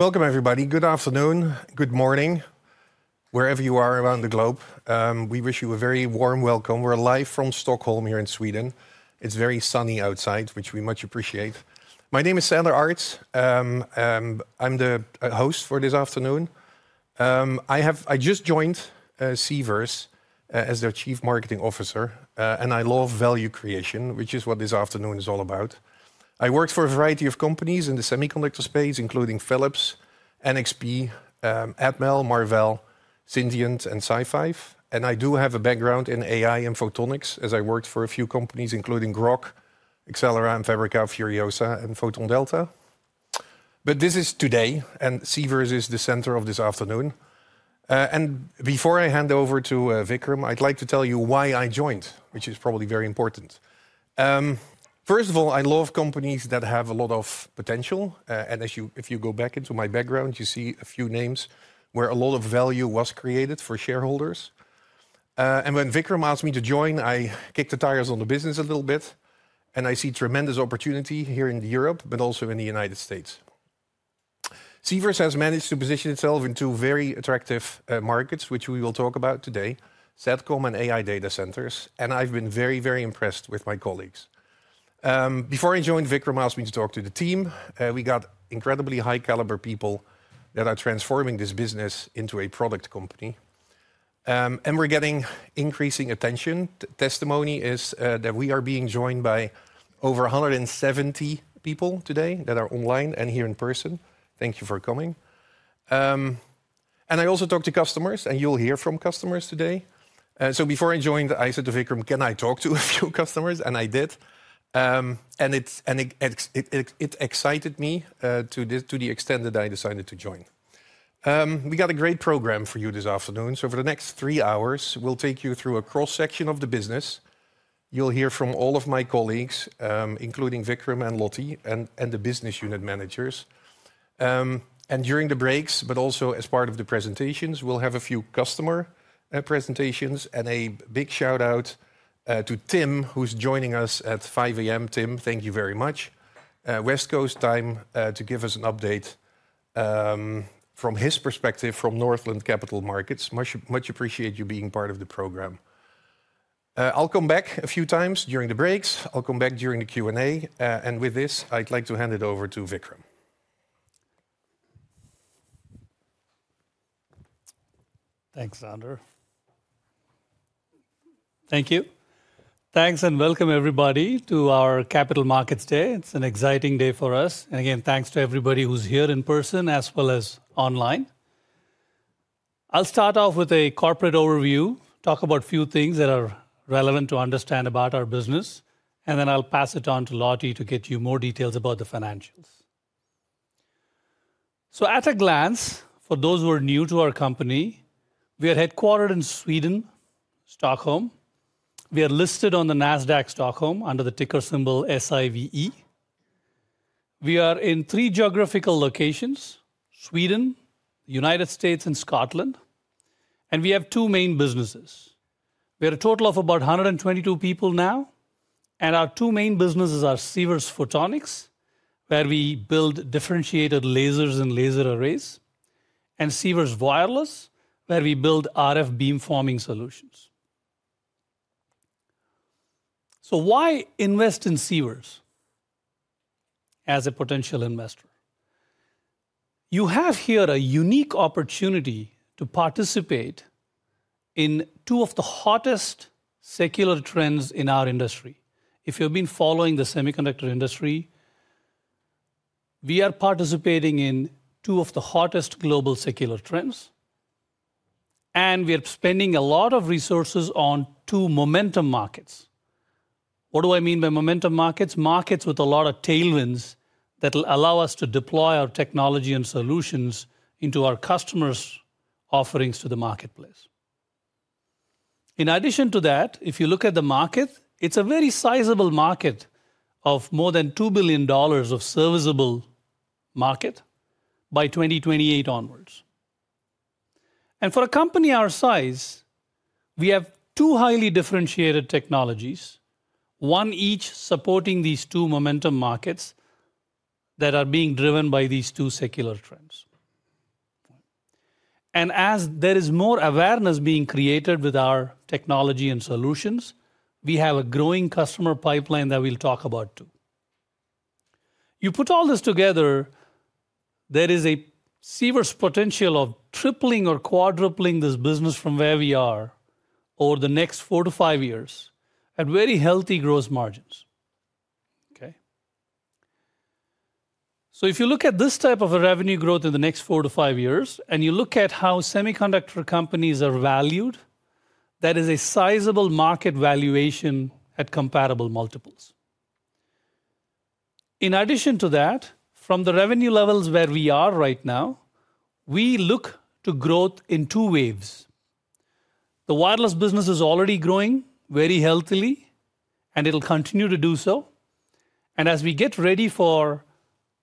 Welcome, everybody. Good afternoon. Good morning. Wherever you are around the globe, we wish you a very warm welcome. We're live from Stockholm here in Sweden. It's very sunny outside, which we much appreciate. My name is Sander Arts. I'm the host for this afternoon. I just joined Sivers as their Chief Marketing Officer, and I love value creation, which is what this afternoon is all about. I worked for a variety of companies in the semiconductor space, including Philips, NXP, Atmel, Marvell, Syngent, and SiFive. I do have a background in AI and photonics, as I worked for a few companies, including Grok, Axelera, and Fabrinet, Furiosa, and PhotonDelta. This is today, and Sivers is the center of this afternoon. Before I hand over to Vickram, I'd like to tell you why I joined, which is probably very important. First of all, I love companies that have a lot of potential. If you go back into my background, you see a few names where a lot of value was created for shareholders. When Vickram asked me to join, I kicked the tires on the business a little bit, and I see tremendous opportunity here in Europe, but also in the United States. Sivers has managed to position itself in two very attractive markets, which we will talk about today: SATCOM and AI data centers. I have been very, very impressed with my colleagues. Before I joined, Vickram asked me to talk to the team. We got incredibly high-caliber people that are transforming this business into a product company. We are getting increasing attention. Testimony is that we are being joined by over 170 people today that are online and here in person. Thank you for coming. I also talked to customers, and you'll hear from customers today. Before I joined, I said to Vickram, can I talk to a few customers? I did. It excited me to the extent that I decided to join. We got a great program for you this afternoon. For the next three hours, we'll take you through a cross-section of the business. You'll hear from all of my colleagues, including Vickram and Lottie, and the business unit managers. During the breaks, but also as part of the presentations, we'll have a few customer presentations. A big shout-out to Tim, who's joining us at 5:00 A.M. Tim, thank you very much. West Coast time to give us an update from his perspective from Northland Capital Markets. Much appreciate you being part of the program. I'll come back a few times during the breaks. I'll come back during the Q&A. With this, I'd like to hand it over to Vickram. Thanks, Sander. Thank you. Thanks and welcome, everybody, to our Capital Markets Day. It's an exciting day for us. Again, thanks to everybody who's here in person as well as online. I'll start off with a corporate overview, talk about a few things that are relevant to understand about our business, and then I'll pass it on to Lottie to get you more details about the financials. At a glance, for those who are new to our company, we are headquartered in Sweden, Stockholm. We are listed on the Nasdaq Stockholm under the ticker symbol SIVE. We are in three geographical locations: Sweden, the United States, and Scotland. We have two main businesses. We are a total of about 122 people now. Our two main businesses are Sivers Photonics, where we build differentiated lasers and laser arrays, and Sivers Wireless, where we build RF beamforming solutions. Why invest in Sivers as a potential investor? You have here a unique opportunity to participate in two of the hottest secular trends in our industry. If you've been following the semiconductor industry, we are participating in two of the hottest global secular trends. We are spending a lot of resources on two momentum markets. What do I mean by momentum markets? Markets with a lot of tailwinds that will allow us to deploy our technology and solutions into our customers' offerings to the marketplace. In addition to that, if you look at the market, it's a very sizable market of more than $2 billion of serviceable market by 2028 onwards. For a company our size, we have two highly differentiated technologies, one each supporting these two momentum markets that are being driven by these two secular trends. As there is more awareness being created with our technology and solutions, we have a growing customer pipeline that we'll talk about too. You put all this together, there is a Sivers potential of tripling or quadrupling this business from where we are over the next four to five years at very healthy gross margins. If you look at this type of revenue growth in the next four to five years, and you look at how semiconductor companies are valued, that is a sizable market valuation at comparable multiples. In addition to that, from the revenue levels where we are right now, we look to growth in two waves. The wireless business is already growing very healthily, and it'll continue to do so. As we get ready for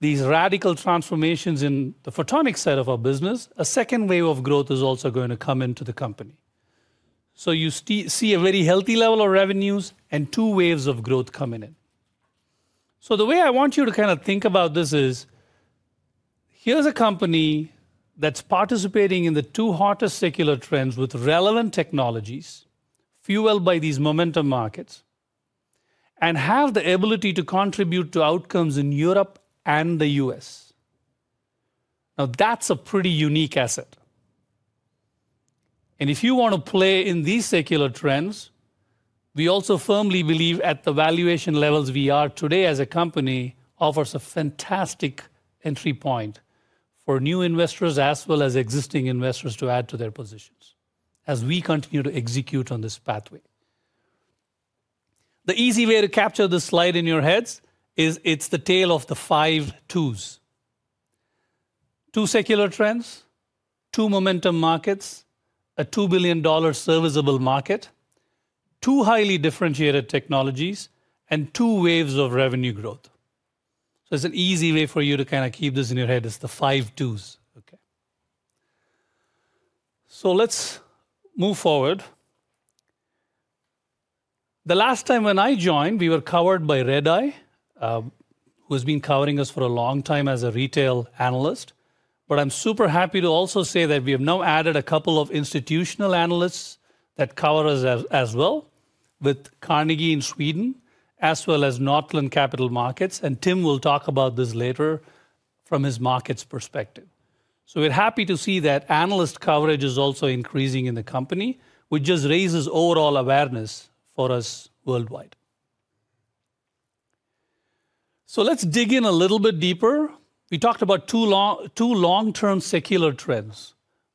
these radical transformations in the photonics side of our business, a second wave of growth is also going to come into the company. You see a very healthy level of revenues and two waves of growth coming in. The way I want you to kind of think about this is, here's a company that's participating in the two hottest secular trends with relevant technologies, fueled by these momentum markets, and have the ability to contribute to outcomes in Europe and the U.S. Now, that's a pretty unique asset. If you want to play in these secular trends, we also firmly believe at the valuation levels we are today as a company offers a fantastic entry point for new investors as well as existing investors to add to their positions as we continue to execute on this pathway. The easy way to capture this slide in your heads is it's the tale of the five twos. Two secular trends, two momentum markets, a $2 billion serviceable market, two highly differentiated technologies, and two waves of revenue growth. It's an easy way for you to kind of keep this in your head is the five twos. Let's move forward. The last time when I joined, we were covered by Redeye, who has been covering us for a long time as a retail analyst. I'm super happy to also say that we have now added a couple of institutional analysts that cover us as well, with Carnegie in Sweden, as well as Northland Capital Markets. Tim will talk about this later from his markets perspective. We're happy to see that analyst coverage is also increasing in the company, which just raises overall awareness for us worldwide. Let's dig in a little bit deeper. We talked about two long-term secular trends.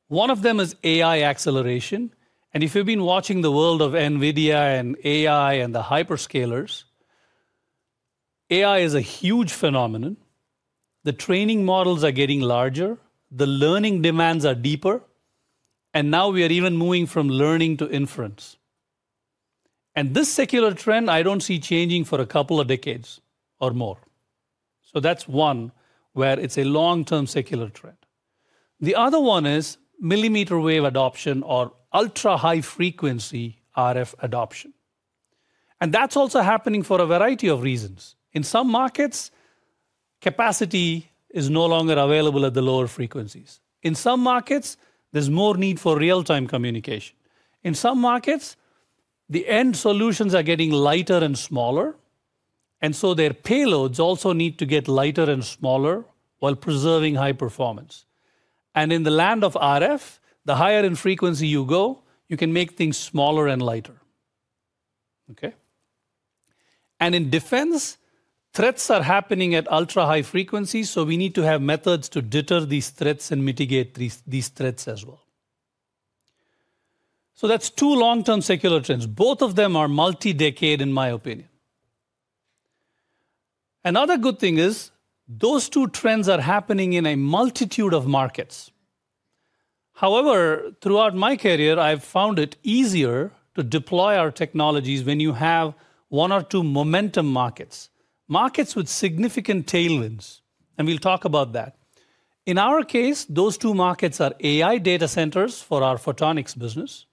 One of them is AI Axeleration. If you've been watching the world of NVIDIA and AI and the hyperscalers, AI is a huge phenomenon. The training models are getting larger. The learning demands are deeper. Now we are even moving from learning to inference. This secular trend, I don't see changing for a couple of decades or more. That's one where it's a long-term secular trend. The other one is millimeter wave adoption or ultra-high frequency RF adoption. That's also happening for a variety of reasons. In some markets, capacity is no longer available at the lower frequencies. In some markets, there's more need for real-time communication. In some markets, the end solutions are getting lighter and smaller. Their payloads also need to get lighter and smaller while preserving high performance. In the land of RF, the higher in frequency you go, you can make things smaller and lighter. In defense, threats are happening at ultra-high frequencies. We need to have methods to deter these threats and mitigate these threats as well. That is two long-term secular trends. Both of them are multi-decade, in my opinion. Another good thing is those two trends are happening in a multitude of markets. However, throughout my career, I've found it easier to deploy our technologies when you have one or two momentum markets, markets with significant tailwinds. We'll talk about that. In our case, those two markets are AI data centers for our photonics business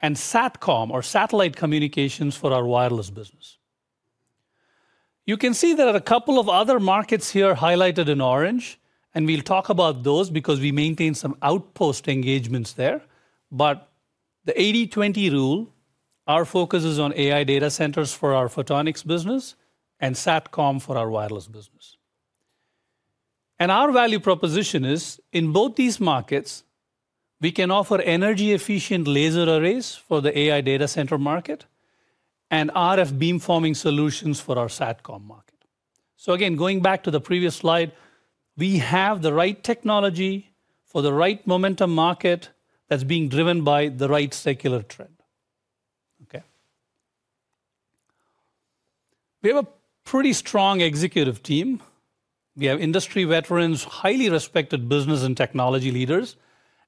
and SATCOM or satellite communications for our wireless business. You can see there are a couple of other markets here highlighted in orange. We will talk about those because we maintain some outpost engagements there. The 80/20 rule, our focus is on AI data centers for our photonics business and SATCOM for our wireless business. Our value proposition is in both these markets, we can offer energy-efficient laser arrays for the AI data center market and RF beamforming solutions for our SATCOM market. Again, going back to the previous slide, we have the right technology for the right momentum market that is being driven by the right secular trend. We have a pretty strong executive team. We have industry veterans, highly respected business and technology leaders.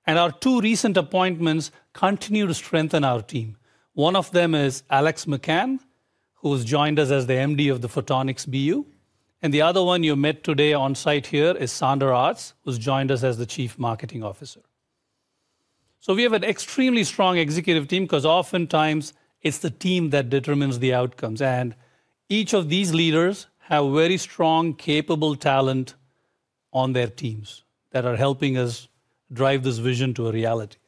Our two recent appointments continue to strengthen our team. One of them is Alex McCann, who has joined us as the MD of the Photonics BU. The other one you met today on site here is Sander Arts, who has joined us as the Chief Marketing Officer. We have an extremely strong executive team because oftentimes it is the team that determines the outcomes. Each of these leaders have very strong, capable talent on their teams that are helping us drive this vision to a reality.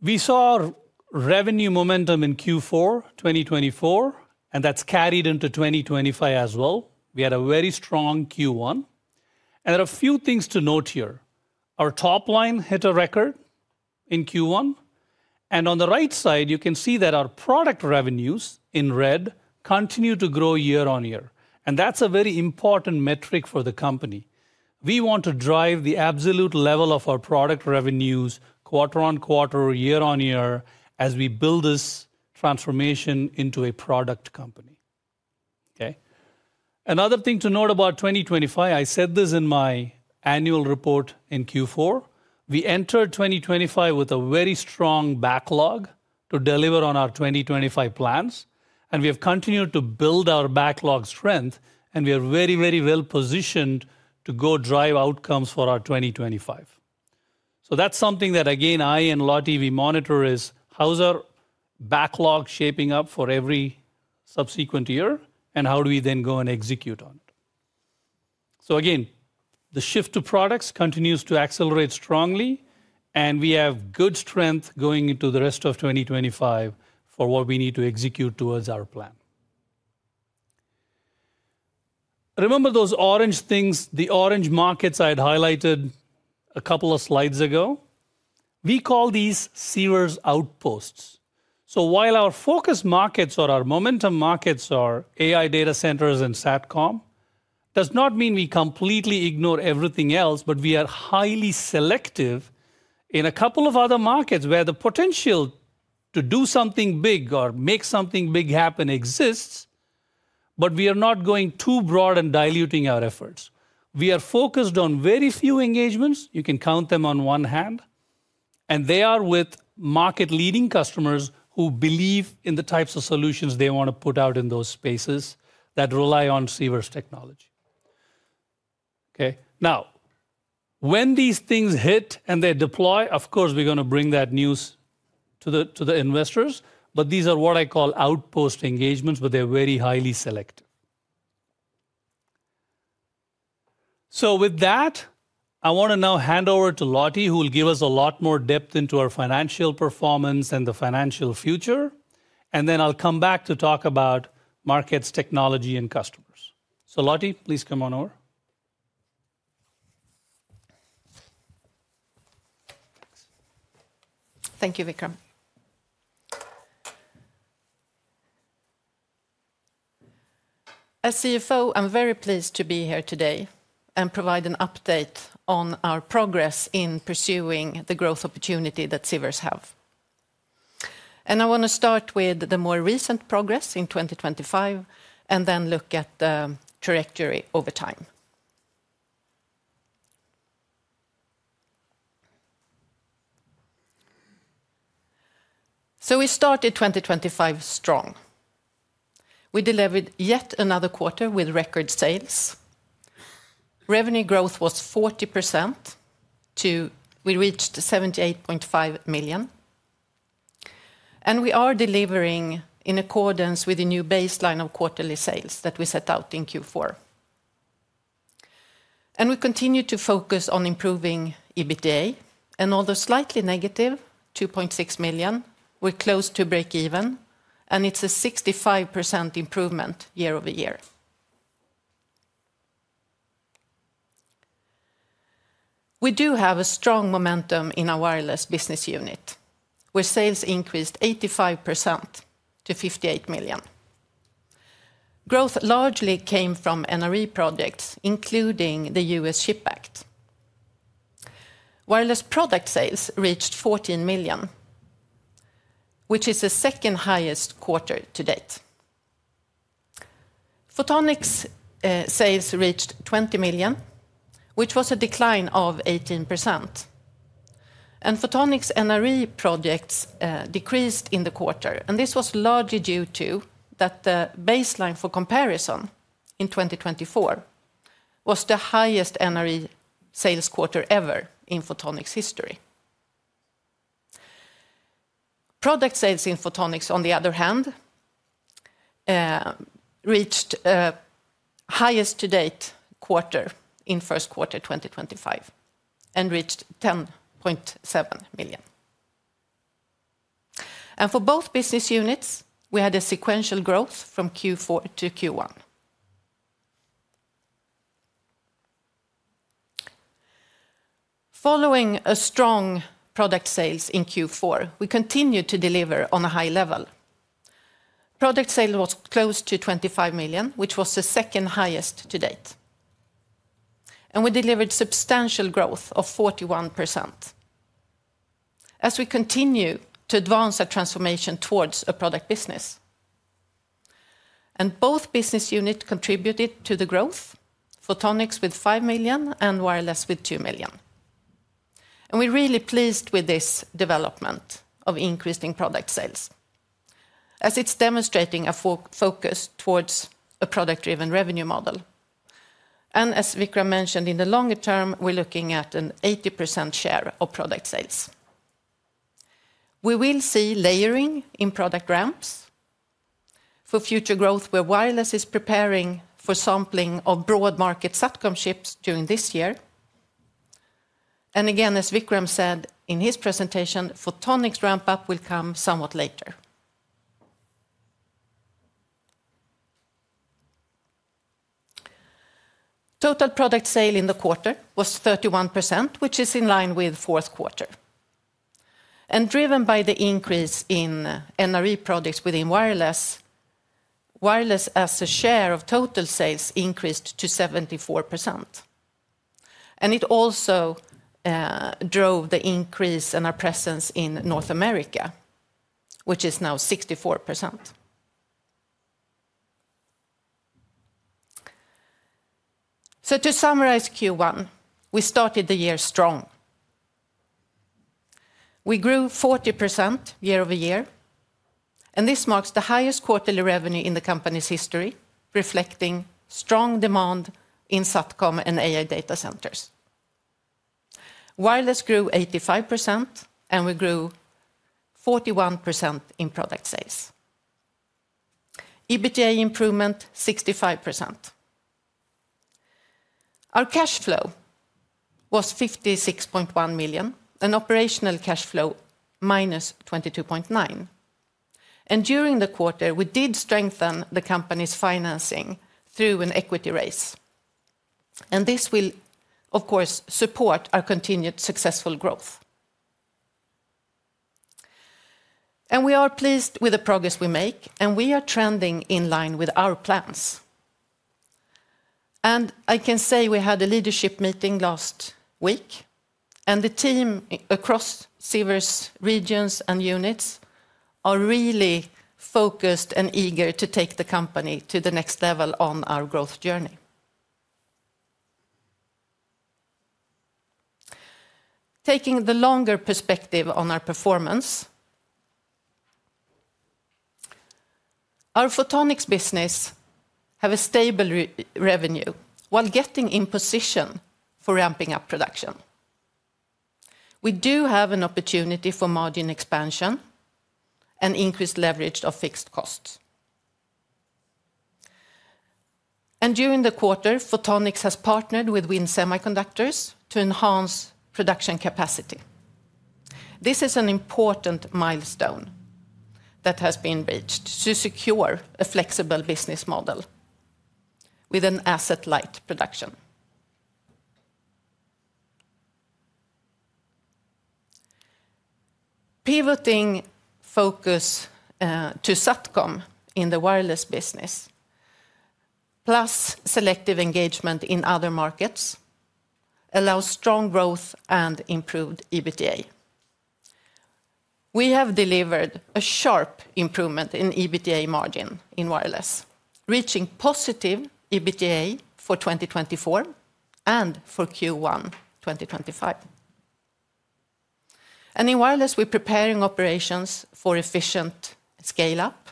We saw revenue momentum in Q4 2024, and that has carried into 2025 as well. We had a very strong Q1. There are a few things to note here. Our top line hit a record in Q1. On the right side, you can see that our product revenues in red continue to grow year on year. That is a very important metric for the company. We want to drive the absolute level of our product revenues quarter on quarter or year on year as we build this transformation into a product company. Another thing to note about 2025, I said this in my annual report in Q4, we entered 2025 with a very strong backlog to deliver on our 2025 plans. We have continued to build our backlog strength. We are very, very well positioned to go drive outcomes for our 2025. That is something that, again, I and Lottie, we monitor is how's our backlog shaping up for every subsequent year and how do we then go and execute on it. Again, the shift to products continues to accelerate strongly. We have good strength going into the rest of 2025 for what we need to execute towards our plan. Remember those orange things, the orange markets I had highlighted a couple of slides ago. We call these Sivers Outposts. While our focus markets or our momentum markets are AI data centers and SATCOM, it does not mean we completely ignore everything else, but we are highly selective in a couple of other markets where the potential to do something big or make something big happen exists. We are not going too broad and diluting our efforts. We are focused on very few engagements. You can count them on one hand. They are with market-leading customers who believe in the types of solutions they want to put out in those spaces that rely on Sivers technology. Now, when these things hit and they deploy, of course, we're going to bring that news to the investors. These are what I call outpost engagements, but they're very highly selective. With that, I want to now hand over to Lottie, who will give us a lot more depth into our financial performance and the financial future. Then I'll come back to talk about markets, technology, and customers. Lottie, please come on over. Thank you, Vickram. As CFO, I'm very pleased to be here today and provide an update on our progress in pursuing the growth opportunity that Sivers have. I want to start with the more recent progress in 2025 and then look at the trajectory over time. We started 2025 strong. We delivered yet another quarter with record sales. Revenue growth was 40% to we reached 78.5 million. We are delivering in accordance with the new baseline of quarterly sales that we set out in Q4. We continue to focus on improving EBITDA. Although slightly negative, 2.6 million, we're close to break even. It is a 65% improvement year over year. We do have a strong momentum in our wireless business unit, where sales increased 85% to 58 million. Growth largely came from NRE projects, including the U.S. CHIPS Act. Wireless product sales reached 14 million, which is the second highest quarter to date. Photonics sales reached 20 million, which was a decline of 18%. Photonics NRE projects decreased in the quarter. This was largely due to that the baseline for comparison in 2024 was the highest NRE sales quarter ever in Photonics history. Product sales in Photonics, on the other hand, reached highest to date quarter in first quarter 2025 and reached 10.7 million. For both business units, we had a sequential growth from Q4 to Q1. Following a strong product sales in Q4, we continued to deliver on a high level. Product sales was close to 25 million, which was the second highest to date. We delivered substantial growth of 41% as we continue to advance our transformation towards a product business. Both business units contributed to the growth, Photonics with 5 million and wireless with 2 million. We are really pleased with this development of increasing product sales as it is demonstrating a focus towards a product-driven revenue model. As Vickram mentioned, in the longer term, we are looking at an 80% share of product sales. We will see layering in product ramps for future growth where wireless is preparing for sampling of broad market SATCOM chips during this year. As Vickram said in his presentation, Photonics ramp-up will come somewhat later. Total product sale in the quarter was 31%, which is in line with the fourth quarter. Driven by the increase in NRE products within wireless, wireless as a share of total sales increased to 74%. It also drove the increase in our presence in North America, which is now 64%. To summarize Q1, we started the year strong. We grew 40% year over year. This marks the highest quarterly revenue in the company's history, reflecting strong demand in SATCOM and AI data centers. Wireless grew 85%, and we grew 41% in product sales. EBITDA improvement 65%. Our cash flow was 56.1 million and operational cash flow minus 22.9 million. During the quarter, we did strengthen the company's financing through an equity raise. This will, of course, support our continued successful growth. We are pleased with the progress we make, and we are trending in line with our plans. I can say we had a leadership meeting last week. The team across Sivers regions and units are really focused and eager to take the company to the next level on our growth journey. Taking the longer perspective on our performance, our Photonics business has a stable revenue while getting in position for ramping up production. We do have an opportunity for margin expansion and increased leverage of fixed costs. During the quarter, Photonics has partnered with Wind Semiconductors to enhance production capacity. This is an important milestone that has been reached to secure a flexible business model with an asset-light production. Pivoting focus to SATCOM in the wireless business, plus selective engagement in other markets, allows strong growth and improved EBITDA. We have delivered a sharp improvement in EBITDA margin in wireless, reaching positive EBITDA for 2024 and for Q1 2025. In wireless, we're preparing operations for efficient scale-up.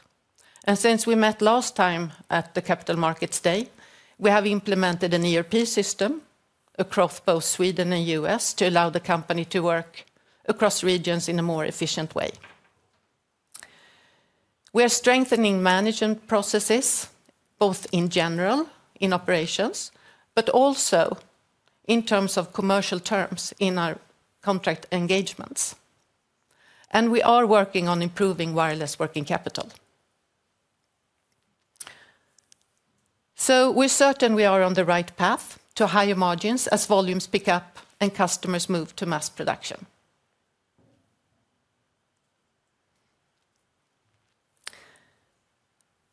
Since we met last time at the Capital Markets Day, we have implemented an ERP system across both Sweden and the U.S. to allow the company to work across regions in a more efficient way. We are strengthening management processes both in general in operations, but also in terms of commercial terms in our contract engagements. We are working on improving wireless working capital. We are certain we are on the right path to higher margins as volumes pick up and customers move to mass production.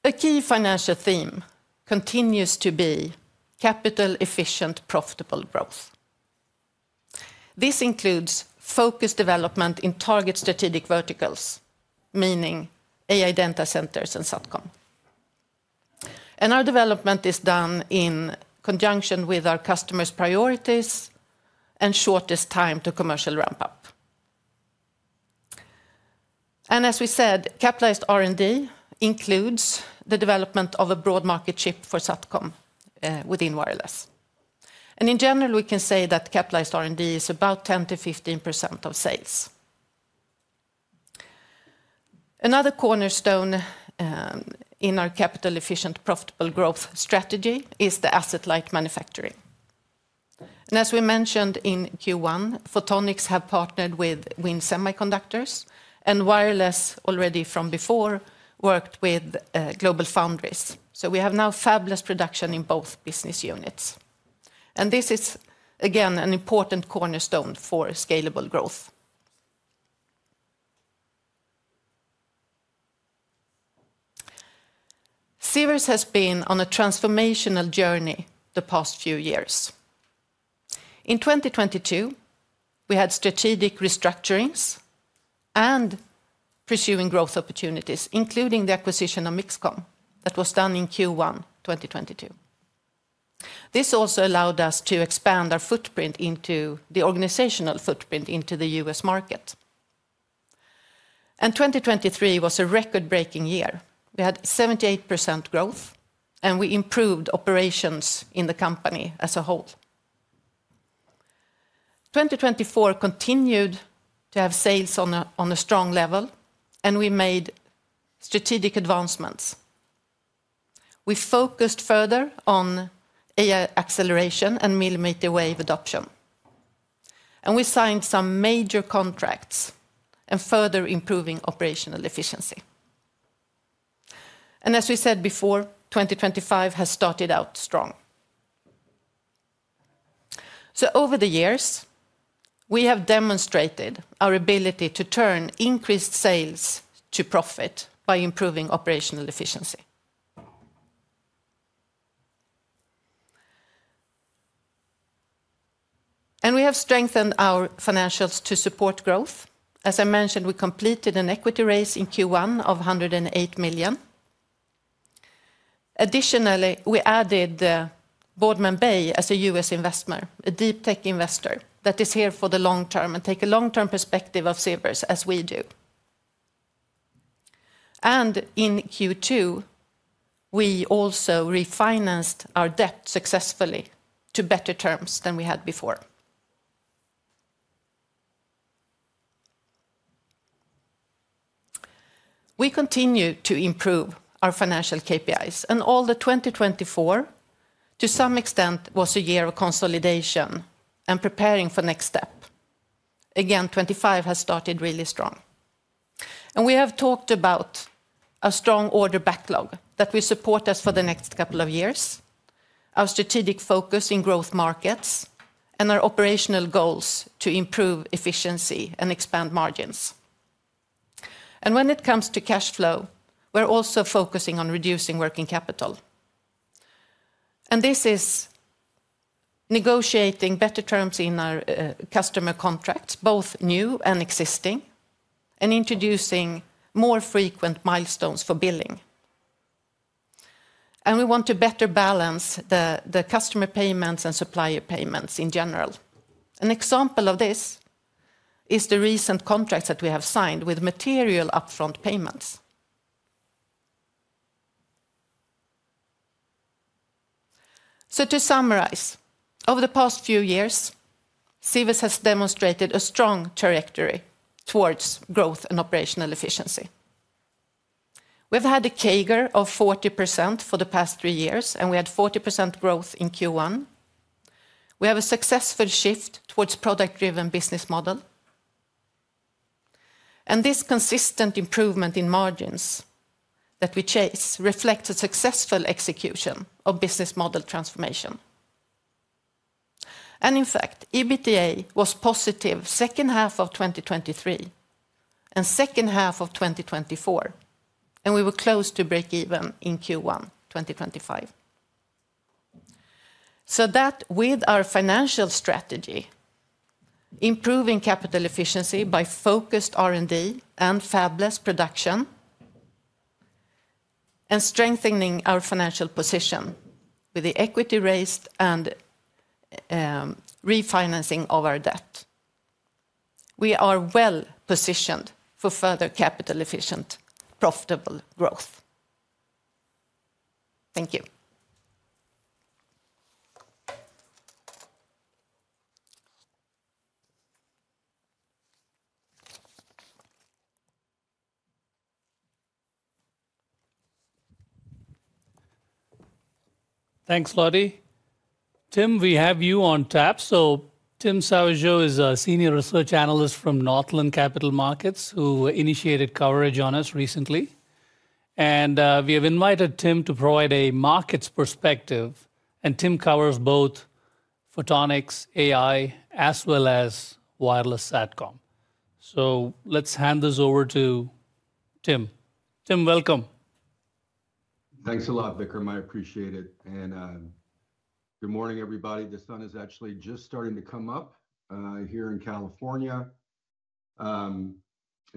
A key financial theme continues to be capital-efficient, profitable growth. This includes focused development in target strategic verticals, meaning AI data centers and SATCOM. Our development is done in conjunction with our customers' priorities and shortest time to commercial ramp-up. As we said, capitalized R&D includes the development of a broad market chip for SATCOM within wireless. In general, we can say that capitalized R&D is about 10-15% of sales. Another cornerstone in our capital-efficient, profitable growth strategy is the asset-light manufacturing. As we mentioned in Q1, Photonics have partnered with WIN Semiconductors. Wireless, already from before, worked with GlobalFoundries. We have now fabless production in both business units. This is, again, an important cornerstone for scalable growth. Sivers has been on a transformational journey the past few years. In 2022, we had strategic restructurings and pursuing growth opportunities, including the acquisition of MixComm that was done in Q1 2022. This also allowed us to expand our organizational footprint into the U.S. market. 2023 was a record-breaking year. We had 78% growth, and we improved operations in the company as a whole. 2024 continued to have sales on a strong level, and we made strategic advancements. We focused further on AI acceleration and millimeter wave adoption. We signed some major contracts and further improving operational efficiency. As we said before, 2025 has started out strong. Over the years, we have demonstrated our ability to turn increased sales to profit by improving operational efficiency. We have strengthened our financials to support growth. As I mentioned, we completed an equity raise in Q1 of 108 million. Additionally, we added Boardman Bay as a U.S. investor, a deep tech investor that is here for the long term and takes a long-term perspective of Sivers as we do. In Q2, we also refinanced our debt successfully to better terms than we had before. We continue to improve our financial KPIs. Although 2024, to some extent, was a year of consolidation and preparing for the next step, 2025 has started really strong. We have talked about a strong order backlog that will support us for the next couple of years, our strategic focus in growth markets, and our operational goals to improve efficiency and expand margins. When it comes to cash flow, we're also focusing on reducing working capital. This is negotiating better terms in our customer contracts, both new and existing, and introducing more frequent milestones for billing. We want to better balance the customer payments and supplier payments in general. An example of this is the recent contracts that we have signed with material upfront payments. To summarize, over the past few years, Sivers has demonstrated a strong trajectory towards growth and operational efficiency. We've had a CAGR of 40% for the past three years, and we had 40% growth in Q1. We have a successful shift towards a product-driven business model. This consistent improvement in margins that we chase reflects a successful execution of business model transformation. In fact, EBITDA was positive second half of 2023 and second half of 2024, and we were close to break even in Q1 2025. With our financial strategy, improving capital efficiency by focused R&D and fabless production, and strengthening our financial position with the equity raised and refinancing of our debt, we are well positioned for further capital-efficient, profitable growth. Thank you. Thanks, Lottie. Tim, we have you on tap. Tim Savageaux is a Senior Research Analyst from Northland Capital Markets who initiated coverage on us recently. We have invited Tim to provide a markets perspective. Tim covers both Photonics, AI, as well as wireless SATCOM. Let's hand this over to Tim. Tim, welcome. Thanks a lot, Vickram. I appreciate it. Good morning, everybody. The sun is actually just starting to come up here in California. I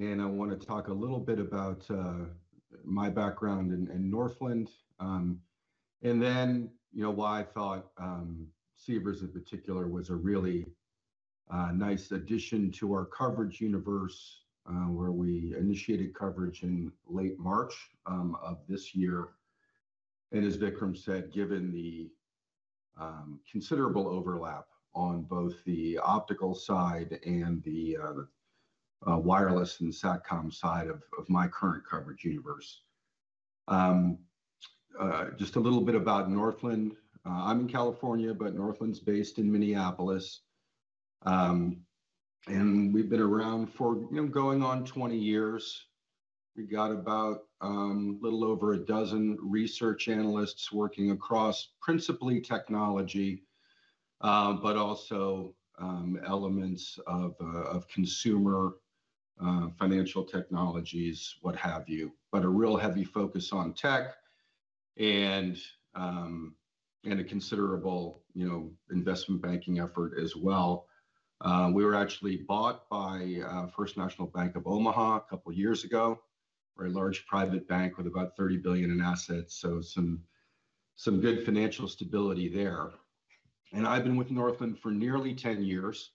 want to talk a little bit about my background in Northland and then why I thought Sivers in particular was a really nice addition to our coverage universe where we initiated coverage in late March of this year. As Vickram said, given the considerable overlap on both the optical side and the wireless and SATCOM side of my current coverage universe. Just a little bit about Northland. I'm in California, but Northland's based in Minneapolis. We've been around for going on 20 years. We've got about a little over a dozen research analysts working across principally technology, but also elements of consumer financial technologies, what have you. A real heavy focus on tech and a considerable investment banking effort as well. We were actually bought by First National Bank of Omaha a couple of years ago, a very large private bank with about $30 billion in assets. Some good financial stability there. I have been with Northland for nearly 10 years,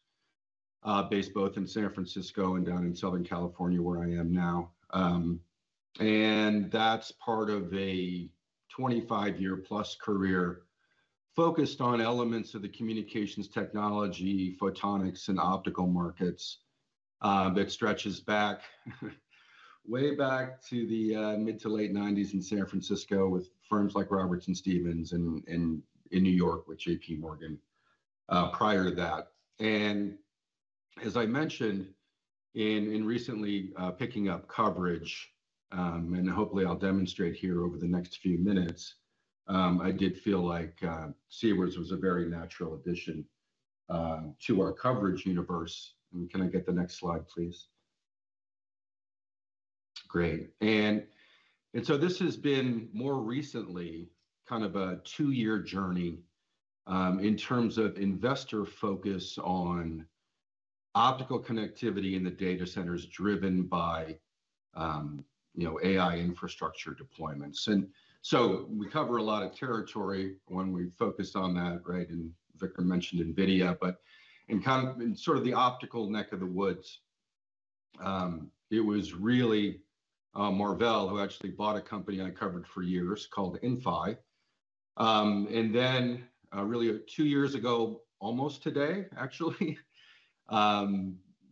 based both in San Francisco and down in Southern California where I am now. That is part of a 25-year-plus career focused on elements of the communications technology, photonics, and optical markets that stretches back way back to the mid to late 1990s in San Francisco with firms like Robertson Stevens, in New York with JPMorgan prior to that. As I mentioned, in recently picking up coverage, and hopefully I will demonstrate here over the next few minutes, I did feel like Sivers was a very natural addition to our coverage universe. Can I get the next slide, please? Great. This has been more recently kind of a two-year journey in terms of investor focus on optical connectivity in the data centers driven by AI infrastructure deployments. We cover a lot of territory when we focused on that, right? Vickram mentioned NVIDIA, but in sort of the optical neck of the woods, it was really Marvell who actually bought a company I covered for years called Inphi. Really, two years ago, almost today, actually,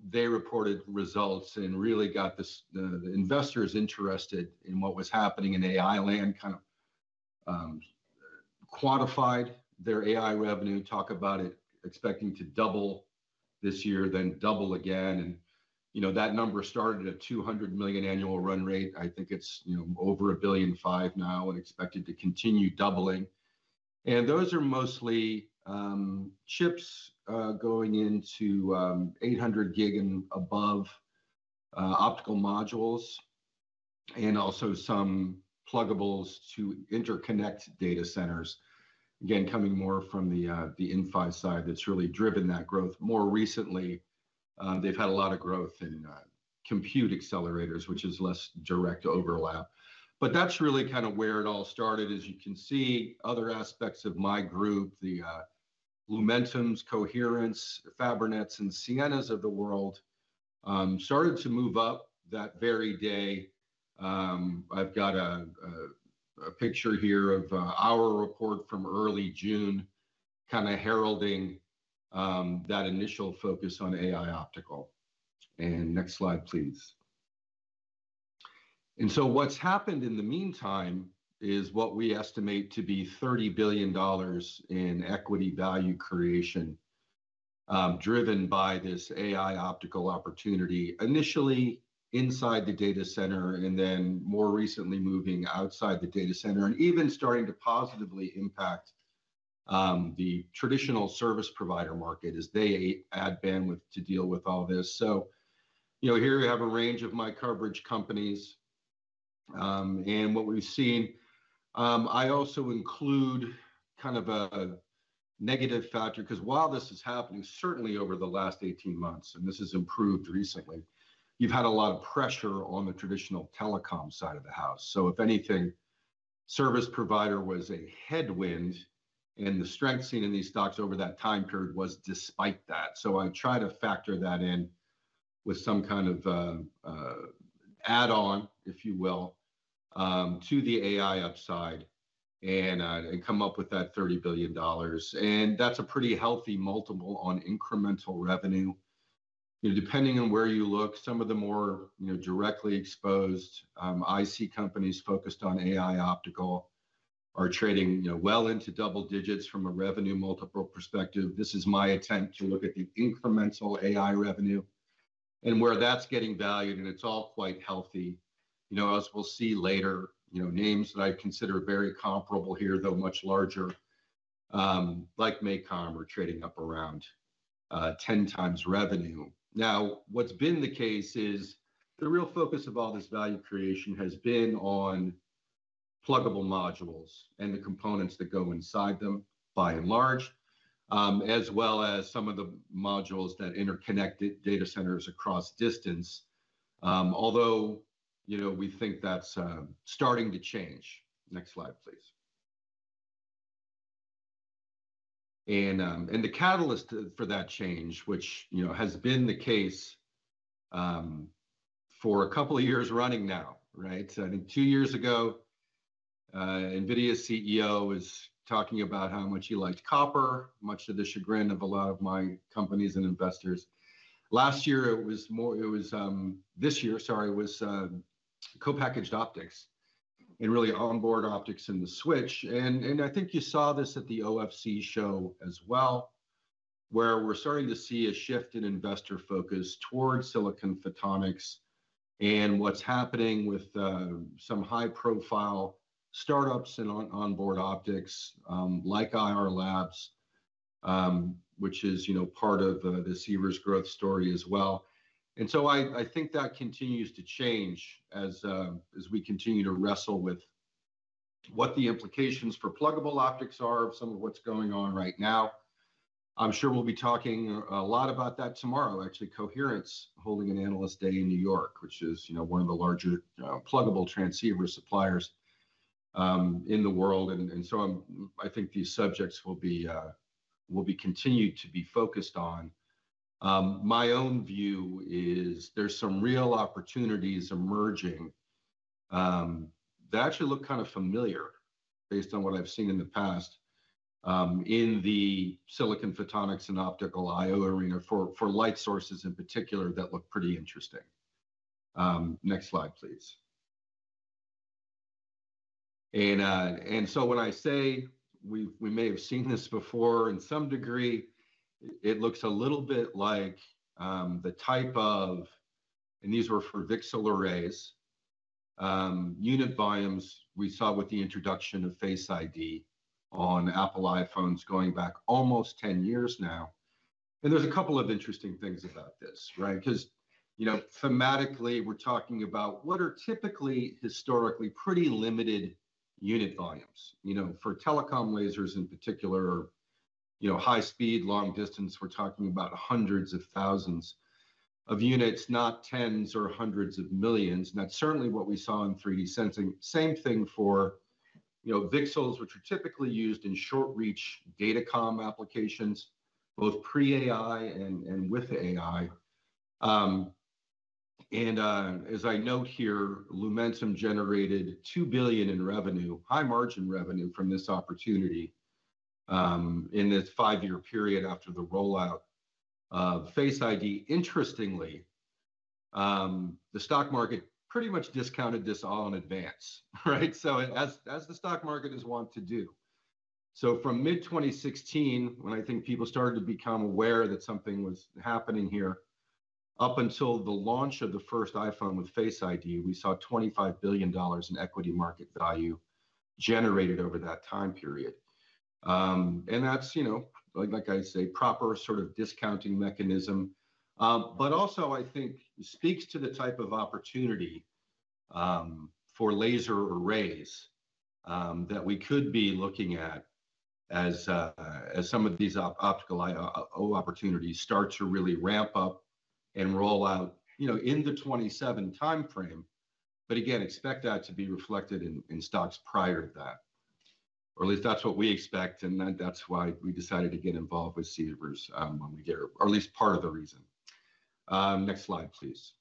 they reported results and really got the investors interested in what was happening in AI land, kind of quantified their AI revenue, talked about it expecting to double this year, then double again. That number started at $200 million annual run rate. I think it is over $1.5 billion now and expected to continue doubling. Those are mostly chips going into 800 gig and above optical modules and also some pluggables to interconnect data centers. Again, coming more from the Inphi side, that's really driven that growth. More recently, they've had a lot of growth in compute Axelerators, which is less direct overlap. That's really kind of where it all started, as you can see. Other aspects of my group, the Lumentums, Coherent, Fabrinets, and Cienas of the world, started to move up that very day. I've got a picture here of our report from early June, kind of heralding that initial focus on AI optical. Next slide, please. What has happened in the meantime is what we estimate to be $30 billion in equity value creation driven by this AI optical opportunity initially inside the data center and then more recently moving outside the data center and even starting to positively impact the traditional service provider market as they add bandwidth to deal with all this. Here you have a range of my coverage companies. What we have seen, I also include kind of a negative factor because while this is happening, certainly over the last 18 months, and this has improved recently, you have had a lot of pressure on the traditional telecom side of the house. If anything, service provider was a headwind, and the strength seen in these stocks over that time period was despite that. I try to factor that in with some kind of add-on, if you will, to the AI upside and come up with that $30 billion. That's a pretty healthy multiple on incremental revenue. Depending on where you look, some of the more directly exposed IC companies focused on AI optical are trading well into double digits from a revenue multiple perspective. This is my attempt to look at the incremental AI revenue and where that's getting valued, and it's all quite healthy. As we'll see later, names that I consider very comparable here, though much larger, like MACOM, are trading up around 10 times revenue. Now, what's been the case is the real focus of all this value creation has been on pluggable modules and the components that go inside them by and large, as well as some of the modules that interconnect data centers across distance, although we think that's starting to change. Next slide, please. The catalyst for that change, which has been the case for a couple of years running now, right? I think two years ago, NVIDIA's CEO was talking about how much he liked copper, much to the chagrin of a lot of my companies and investors. Last year, it was this year, sorry, it was co-packaged optics and really onboard optics and the switch. I think you saw this at the OFC show as well, where we're starting to see a shift in investor focus towards Silicon Photonics and what's happening with some high-profile startups and onboard optics like Ayar Labs, which is part of the Sivers growth story as well. I think that continues to change as we continue to wrestle with what the implications for pluggable optics are of some of what's going on right now. I'm sure we'll be talking a lot about that tomorrow. Actually, Coherent is holding an analyst day in New York, which is one of the larger pluggable transceiver suppliers in the world. I think these subjects will be continued to be focused on. My own view is there's some real opportunities emerging that actually look kind of familiar based on what I've seen in the past in the Silicon Photonics and optical I/O arena for light sources in particular that look pretty interesting. Next slide, please. When I say we may have seen this before in some degree, it looks a little bit like the type of, and these were for VCSEL arrays, unit volumes we saw with the introduction of Face ID on Apple iPhones going back almost 10 years now. There's a couple of interesting things about this, right? Thematically, we're talking about what are typically historically pretty limited unit volumes. For telecom lasers in particular, high-speed long distance, we're talking about hundreds of thousands of units, not tens or hundreds of millions. That's certainly what we saw in 3D sensing. Same thing for VCSELs, which are typically used in short-reach data comm applications, both pre-AI and with AI. As I note here, Lumentum generated $2 billion in revenue, high-margin revenue from this opportunity in this five-year period after the rollout of Face ID. Interestingly, the stock market pretty much discounted this all in advance, right? As the stock market has wanted to do. From mid-2016, when I think people started to become aware that something was happening here, up until the launch of the first iPhone with Face ID, we saw $25 billion in equity market value generated over that time period. That's, like I say, proper sort of discounting mechanism. Also, I think it speaks to the type of opportunity for laser arrays that we could be looking at as some of these optical opportunities start to really ramp up and roll out in the 2027 timeframe. Again, expect that to be reflected in stocks prior to that. At least, that's what we expect. That is why we decided to get involved with Sivers when we did, or at least part of the reason. Next slide, please.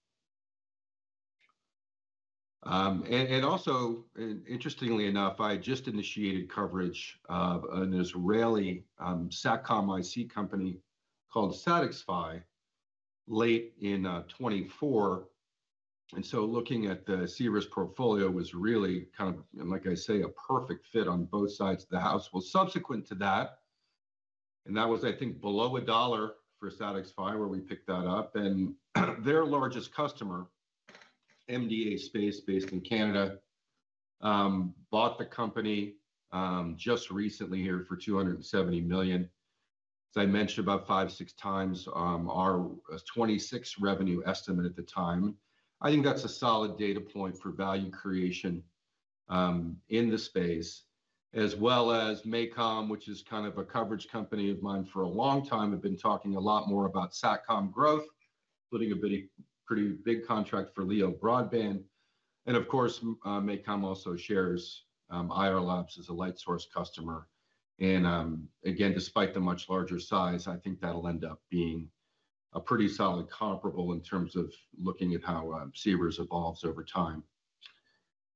Interestingly enough, I just initiated coverage of an Israeli SATCOM IC company called Satisfy late in 2024. Looking at the Sivers portfolio was really kind of, like I say, a perfect fit on both sides of the house. Subsequent to that, and that was, I think, below $1 for Satisfy where we picked that up. Their largest customer, MDA Space based in Canada, bought the company just recently here for $270 million. As I mentioned, about five-six times our 2026 revenue estimate at the time. I think that's a solid data point for value creation in the space, as well as MACOM, which is kind of a coverage company of mine for a long time. I've been talking a lot more about SATCOM growth, putting a pretty big contract for LEO broadband. MACOM also shares Ayar Labs as a LightSource customer. Again, despite the much larger size, I think that'll end up being a pretty solid comparable in terms of looking at how Sivers evolves over time.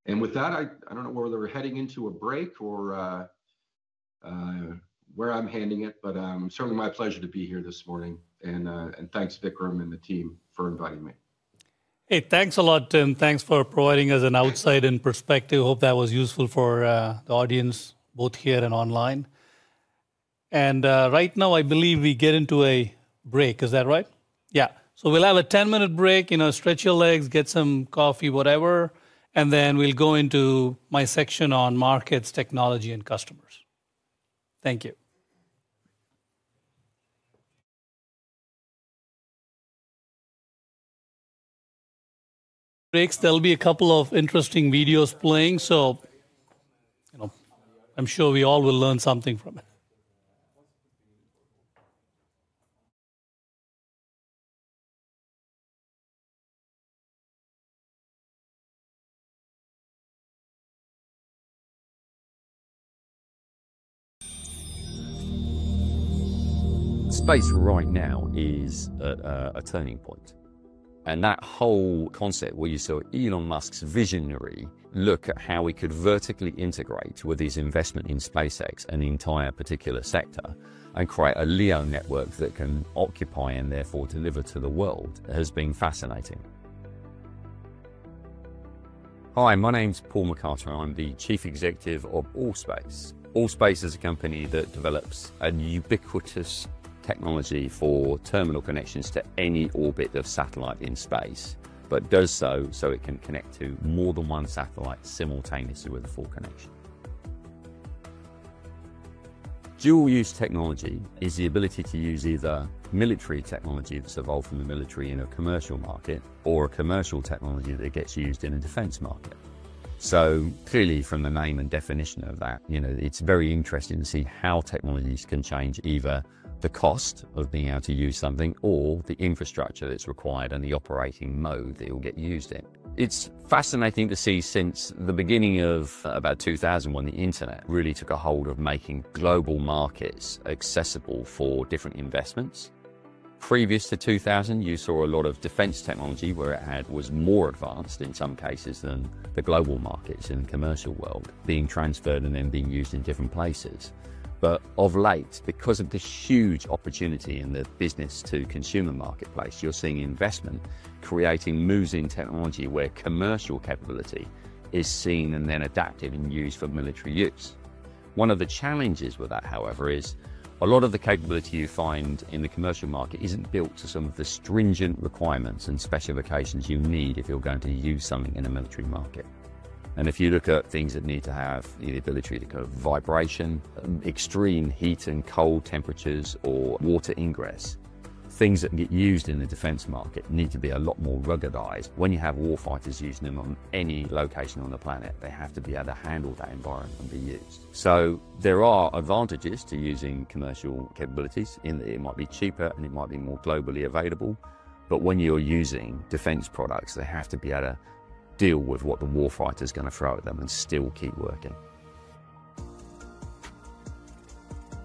With that, I don't know whether we're heading into a break or where I'm handing it, but certainly my pleasure to be here this morning. Thanks, Vickram and the team, for inviting me. Hey, thanks a lot, Tim. Thanks for providing us an outside perspective. Hope that was useful for the audience both here and online. Right now, I believe we get into a break. Is that right? Yeah. We will have a 10-minute break, stretch your legs, get some coffee, whatever. Then we will go into my section on markets, technology, and customers. Thank you. Breaks. There will be a couple of interesting videos playing. I am sure we all will learn something from it. Space right now is a turning point. That whole concept where you saw Elon Musk's visionary look at how we could vertically integrate with his investment in SpaceX and the entire particular sector and create a LEO network that can occupy and therefore deliver to the world has been fascinating. Hi, my name's Paul McCarter. I'm the Chief Executive of ALL.SPACE. ALL.SPACE is a company that develops a ubiquitous technology for terminal connections to any orbit of satellite in space, but does so so it can connect to more than one satellite simultaneously with a full connection. Dual-use technology is the ability to use either military technology that's evolved from the military in a commercial market or a commercial technology that gets used in a defense market. Clearly, from the name and definition of that, it's very interesting to see how technologies can change either the cost of being able to use something or the infrastructure that's required and the operating mode that it will get used in. It's fascinating to see since the beginning of about 2000 when the internet really took a hold of making global markets accessible for different investments. Previous to 2000, you saw a lot of defense technology where it was more advanced in some cases than the global markets in the commercial world being transferred and then being used in different places. Of late, because of this huge opportunity in the business-to-consumer marketplace, you're seeing investment creating moves in technology where commercial capability is seen and then adapted and used for military use. One of the challenges with that, however, is a lot of the capability you find in the commercial market isn't built to some of the stringent requirements and specifications you need if you're going to use something in a military market. If you look at things that need to have the ability to kind of vibration, extreme heat and cold temperatures, or water ingress, things that get used in the defense market need to be a lot more ruggedized. When you have war fighters using them on any location on the planet, they have to be able to handle that environment and be used. There are advantages to using commercial capabilities in that it might be cheaper and it might be more globally available. When you're using defense products, they have to be able to deal with what the war fighter is going to throw at them and still keep working.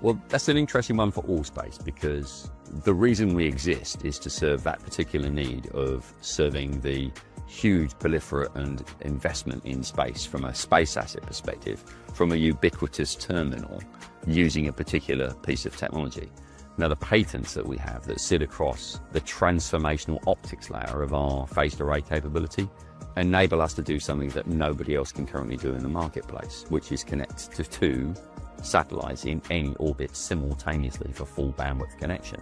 That is an interesting one for ALL.SPACE because the reason we exist is to serve that particular need of serving the huge proliferate and investment in space from a space asset perspective, from a ubiquitous terminal using a particular piece of technology. Now, the patents that we have that sit across the transformational optics layer of our phased array capability enable us to do something that nobody else can currently do in the marketplace, which is connect to two satellites in any orbit simultaneously for full bandwidth connection.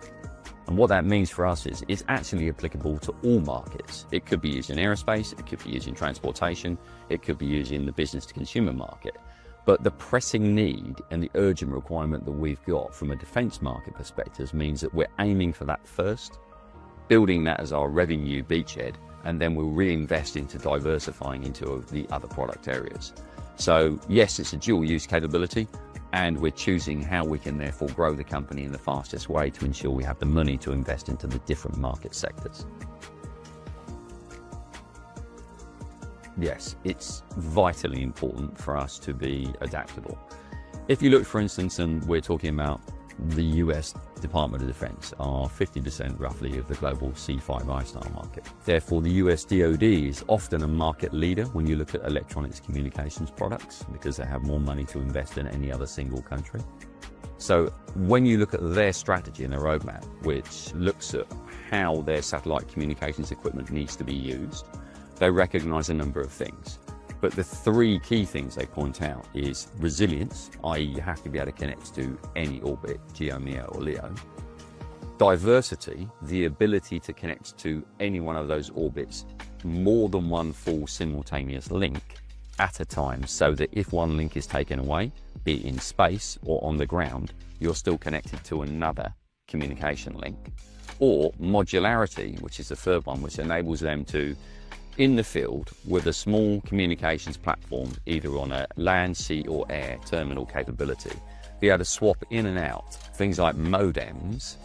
What that means for us is it's actually applicable to all markets. It could be used in aerospace. It could be used in transportation. It could be used in the business-to-consumer market. The pressing need and the urgent requirement that we've got from a defense market perspective means that we're aiming for that first, building that as our revenue beachhead, and then we'll reinvest into diversifying into the other product areas. Yes, it's a dual-use capability, and we're choosing how we can therefore grow the company in the fastest way to ensure we have the money to invest into the different market sectors. Yes, it's vitally important for us to be adaptable. If you look, for instance, and we're talking about the U.S. Department of Defense, are 50% roughly of the global C5 ISTAR market. Therefore, the U.S. DOD is often a market leader when you look at electronics communications products because they have more money to invest in any other single country. When you look at their strategy and their roadmap, which looks at how their satellite communications equipment needs to be used, they recognize a number of things. The three key things they point out are resilience, i.e., you have to be able to connect to any orbit, GEO, MEO, or LEO; diversity, the ability to connect to any one of those orbits, more than one full simultaneous link at a time so that if one link is taken away, be it in space or on the ground, you're still connected to another communication link; or modularity, which is the third one, which enables them to, in the field, with a small communications platform, either on a land, sea, or air terminal capability, be able to swap in and out things like modems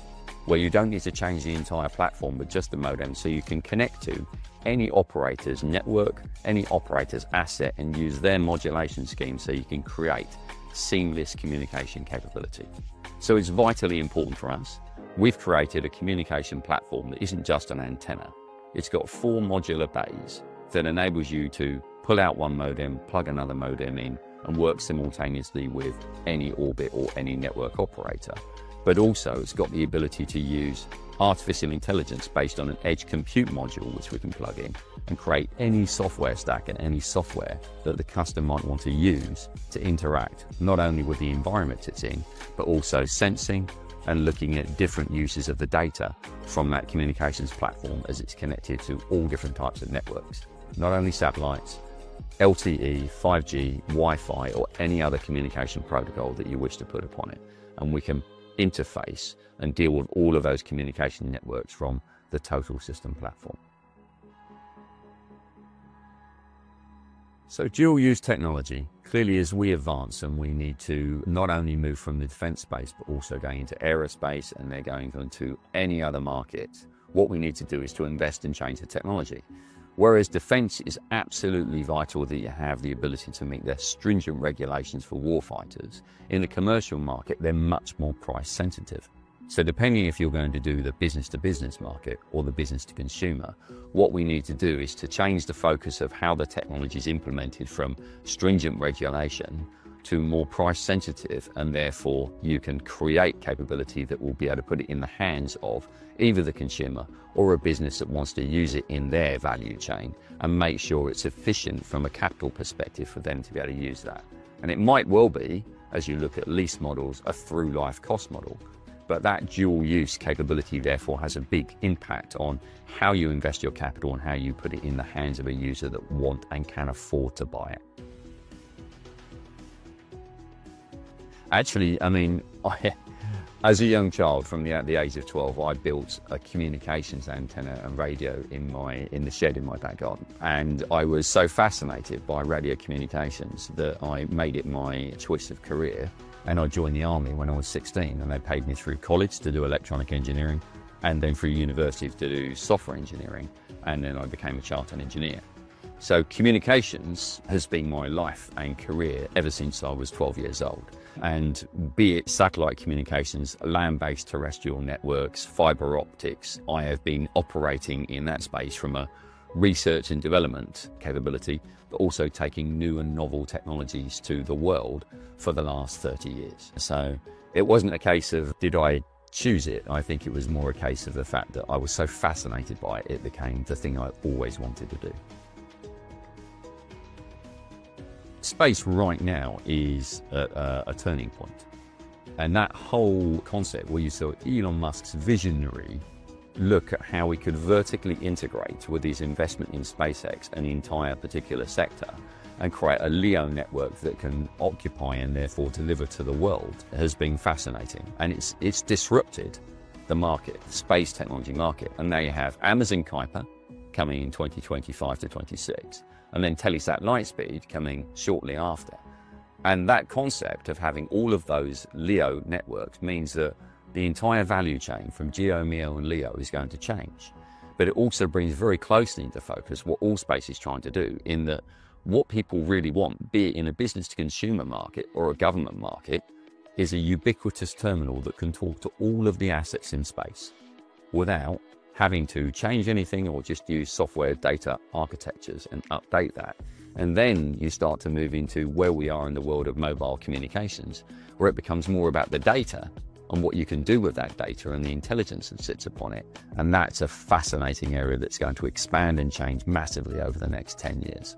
where you don't need to change the entire platform, but just the modem so you can connect to any operator's network, any operator's asset, and use their modulation scheme so you can create seamless communication capability. It's vitally important for us. We've created a communication platform that isn't just an antenna. It's got four modular bays that enables you to pull out one modem, plug another modem in, and work simultaneously with any orbit or any network operator. It also has the ability to use artificial intelligence based on an edge compute module, which we can plug in and create any software stack and any software that the customer might want to use to interact not only with the environment it's in, but also sensing and looking at different uses of the data from that communications platform as it's connected to all different types of networks, not only satellites, LTE, 5G, Wi-Fi, or any other communication protocol that you wish to put upon it. We can interface and deal with all of those communication networks from the total system platform. Dual-use technology, clearly as we advance and we need to not only move from the defense space, but also going into aerospace and then going into any other market, what we need to do is to invest and change the technology. Whereas defense is absolutely vital that you have the ability to meet the stringent regulations for war fighters, in the commercial market, they're much more price-sensitive. Depending if you're going to do the business-to-business market or the business-to-consumer, what we need to do is to change the focus of how the technology is implemented from stringent regulation to more price-sensitive, and therefore you can create capability that will be able to put it in the hands of either the consumer or a business that wants to use it in their value chain and make sure it's efficient from a capital perspective for them to be able to use that. It might well be, as you look at lease models, a through-life cost model. That dual-use capability therefore has a big impact on how you invest your capital and how you put it in the hands of a user that want and can afford to buy it. Actually, I mean, as a young child from the age of 12, I built a communications antenna and radio in the shed in my backyard. I was so fascinated by radio communications that I made it my choice of career. I joined the army when I was 16, and they paid me through college to do electronic engineering and then through university to do software engineering. I became a chartered engineer. Communications has been my life and career ever since I was 12 years old. Be it satellite communications, land-based terrestrial networks, fiber optics, I have been operating in that space from a research and development capability, but also taking new and novel technologies to the world for the last 30 years. It was not a case of did I choose it. I think it was more a case of the fact that I was so fascinated by it, it became the thing I always wanted to do. Space right now is a turning point. That whole concept where you saw Elon Musk's visionary look at how we could vertically integrate with his investment in SpaceX and the entire particular sector and create a LEO network that can occupy and therefore deliver to the world has been fascinating. It has disrupted the market, the space technology market. Now you have Amazon Kuiper coming in 2025 to 2026, and then Telesat Lightspeed coming shortly after. That concept of having all of those LEO networks means that the entire value chain from GEO, MEO, and LEO is going to change. It also brings very closely into focus what ALL.SPACE is trying to do in that what people really want, be it in a business-to-consumer market or a government market, is a ubiquitous terminal that can talk to all of the assets in space without having to change anything or just use software data architectures and update that. You start to move into where we are in the world of mobile communications, where it becomes more about the data and what you can do with that data and the intelligence that sits upon it. That is a fascinating area that is going to expand and change massively over the next 10 years.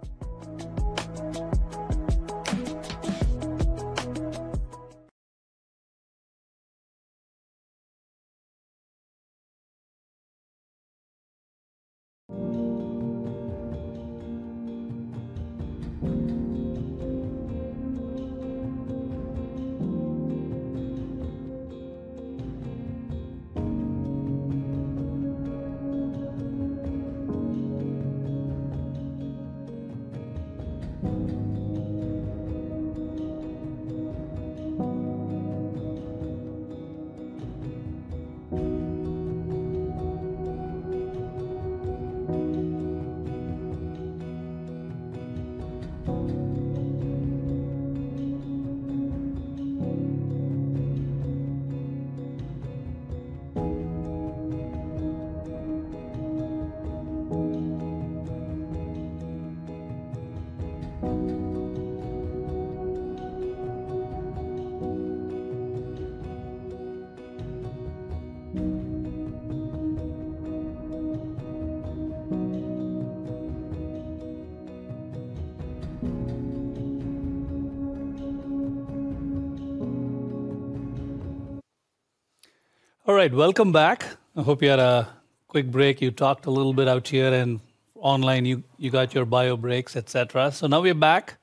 All right, welcome back. I hope you had a quick break. You talked a little bit out here and online you got your bio breaks, et cetera. Now we are back.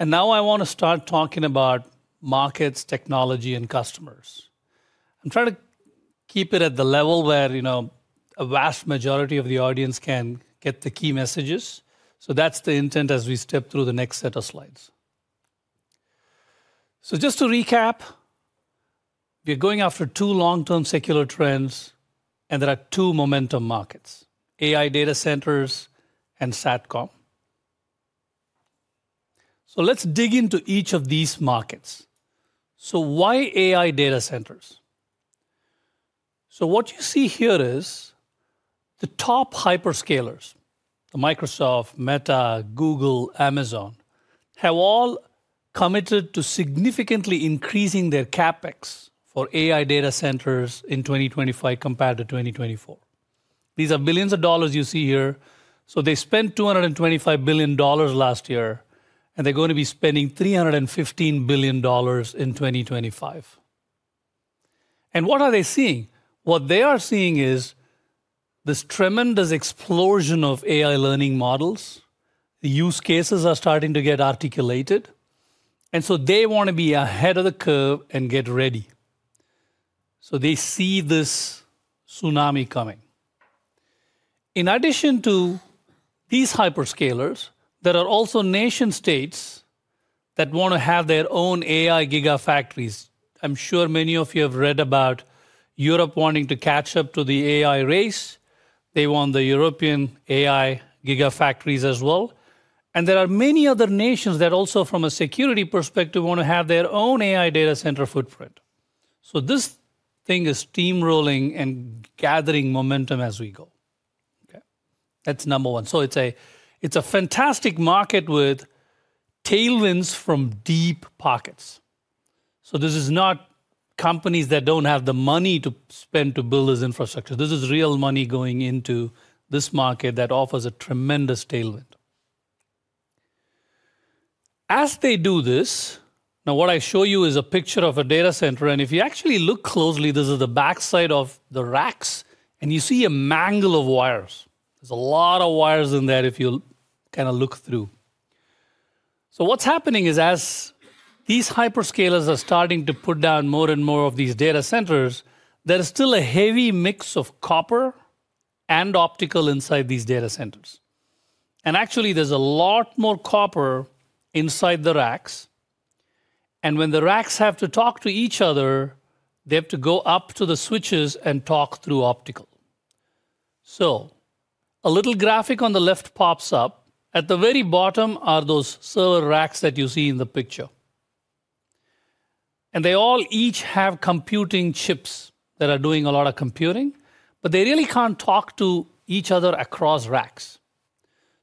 Now I want to start talking about markets, technology, and customers. I'm trying to keep it at the level where a vast majority of the audience can get the key messages. That's the intent as we step through the next set of slides. Just to recap, we're going after two long-term secular trends, and there are two momentum markets, AI data centers and SATCOM. Let's dig into each of these markets. Why AI data centers? What you see here is the top hyperscalers, Microsoft, Meta, Google, Amazon, have all committed to significantly increasing their CapEx for AI data centers in 2025 compared to 2024. These are billions of dollars you see here. They spent $225 billion last year, and they're going to be spending $315 billion in 2025. What are they seeing? What they are seeing is this tremendous explosion of AI learning models. The use cases are starting to get articulated. They want to be ahead of the curve and get ready. They see this tsunami coming. In addition to these hyperscalers, there are also nation-states that want to have their own AI gigafactories. I'm sure many of you have read about Europe wanting to catch up to the AI race. They want the European AI gigafactories as well. There are many other nations that also, from a security perspective, want to have their own AI data center footprint. This thing is steamrolling and gathering momentum as we go. Okay, that's number one. It's a fantastic market with tailwinds from deep pockets. This is not companies that do not have the money to spend to build this infrastructure. This is real money going into this market that offers a tremendous tailwind. As they do this, now what I show you is a picture of a data center. If you actually look closely, this is the backside of the racks, and you see a mangle of wires. There is a lot of wires in there if you kind of look through. What is happening is as these hyperscalers are starting to put down more and more of these data centers, there is still a heavy mix of copper and optical inside these data centers. Actually, there is a lot more copper inside the racks. When the racks have to talk to each other, they have to go up to the switches and talk through optical. A little graphic on the left pops up. At the very bottom are those server racks that you see in the picture. They all each have computing chips that are doing a lot of computing, but they really can't talk to each other across racks.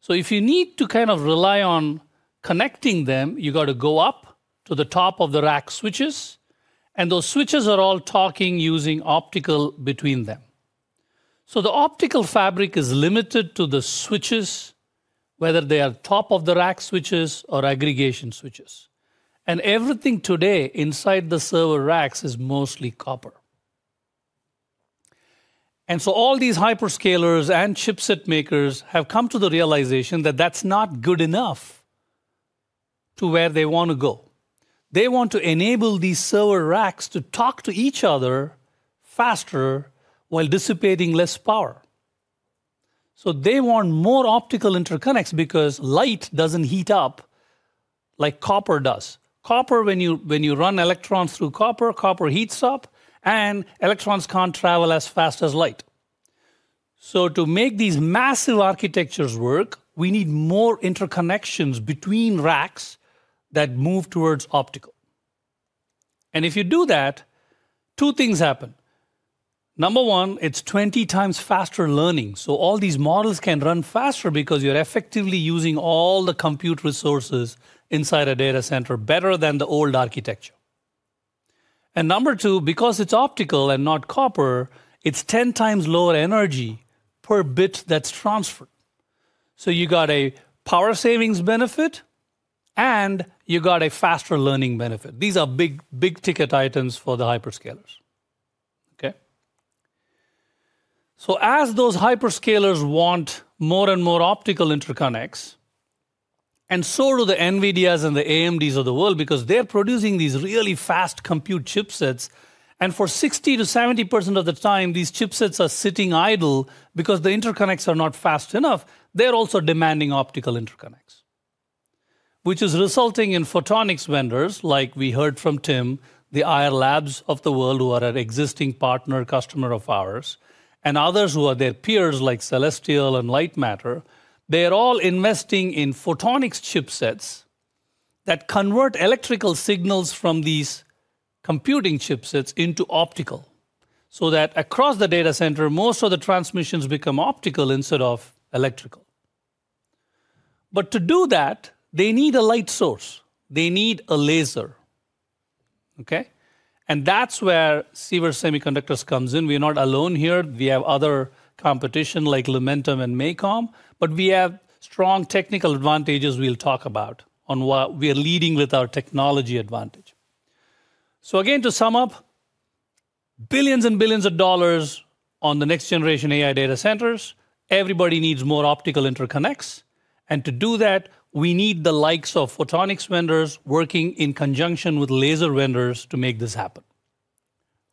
If you need to kind of rely on connecting them, you got to go up to the top of the rack switches. Those switches are all talking using optical between them. The optical fabric is limited to the switches, whether they are top of the rack switches or aggregation switches. Everything today inside the server racks is mostly copper. All these hyperscalers and chipset makers have come to the realization that that's not good enough to where they want to go. They want to enable these server racks to talk to each other faster while dissipating less power. They want more optical interconnects because light doesn't heat up like copper does. Copper, when you run electrons through copper, copper heats up, and electrons can't travel as fast as light. To make these massive architectures work, we need more interconnections between racks that move towards optical. If you do that, two things happen. Number one, it's 20 times faster learning. All these models can run faster because you're effectively using all the compute resources inside a data center better than the old architecture. Number two, because it's optical and not copper, it's 10 times lower energy per bit that's transferred. You got a power savings benefit, and you got a faster learning benefit. These are big ticket items for the hyperscalers. As those hyperscalers want more and more optical interconnects, so do the NVIDIAs and the AMDs of the world because they're producing these really fast compute chipsets. For 60%-70% of the time, these chipsets are sitting idle because the interconnects are not fast enough. They're also demanding optical interconnects, which is resulting in photonics vendors, like we heard from Tim, the Ayar Labs of the world, who are an existing partner customer of ours, and others who are their peers, like Celestial and Lightmatter. They're all investing in photonics chipsets that convert electrical signals from these computing chipsets into optical so that across the data center, most of the transmissions become optical instead of electrical. To do that, they need a light source. They need a laser. Okay? That's where Sivers Semiconductors comes in. We're not alone here. We have other competition like Lumentum and MACOM, but we have strong technical advantages we'll talk about on what we are leading with our technology advantage. Again, to sum up, billions and billions of dollars on the next generation AI data centers. Everybody needs more optical interconnects. To do that, we need the likes of photonics vendors working in conjunction with laser vendors to make this happen,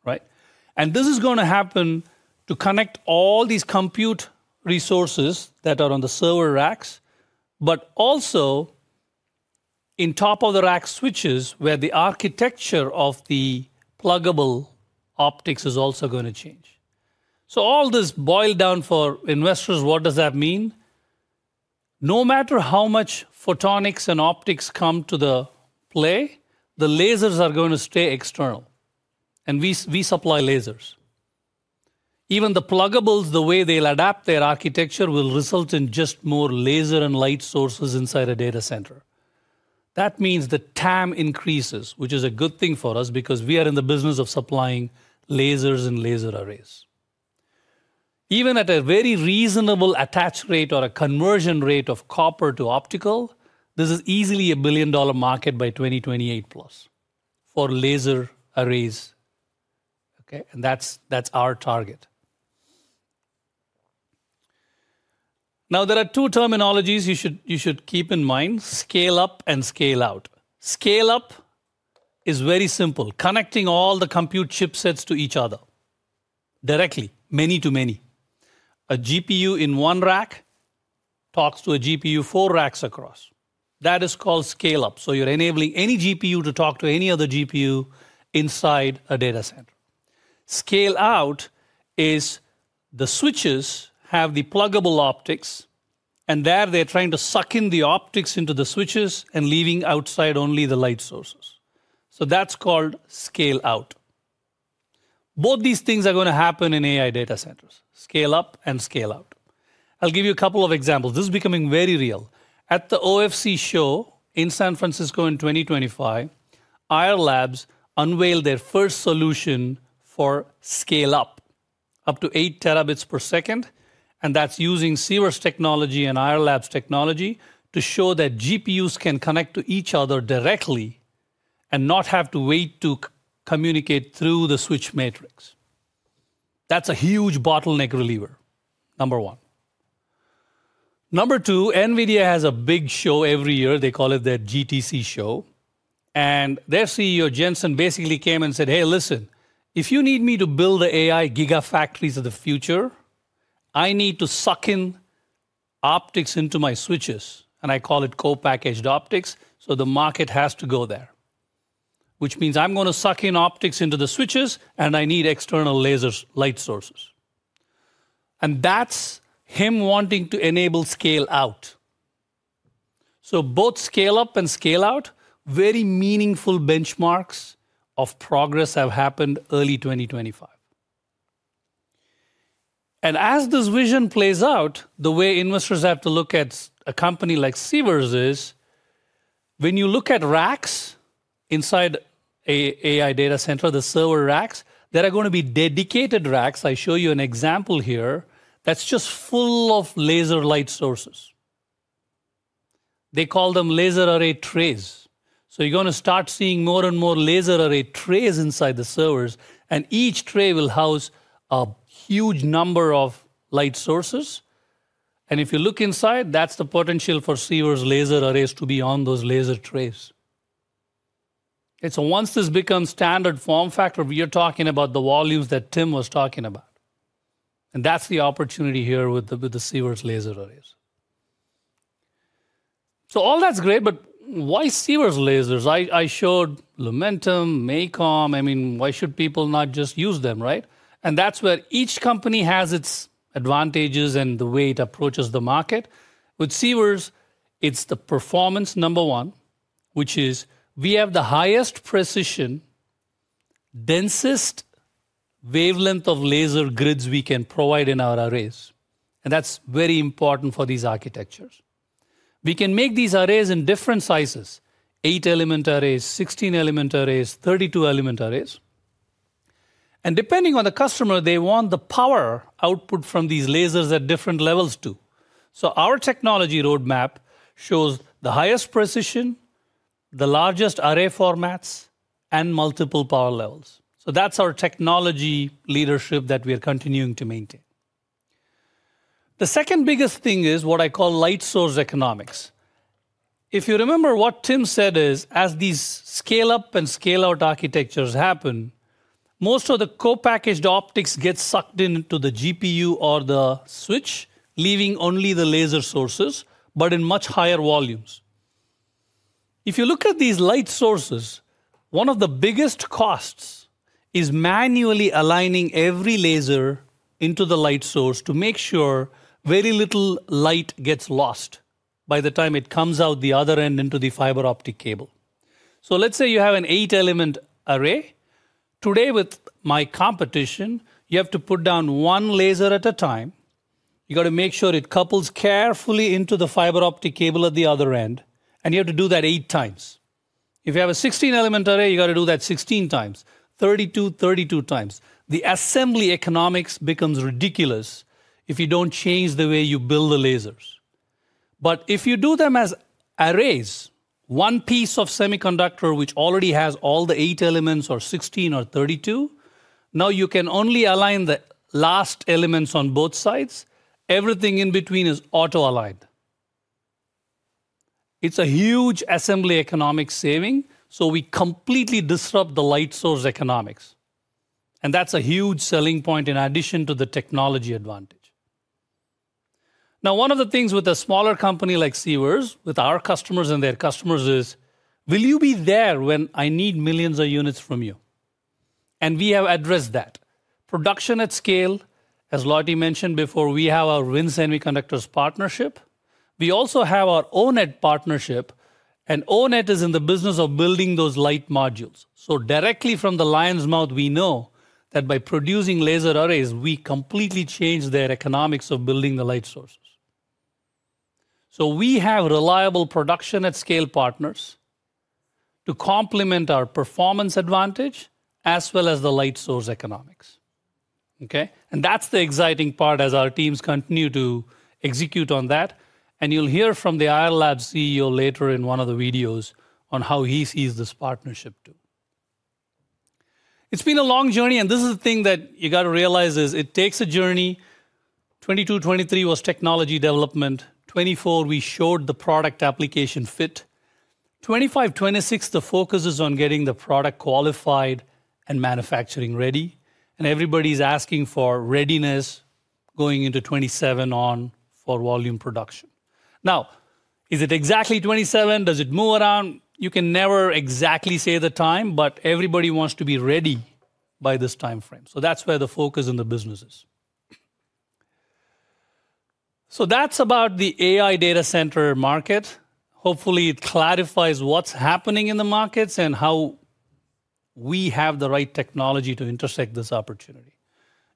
right? This is going to happen to connect all these compute resources that are on the server racks, but also in top of the rack switches where the architecture of the pluggable optics is also going to change. All this boiled down for investors, what does that mean? No matter how much photonics and optics come to the play, the lasers are going to stay external. We supply lasers. Even the pluggables, the way they'll adapt their architecture will result in just more laser and light sources inside a data center. That means the TAM increases, which is a good thing for us because we are in the business of supplying lasers and laser arrays. Even at a very reasonable attach rate or a conversion rate of copper to optical, this is easily a billion-dollar market by 2028 plus for laser arrays. Okay? And that's our target. Now, there are two terminologies you should keep in mind: scale up and scale out. Scale up is very simple, connecting all the compute chipsets to each other directly, many to many. A GPU in one rack talks to a GPU four racks across. That is called scale up. You are enabling any GPU to talk to any other GPU inside a data center. Scale out is the switches have the pluggable optics, and there they are trying to suck in the optics into the switches and leaving outside only the light sources. That's called scale out. Both these things are going to happen in AI data centers: scale up and scale out. I'll give you a couple of examples. This is becoming very real. At the OFC show in San Francisco in 2025, Ayar Labs unveiled their first solution for scale up, up to 8 terabits per second. And that's using Sivers' technology and Ayar Labs' technology to show that GPUs can connect to each other directly and not have to wait to communicate through the switch matrix. That's a huge bottleneck reliever, number one. Number two, NVIDIA has a big show every year. They call it their GTC show. Their CEO, Jensen, basically came and said, "Hey, listen, if you need me to build the AI gigafactories of the future, I need to suck in optics into my switches." I call it co-packaged optics. The market has to go there, which means I'm going to suck in optics into the switches, and I need external laser light sources. That is him wanting to enable scale out. Both scale up and scale out, very meaningful benchmarks of progress have happened early 2025. As this vision plays out, the way investors have to look at a company like Sivers is when you look at racks inside an AI data center, the server racks, there are going to be dedicated racks. I show you an example here that's just full of laser light sources. They call them laser array trays. You are going to start seeing more and more laser array trays inside the servers, and each tray will house a huge number of light sources. If you look inside, that is the potential for Sivers laser arrays to be on those laser trays. Once this becomes standard form factor, we are talking about the volumes that Tim was talking about. That is the opportunity here with the Sivers laser arrays. All that is great, but why Sivers lasers? I showed Lumentum, MACOM. I mean, why should people not just use them, right? That is where each company has its advantages and the way it approaches the market. With Sivers, it is the performance, number one, which is we have the highest precision, densest wavelength of laser grids we can provide in our arrays. That is very important for these architectures. We can make these arrays in different sizes: 8-element arrays, 16-element arrays, 32-element arrays. Depending on the customer, they want the power output from these lasers at different levels too. Our technology roadmap shows the highest precision, the largest array formats, and multiple power levels. That is our technology leadership that we are continuing to maintain. The second biggest thing is what I call light source economics. If you remember what Tim said is, as these scale up and scale out architectures happen, most of the co-packaged optics get sucked into the GPU or the switch, leaving only the laser sources, but in much higher volumes. If you look at these light sources, one of the biggest costs is manually aligning every laser into the light source to make sure very little light gets lost by the time it comes out the other end into the fiber optic cable. Let's say you have an 8-element array. Today, with my competition, you have to put down one laser at a time. You have to make sure it couples carefully into the fiber optic cable at the other end. You have to do that eight times. If you have a 16-element array, you got to do that 16 times, 32, 32 times. The assembly economics becomes ridiculous if you do not change the way you build the lasers. If you do them as arrays, one piece of semiconductor which already has all the eight elements or 16 or 32, now you can only align the last elements on both sides. Everything in between is auto aligned. It is a huge assembly economic saving. We completely disrupt the light source economics. That is a huge selling point in addition to the technology advantage. One of the things with a smaller company like Sivers, with our customers and their customers, is, will you be there when I need millions of units from you? We have addressed that. Production at scale, as Lottie mentioned before, we have our WIN Semiconductors partnership. We also have our O-Net partnership. O-Net is in the business of building those light modules. Directly from the lion's mouth, we know that by producing laser arrays, we completely change their economics of building the light sources. We have reliable production at scale partners to complement our performance advantage as well as the light source economics. That is the exciting part as our teams continue to execute on that. You will hear from the Ayar Labs CEO later in one of the videos on how he sees this partnership too. It has been a long journey. This is the thing that you have to realize: it takes a journey. 2022, 2023 was technology development. 2024, we showed the product application fit. 25, 26, the focus is on getting the product qualified and manufacturing ready. Everybody's asking for readiness going into 27 on for volume production. Now, is it exactly 27? Does it move around? You can never exactly say the time, but everybody wants to be ready by this time frame. That's where the focus in the business is. That's about the AI data center market. Hopefully, it clarifies what's happening in the markets and how we have the right technology to intersect this opportunity.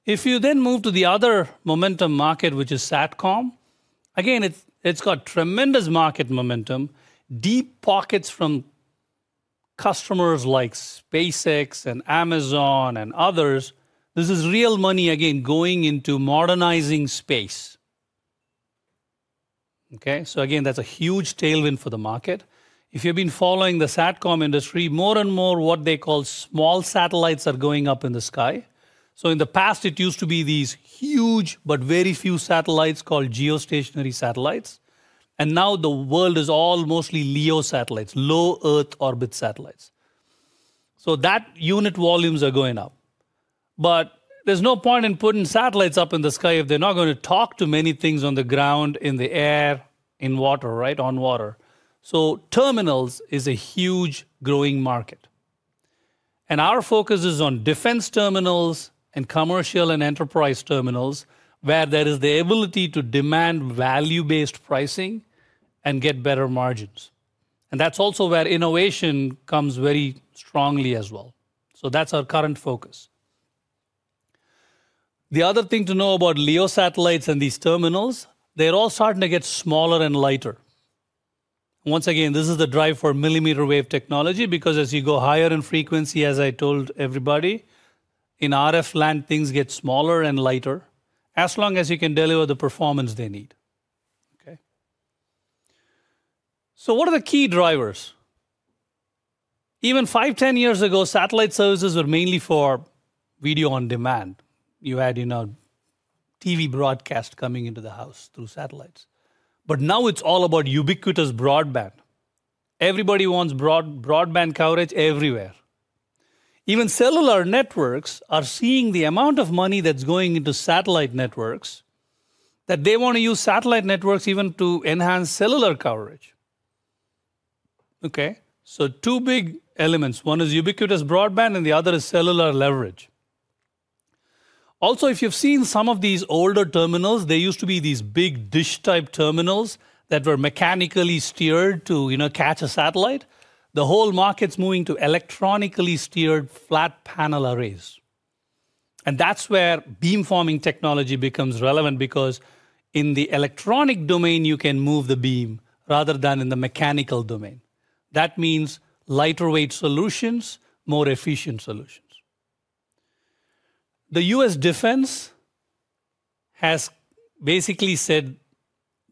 If you then move to the other momentum market, which is SATCOM, again, it's got tremendous market momentum, deep pockets from customers like SpaceX and Amazon and others. This is real money, again, going into modernizing space. That's a huge tailwind for the market. If you've been following the SATCOM industry, more and more what they call small satellites are going up in the sky. In the past, it used to be these huge, but very few satellites called geostationary satellites. Now the world is all mostly LEO satellites, low Earth orbit satellites. That unit volumes are going up. There's no point in putting satellites up in the sky if they're not going to talk to many things on the ground, in the air, in water, right? On water. Terminals is a huge growing market. Our focus is on defense terminals and commercial and enterprise terminals where there is the ability to demand value-based pricing and get better margins. That's also where innovation comes very strongly as well. That's our current focus. The other thing to know about LEO satellites and these terminals, they're all starting to get smaller and lighter. Once again, this is the drive for millimeter wave technology because as you go higher in frequency, as I told everybody, in RF land, things get smaller and lighter as long as you can deliver the performance they need. Okay? What are the key drivers? Even five, ten years ago, satellite services were mainly for video on demand. You had a TV broadcast coming into the house through satellites. Now it's all about ubiquitous broadband. Everybody wants broadband coverage everywhere. Even cellular networks are seeing the amount of money that's going into satellite networks that they want to use satellite networks even to enhance cellular coverage. Okay? Two big elements. One is ubiquitous broadband, and the other is cellular leverage. Also, if you've seen some of these older terminals, there used to be these big dish-type terminals that were mechanically steered to catch a satellite. The whole market's moving to electronically steered flat panel arrays. That's where beamforming technology becomes relevant because in the electronic domain, you can move the beam rather than in the mechanical domain. That means lighter weight solutions, more efficient solutions. The U.S. defense has basically said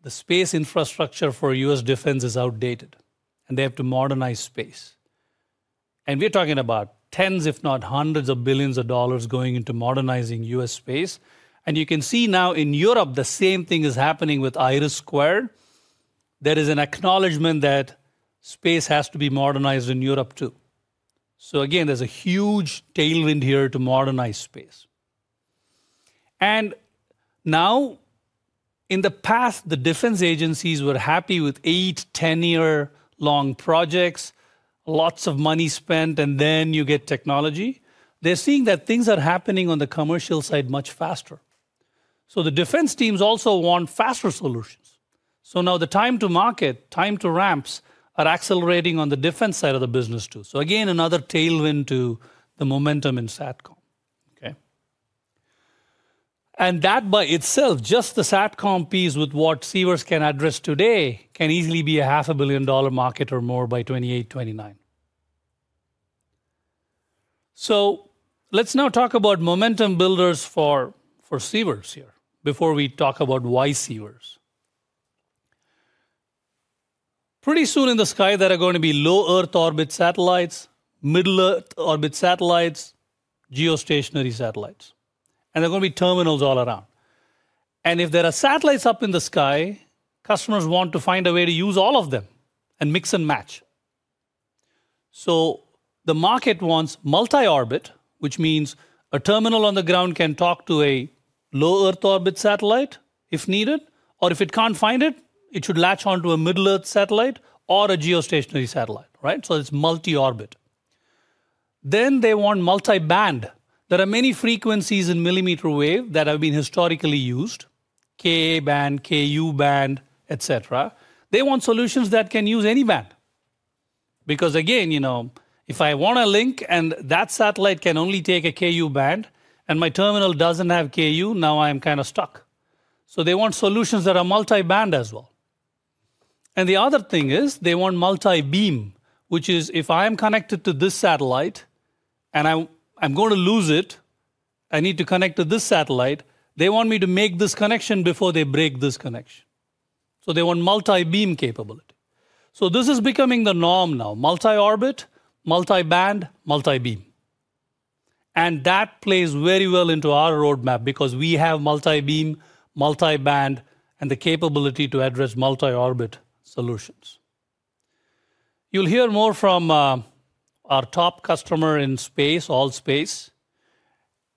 the space infrastructure for U.S. defense is outdated, and they have to modernize space. We're talking about tens, if not hundreds, of billions of dollars going into modernizing U.S. space. You can see now in Europe, the same thing is happening with AyarIS2. There is an acknowledgment that space has to be modernized in Europe too. Again, there's a huge tailwind here to modernize space. In the past, the defense agencies were happy with eight, ten-year-long projects, lots of money spent, and then you get technology. They're seeing that things are happening on the commercial side much faster. The defense teams also want faster solutions. Now the time to market, time to ramps are Axelerating on the defense side of the business too. Again, another tailwind to the momentum in SATCOM. That by itself, just the SATCOM piece with what Sivers can address today, can easily be a $500,000 million market or more by 2028, 2029. Let's now talk about momentum builders for Sivers here before we talk about why Sivers. Pretty soon in the sky, there are going to be low Earth orbit satellites, middle Earth orbit satellites, geostationary satellites. There are going to be terminals all around. If there are satellites up in the sky, customers want to find a way to use all of them and mix and match. The market wants multi-orbit, which means a terminal on the ground can talk to a low Earth orbit satellite if needed. Or if it cannot find it, it should latch onto a middle Earth satellite or a geostationary satellite, right? It is multi-orbit. They want multi-band. There are many frequencies in millimeter wave that have been historically used, Ka-band, Ku-band, et cetera. They want solutions that can use any band. Because again, if I want a link and that satellite can only take a Ku-band and my terminal does not have Ku, now I am kind of stuck. They want solutions that are multi-band as well. The other thing is they want multi-beam, which is if I'm connected to this satellite and I'm going to lose it, I need to connect to this satellite, they want me to make this connection before they break this connection. They want multi-beam capability. This is becoming the norm now, multi-orbit, multi-band, multi-beam. That plays very well into our roadmap because we have multi-beam, multi-band, and the capability to address multi-orbit solutions. You'll hear more from our top customer in space, ALL.SPACE.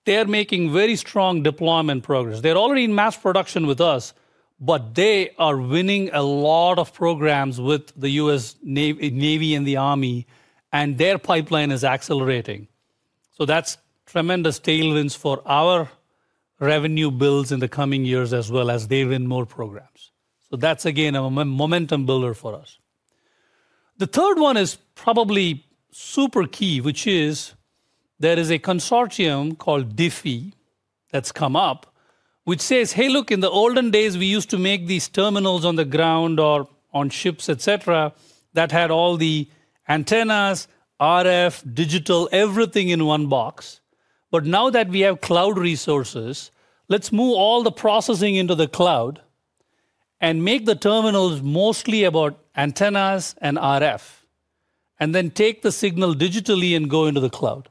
They're making very strong deployment progress. They're already in mass production with us, but they are winning a lot of programs with the U.S. Navy and the Army, and their pipeline is Axelerating. That is tremendous tailwinds for our revenue builds in the coming years as well as they win more programs. That is again a momentum builder for us. The third one is probably super key, which is there is a consortium called DIFI that's come up, which says, "Hey, look, in the olden days, we used to make these terminals on the ground or on ships, et cetera, that had all the antennas, RF, digital, everything in one box. Now that we have cloud resources, let's move all the processing into the cloud and make the terminals mostly about antennas and RF, and then take the signal digitally and go into the cloud."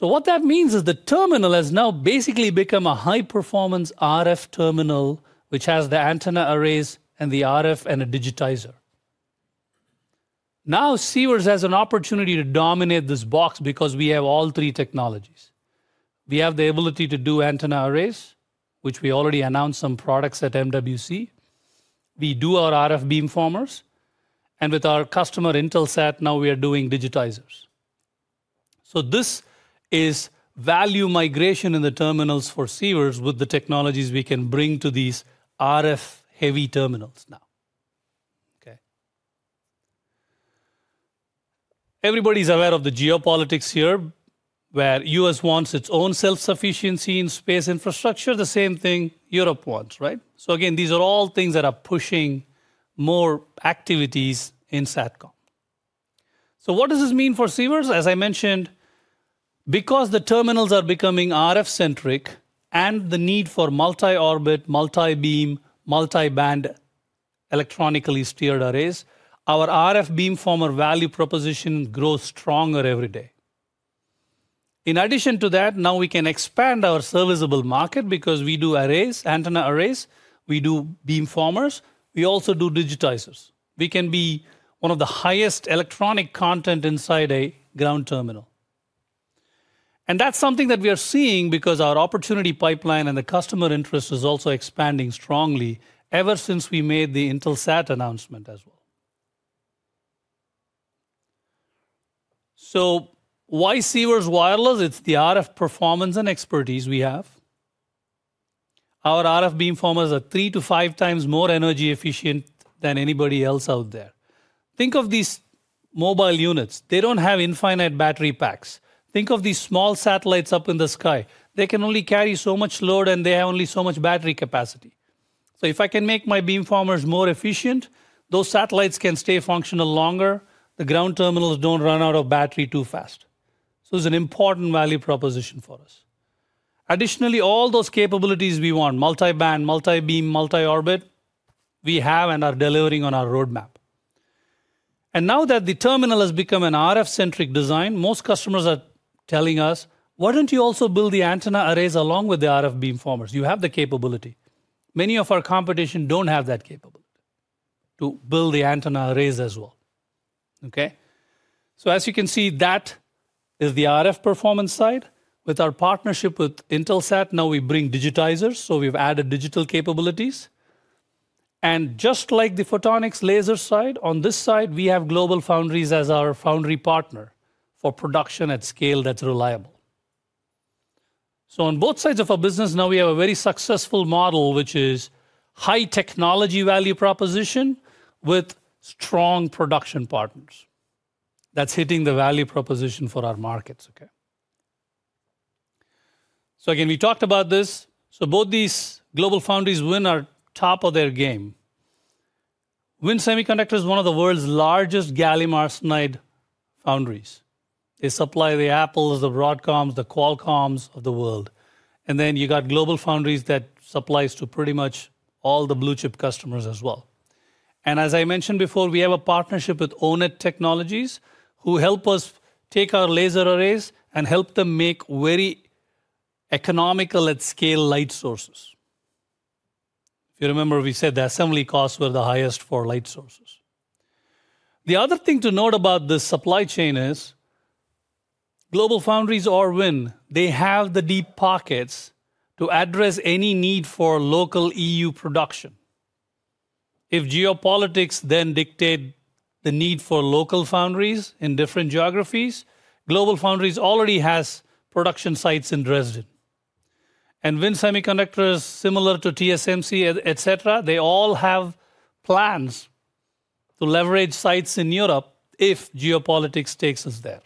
What that means is the terminal has now basically become a high-performance RF terminal, which has the antenna arrays and the RF and a digitizer. Now Sivers has an opportunity to dominate this box because we have all three technologies. We have the ability to do antenna arrays, which we already announced some products at MWC. We do our RF beamformers. With our customer Intelsat, now we are doing digitizers. This is value migration in the terminals for Sivers with the technologies we can bring to these RF-heavy terminals now. Everybody's aware of the geopolitics here where the U.S. wants its own self-sufficiency in space infrastructure. The same thing Europe wants, right? These are all things that are pushing more activities in SATCOM. What does this mean for Sivers? As I mentioned, because the terminals are becoming RF-centric and the need for multi-orbit, multi-beam, multi-band electronically steered arrays, our RF beamformer value proposition grows stronger every day. In addition to that, now we can expand our serviceable market because we do arrays, antenna arrays. We do beamformers. We also do digitizers. We can be one of the highest electronic content inside a ground terminal. That is something that we are seeing because our opportunity pipeline and the customer interest is also expanding strongly ever since we made the Intelsat announcement as well. Why Sivers wireless? It is the RF performance and expertise we have. Our RF beamformers are three to five times more energy efficient than anybody else out there. Think of these mobile units. They do not have infinite battery packs. Think of these small satellites up in the sky. They can only carry so much load, and they have only so much battery capacity. If I can make my beamformers more efficient, those satellites can stay functional longer. The ground terminals do not run out of battery too fast. It is an important value proposition for us. Additionally, all those capabilities we want, multi-band, multi-beam, multi-orbit, we have and are delivering on our roadmap. Now that the terminal has become an RF-centric design, most customers are telling us, "Why don't you also build the antenna arrays along with the RF beamformers? You have the capability." Many of our competition do not have that capability to build the antenna arrays as well. Okay? As you can see, that is the RF performance side with our partnership with Intelsat. Now we bring digitizers. We have added digital capabilities. Just like the photonics laser side, on this side, we have GlobalFoundries as our foundry partner for production at scale that is reliable. On both sides of our business, we now have a very successful model, which is high technology value proposition with strong production partners that is hitting the value proposition for our markets. Okay? Again, we talked about this. Both these GlobalFoundries win are top of their game. WIN Semiconductors is one of the world's largest gallium arsenide foundries. They supply the Apples, the Broadcoms, the Qualcomms of the world. You have GlobalFoundries that supplies to pretty much all the blue chip customers as well. As I mentioned before, we have a partnership with O-Net Technologies who help us take our laser arrays and help them make very economical at scale light sources. If you remember, we said the assembly costs were the highest for light sources. The other thing to note about the supply chain is GlobalFoundries or WIN, they have the deep pockets to address any need for local EU production. If geopolitics then dictate the need for local foundries in different geographies, GlobalFoundries already has production sites in Dresden. WIN Semiconductors is similar to TSMC, et cetera. They all have plans to leverage sites in Europe if geopolitics takes us there.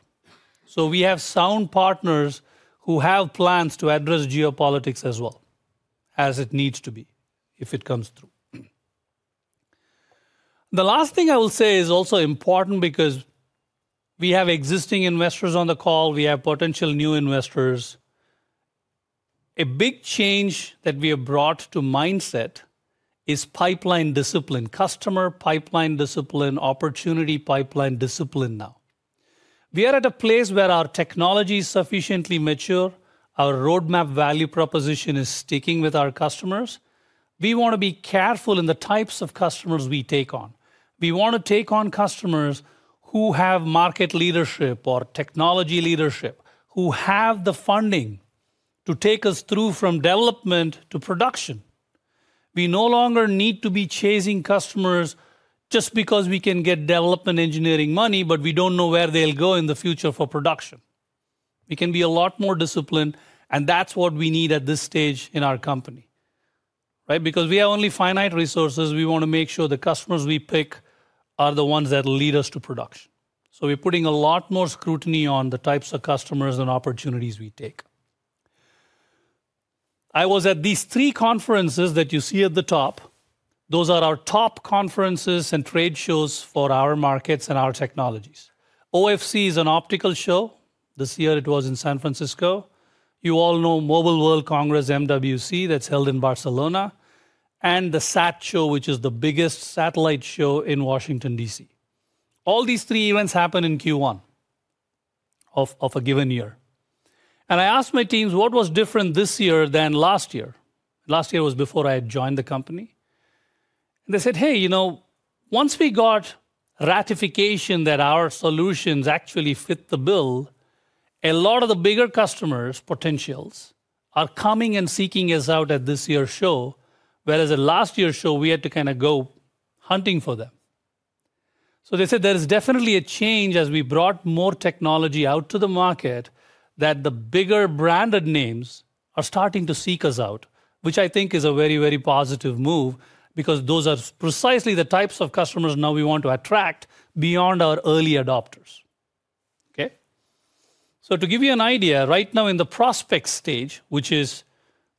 We have sound partners who have plans to address geopolitics as well as it needs to be if it comes through. The last thing I will say is also important because we have existing investors on the call. We have potential new investors. A big change that we have brought to mindset is pipeline discipline, customer pipeline discipline, opportunity pipeline discipline now. We are at a place where our technology is sufficiently mature. Our roadmap value proposition is sticking with our customers. We want to be careful in the types of customers we take on. We want to take on customers who have market leadership or technology leadership, who have the funding to take us through from development to production. We no longer need to be chasing customers just because we can get development engineering money, but we do not know where they will go in the future for production. We can be a lot more disciplined, and that is what we need at this stage in our company, right? Because we have only finite resources. We want to make sure the customers we pick are the ones that will lead us to production. We are putting a lot more scrutiny on the types of customers and opportunities we take. I was at these three conferences that you see at the top. Those are our top conferences and trade shows for our markets and our technologies. OFC is an optical show. This year, it was in San Francisco. You all know Mobile World Congress, MWC, that is held in Barcelona, and the SAT Show, which is the biggest satellite show in Washington, DC. All these three events happen in Q1 of a given year. I asked my teams, "What was different this year than last year?" Last year was before I had joined the company. They said, "Hey, you know, once we got ratification that our solutions actually fit the bill, a lot of the bigger customers' potentials are coming and seeking us out at this year's show, whereas at last year's show, we had to kind of go hunting for them." They said, "There is definitely a change as we brought more technology out to the market that the bigger branded names are starting to seek us out, which I think is a very, very positive move because those are precisely the types of customers now we want to attract beyond our early adopters." Okay? To give you an idea, right now in the prospect stage, which is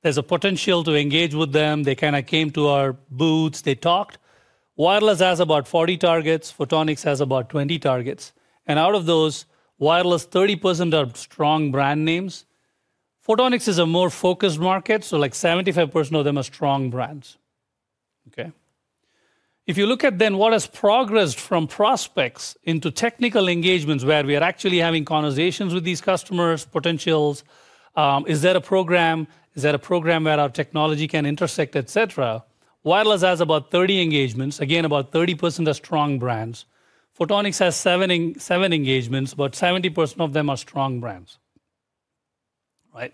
there's a potential to engage with them, they kind of came to our booths, they talked. Wireless has about 40 targets. Photonics has about 20 targets. Out of those, wireless, 30% are strong brand names. Photonics is a more focused market, so like 75% of them are strong brands. Okay? If you look at then what has progressed from prospects into technical engagements where we are actually having conversations with these customers, potentials, is there a program, is there a program where our technology can intersect, et cetera. Wireless has about 30 engagements. Again, about 30% are strong brands. Photonics has seven engagements, but 70% of them are strong brands, right?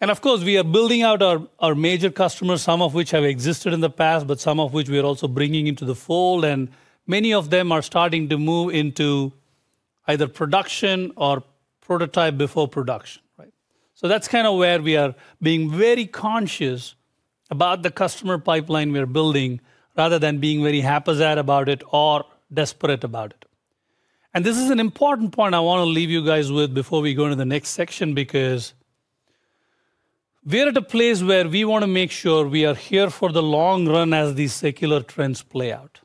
Of course, we are building out our major customers, some of which have existed in the past, but some of which we are also bringing into the fold. Many of them are starting to move into either production or prototype before production, right? That is kind of where we are being very conscious about the customer pipeline we are building rather than being very haphazard about it or desperate about it. This is an important point I want to leave you guys with before we go into the next section because we're at a place where we want to make sure we are here for the long run as these circular trends play out,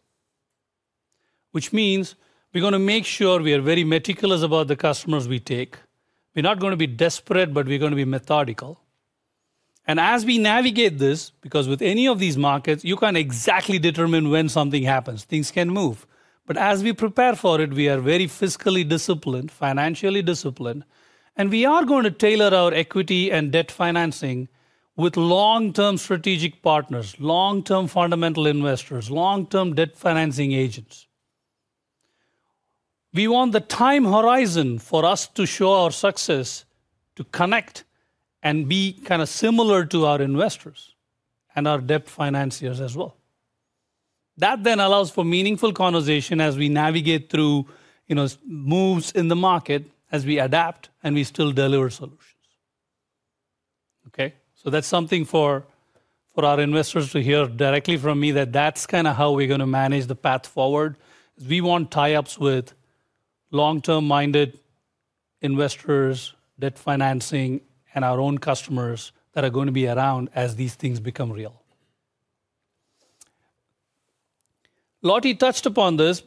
which means we're going to make sure we are very meticulous about the customers we take. We're not going to be desperate, but we're going to be methodical. As we navigate this, because with any of these markets, you can't exactly determine when something happens. Things can move. As we prepare for it, we are very fiscally disciplined, financially disciplined, and we are going to tailor our equity and debt financing with long-term strategic partners, long-term fundamental investors, long-term debt financing agents. We want the time horizon for us to show our success, to connect and be kind of similar to our investors and our debt financiers as well. That then allows for meaningful conversation as we navigate through, you know, moves in the market as we adapt and we still deliver solutions. Okay? That is something for our investors to hear directly from me that that is kind of how we are going to manage the path forward because we want tie-ups with long-term-minded investors, debt financing, and our own customers that are going to be around as these things become real. Lottie touched upon this,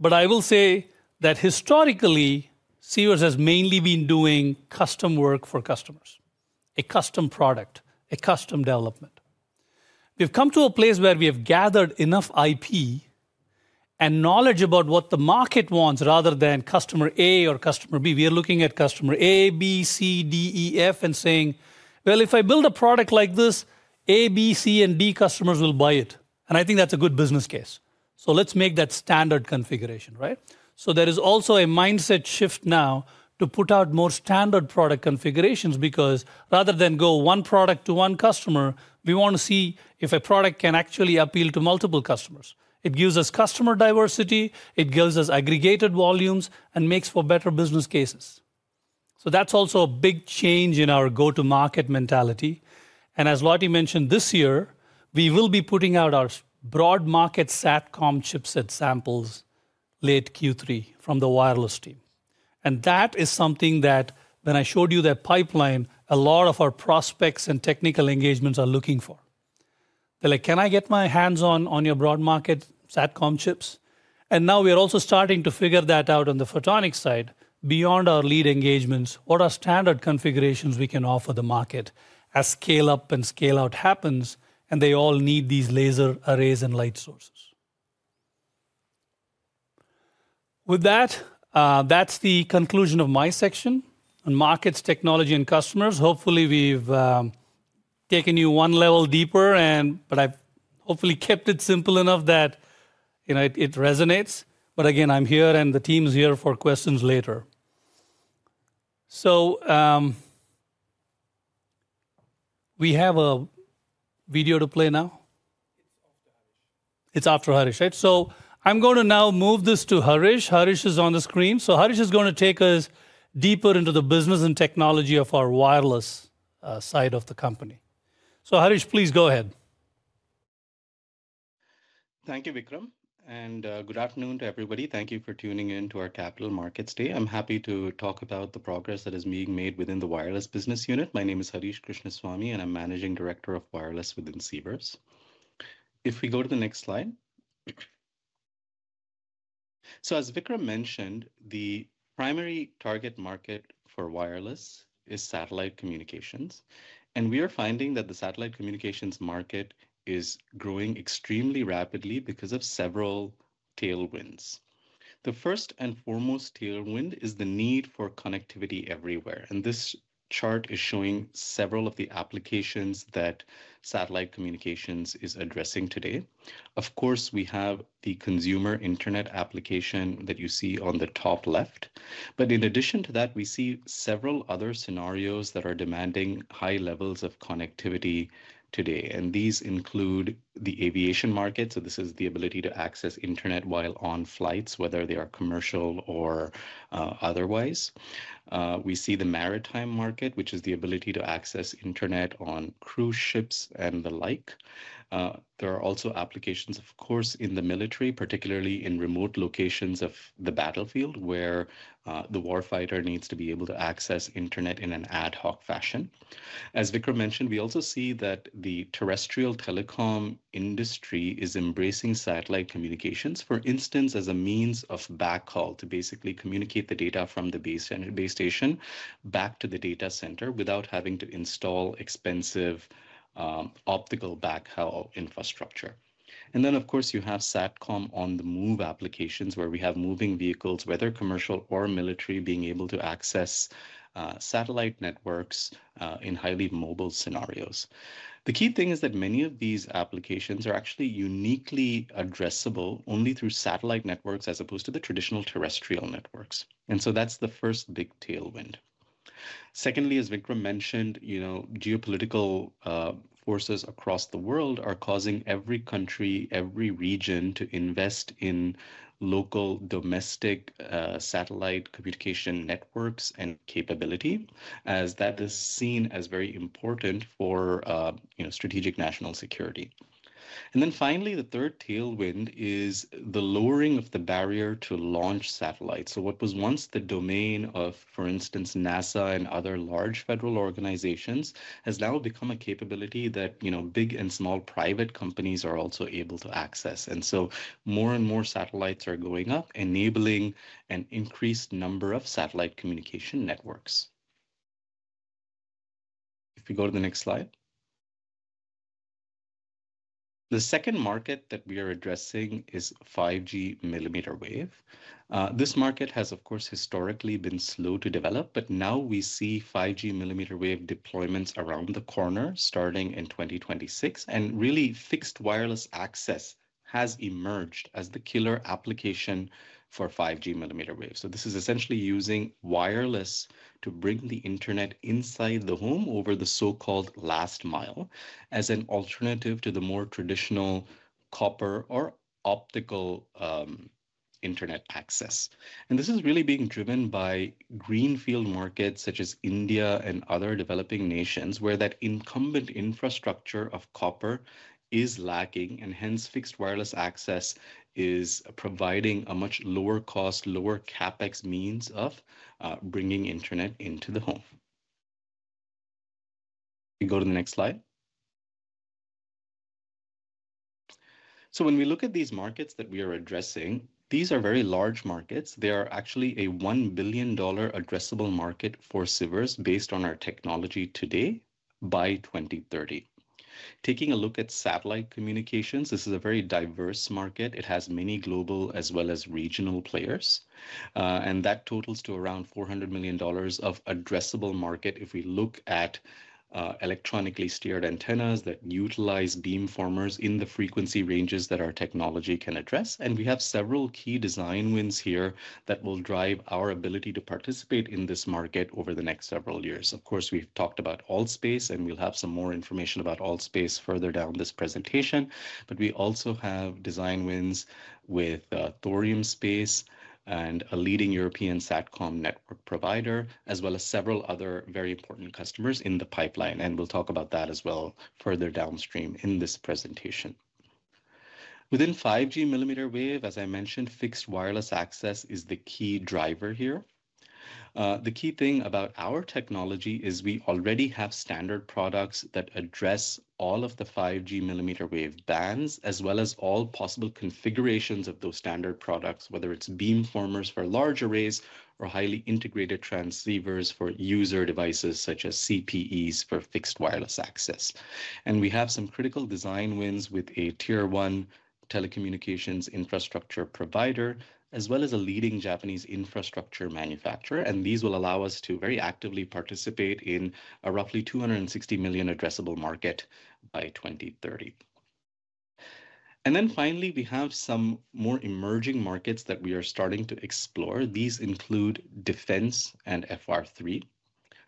but I will say that historically, Sivers has mainly been doing custom work for customers, a custom product, a custom development. We have come to a place where we have gathered enough IP and knowledge about what the market wants rather than customer A or customer B. We are looking at customer A, B, C, D, E, F and saying, "If I build a product like this, A, B, C, and D customers will buy it." I think that is a good business case. Let us make that standard configuration, right? There is also a mindset shift now to put out more standard product configurations because rather than go one product to one customer, we want to see if a product can actually appeal to multiple customers. It gives us customer diversity. It gives us aggregated volumes and makes for better business cases. That is also a big change in our go-to-market mentality. As Lottie mentioned this year, we will be putting out our broad market SATCOM chipset samples late Q3 from the wireless team. That is something that when I showed you that pipeline, a lot of our prospects and technical engagements are looking for. They are like, "Can I get my hands on your broad market SATCOM chips?" Now we are also starting to figure that out on the photonics side. Beyond our lead engagements, what are standard configurations we can offer the market as scale-up and scale-out happens, and they all need these laser arrays and light sources. With that, that's the conclusion of my section on markets, technology, and customers. Hopefully, we've taken you one level deeper, but I've hopefully kept it simple enough that, you know, it resonates. Again, I'm here and the team's here for questions later. We have a video to play now. It's after Harish. It's after Harish, right? I'm going to now move this to Harish. Harish is on the screen. Harish is going to take us deeper into the business and technology of our wireless side of the company. Harish, please go ahead. Thank you, Vickram. Good afternoon to everybody. Thank you for tuning in to our Capital Markets Day. I'm happy to talk about the progress that is being made within the wireless business unit. My name is Harish Krishnaswamy, and I'm Managing Director of Wireless within Sivers. If we go to the next slide. As Vickram mentioned, the primary target market for wireless is satellite communications. We are finding that the satellite communications market is growing extremely rapidly because of several tailwinds. The first and foremost tailwind is the need for connectivity everywhere. This chart is showing several of the applications that satellite communications is addressing today. Of course, we have the consumer internet application that you see on the top left. In addition to that, we see several other scenarios that are demanding high levels of connectivity today. These include the aviation market. This is the ability to access internet while on flights, whether they are commercial or otherwise. We see the maritime market, which is the ability to access internet on cruise ships and the like. There are also applications, of course, in the military, particularly in remote locations of the battlefield where the warfighter needs to be able to access internet in an ad hoc fashion. As Vickram mentioned, we also see that the terrestrial telecom industry is embracing satellite communications, for instance, as a means of backhaul to basically communicate the data from the base station back to the data center without having to install expensive optical backhaul infrastructure. There are, of course, SATCOM on the move applications where we have moving vehicles, whether commercial or military, being able to access satellite networks in highly mobile scenarios. The key thing is that many of these applications are actually uniquely addressable only through satellite networks as opposed to the traditional terrestrial networks. That is the first big tailwind. Secondly, as Vickram mentioned, you know, geopolitical forces across the world are causing every country, every region to invest in local domestic satellite communication networks and capability as that is seen as very important for, you know, strategic national security. Finally, the third tailwind is the lowering of the barrier to launch satellites. What was once the domain of, for instance, NASA and other large federal organizations has now become a capability that, you know, big and small private companies are also able to access. More and more satellites are going up, enabling an increased number of satellite communication networks. If we go to the next slide. The second market that we are addressing is 5G millimeter wave. This market has, of course, historically been slow to develop, but now we see 5G millimeter wave deployments around the corner starting in 2026. Fixed wireless access has emerged as the killer application for 5G millimeter wave. This is essentially using wireless to bring the internet inside the home over the so-called last mile as an alternative to the more traditional copper or optical internet access. This is really being driven by greenfield markets such as India and other developing nations where that incumbent infrastructure of copper is lacking and hence fixed wireless access is providing a much lower cost, lower CapEx means of bringing internet into the home. If we go to the next slide. When we look at these markets that we are addressing, these are very large markets. They are actually a $1 billion addressable market for Sivers based on our technology today by 2030. Taking a look at satellite communications, this is a very diverse market. It has many global as well as regional players. That totals to around $400 million of addressable market if we look at electronically steered antennas that utilize beamformers in the frequency ranges that our technology can address. We have several key design wins here that will drive our ability to participate in this market over the next several years. Of course, we've talked about ALL.SPACE and we'll have some more information about ALL.SPACE further down this presentation. We also have design wins with Thorium Space and a leading European SATCOM network provider, as well as several other very important customers in the pipeline. We'll talk about that as well further downstream in this presentation. Within 5G millimeter wave, as I mentioned, fixed wireless access is the key driver here. The key thing about our technology is we already have standard products that address all of the 5G millimeter wave bands as well as all possible configurations of those standard products, whether it's beamformers for large arrays or highly integrated transceivers for user devices such as CPEs for fixed wireless access. We have some critical design wins with a tier one telecommunications infrastructure provider as well as a leading Japanese infrastructure manufacturer. These will allow us to very actively participate in a roughly 260 million addressable market by 2030. Finally, we have some more emerging markets that we are starting to explore. These include defense and FR3.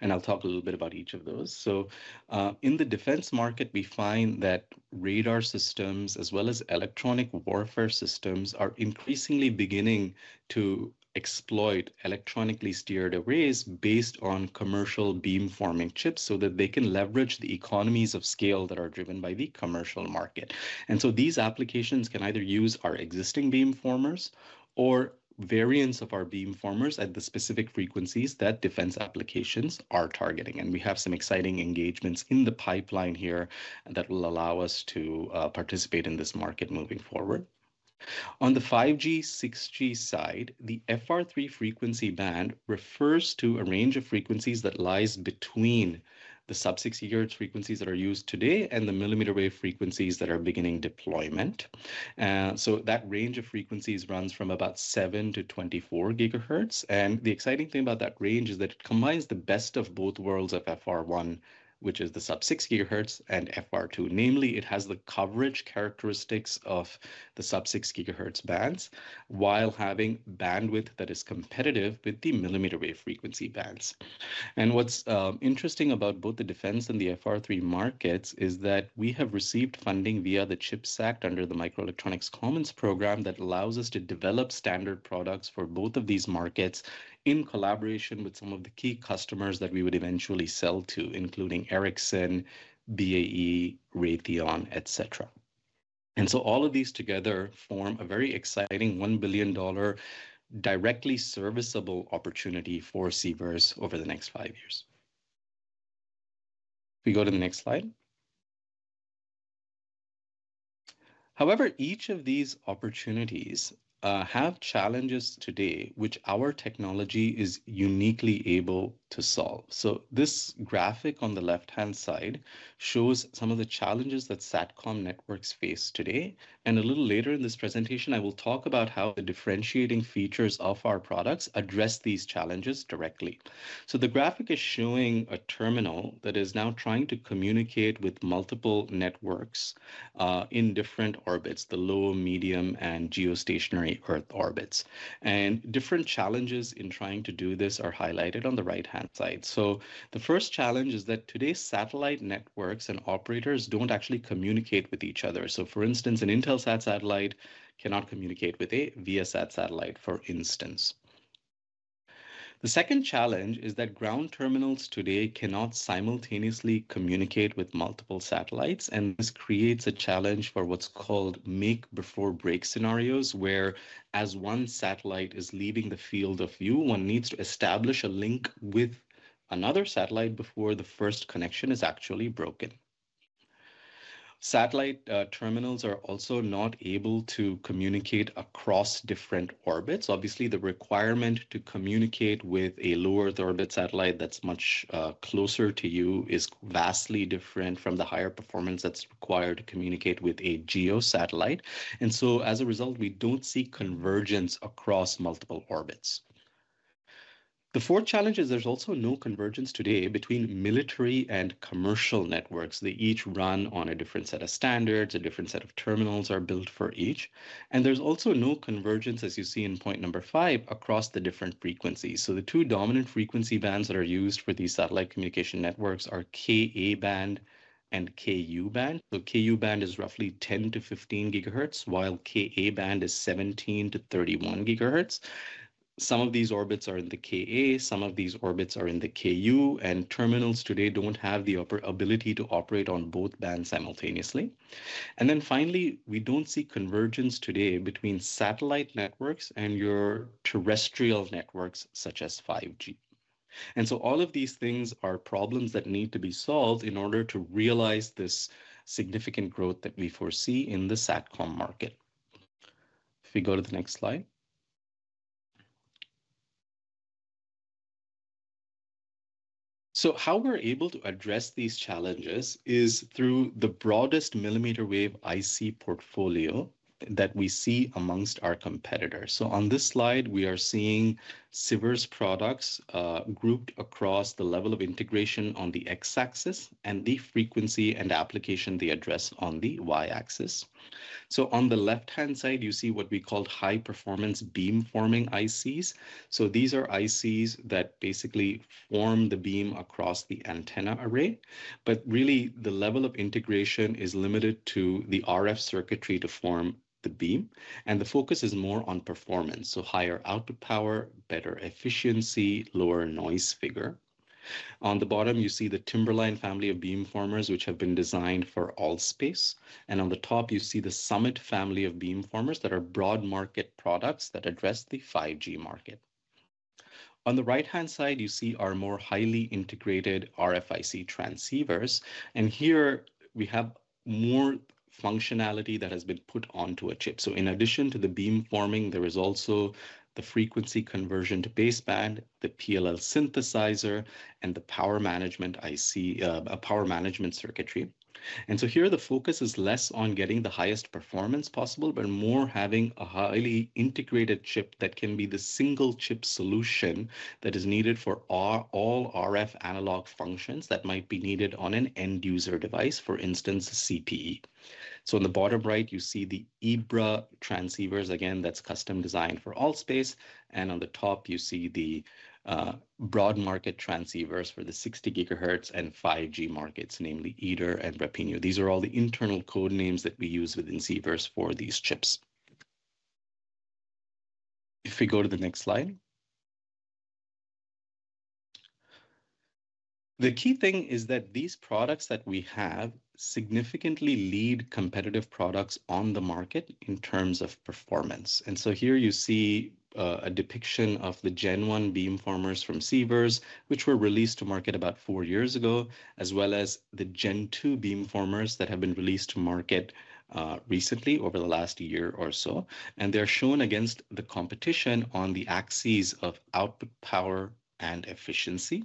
I'll talk a little bit about each of those. In the defense market, we find that radar systems as well as electronic warfare systems are increasingly beginning to exploit electronically steered arrays based on commercial beamforming chips so that they can leverage the economies of scale that are driven by the commercial market. These applications can either use our existing beamformers or variants of our beamformers at the specific frequencies that defense applications are targeting. We have some exciting engagements in the pipeline here that will allow us to participate in this market moving forward. On the 5G, 6G side, the FR3 frequency band refers to a range of frequencies that lies between the sub-6 gigahertz frequencies that are used today and the millimeter wave frequencies that are beginning deployment. That range of frequencies runs from about 7-24 gigahertz. The exciting thing about that range is that it combines the best of both worlds of FR1, which is the sub-6 gigahertz, and FR2. Namely, it has the coverage characteristics of the sub-6 GHz bands while having bandwidth that is competitive with the millimeter wave frequency bands. What's interesting about both the defense and the FR3 markets is that we have received funding via the CHIPS Act under the Microelectronics Commons Program that allows us to develop standard products for both of these markets in collaboration with some of the key customers that we would eventually sell to, including Ericsson, BAE Systems, Raytheon, etc. All of these together form a very exciting $1 billion directly serviceable opportunity for Sivers over the next five years. If we go to the next slide. However, each of these opportunities have challenges today which our technology is uniquely able to solve. This graphic on the left-hand side shows some of the challenges that SATCOM networks face today. A little later in this presentation, I will talk about how the differentiating features of our products address these challenges directly. The graphic is showing a terminal that is now trying to communicate with multiple networks in different orbits, the low, medium, and geostationary Earth orbits. Different challenges in trying to do this are highlighted on the right-hand side. The first challenge is that today's satellite networks and operators do not actually communicate with each other. For instance, an Intelsat satellite cannot communicate with a ViaSat satellite, for instance. The second challenge is that ground terminals today cannot simultaneously communicate with multiple satellites. This creates a challenge for what's called make-before-break scenarios where, as one satellite is leaving the field of view, one needs to establish a link with another satellite before the first connection is actually broken. Satellite terminals are also not able to communicate across different orbits. Obviously, the requirement to communicate with a lower-third orbit satellite that's much closer to you is vastly different from the higher performance that's required to communicate with a geosatellite. As a result, we don't see convergence across multiple orbits. The fourth challenge is there's also no convergence today between military and commercial networks. They each run on a different set of standards. A different set of terminals are built for each. There's also no convergence, as you see in point number five, across the different frequencies. The two dominant frequency bands that are used for these satellite communication networks are Ka-band and Ku-band. Ku-band is roughly 10-15 GHz, while Ka-band is 17-31 GHz. Some of these orbits are in the Ka. Some of these orbits are in the Ku. Terminals today do not have the ability to operate on both bands simultaneously. Finally, we do not see convergence today between satellite networks and your terrestrial networks such as 5G. All of these things are problems that need to be solved in order to realize this significant growth that we foresee in the SATCOM market. If we go to the next slide. How we are able to address these challenges is through the broadest millimeter wave IC portfolio that we see amongst our competitors. On this slide, we are seeing Sivers' products grouped across the level of integration on the X-axis and the frequency and application they address on the Y-axis. On the left-hand side, you see what we call high-performance beamforming ICs. These are ICs that basically form the beam across the antenna array. Really, the level of integration is limited to the RF circuitry to form the beam, and the focus is more on performance. Higher output power, better efficiency, lower noise figure. On the bottom, you see the Timberline family of beamformers, which have been designed for ALL.SPACE. On the top, you see the Summit family of beamformers that are broad market products that address the 5G market. On the right-hand side, you see our more highly integrated RFIC transceivers. Here we have more functionality that has been put onto a chip. In addition to the beamforming, there is also the frequency conversion to baseband, the PLL synthesizer, and the power management IC, power management circuitry. Here, the focus is less on getting the highest performance possible, but more having a highly integrated chip that can be the single chip solution that is needed for all RF analog functions that might be needed on an end user device, for instance, a CPE. On the bottom right, you see the EBRA transceivers. Again, that's custom designed for ALL.SPACE. On the top, you see the broad market transceivers for the 60 gigahertz and 5G markets, namely EDR and Rapenio. These are all the internal code names that we use within Sivers for these chips. If we go to the next slide. The key thing is that these products that we have significantly lead competitive products on the market in terms of performance. Here you see a depiction of the Gen 1 beamformers from Sivers, which were released to market about four years ago, as well as the Gen 2 beamformers that have been released to market recently over the last year or so. They are shown against the competition on the axes of output power and efficiency.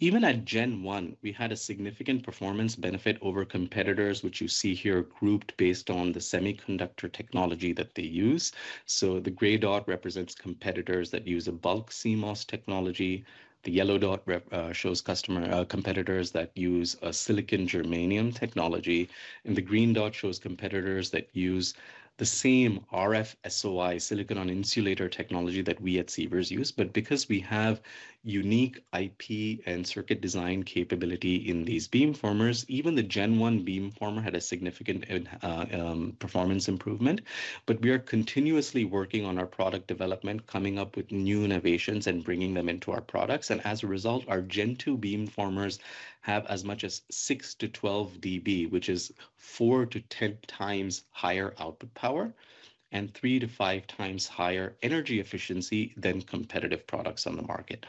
Even at Gen 1, we had a significant performance benefit over competitors, which you see here grouped based on the semiconductor technology that they use. The gray dot represents competitors that use a bulk CMOS technology. The yellow dot shows competitors that use a silicon germanium technology. The green dot shows competitors that use the same RF SOI silicon on insulator technology that we at Sivers use. Because we have unique IP and circuit design capability in these beamformers, even the Gen 1 beamformer had a significant performance improvement. We are continuously working on our product development, coming up with new innovations and bringing them into our products. As a result, our Gen 2 beamformers have as much as 6-12 dB, which is 4-10 times higher output power and 3-5 times higher energy efficiency than competitive products on the market.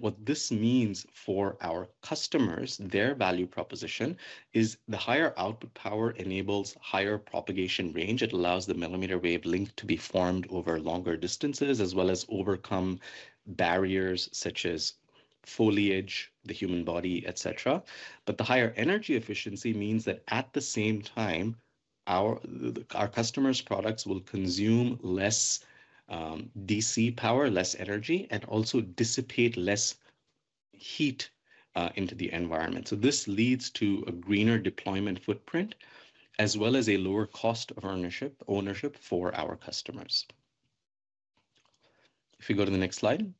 What this means for our customers, their value proposition is the higher output power enables higher propagation range. It allows the millimeter wave link to be formed over longer distances as well as overcome barriers such as foliage, the human body, etc. The higher energy efficiency means that at the same time, our customers' products will consume less DC power, less energy, and also dissipate less heat into the environment. This leads to a greener deployment footprint as well as a lower cost of ownership for our customers. If we go to the next slide.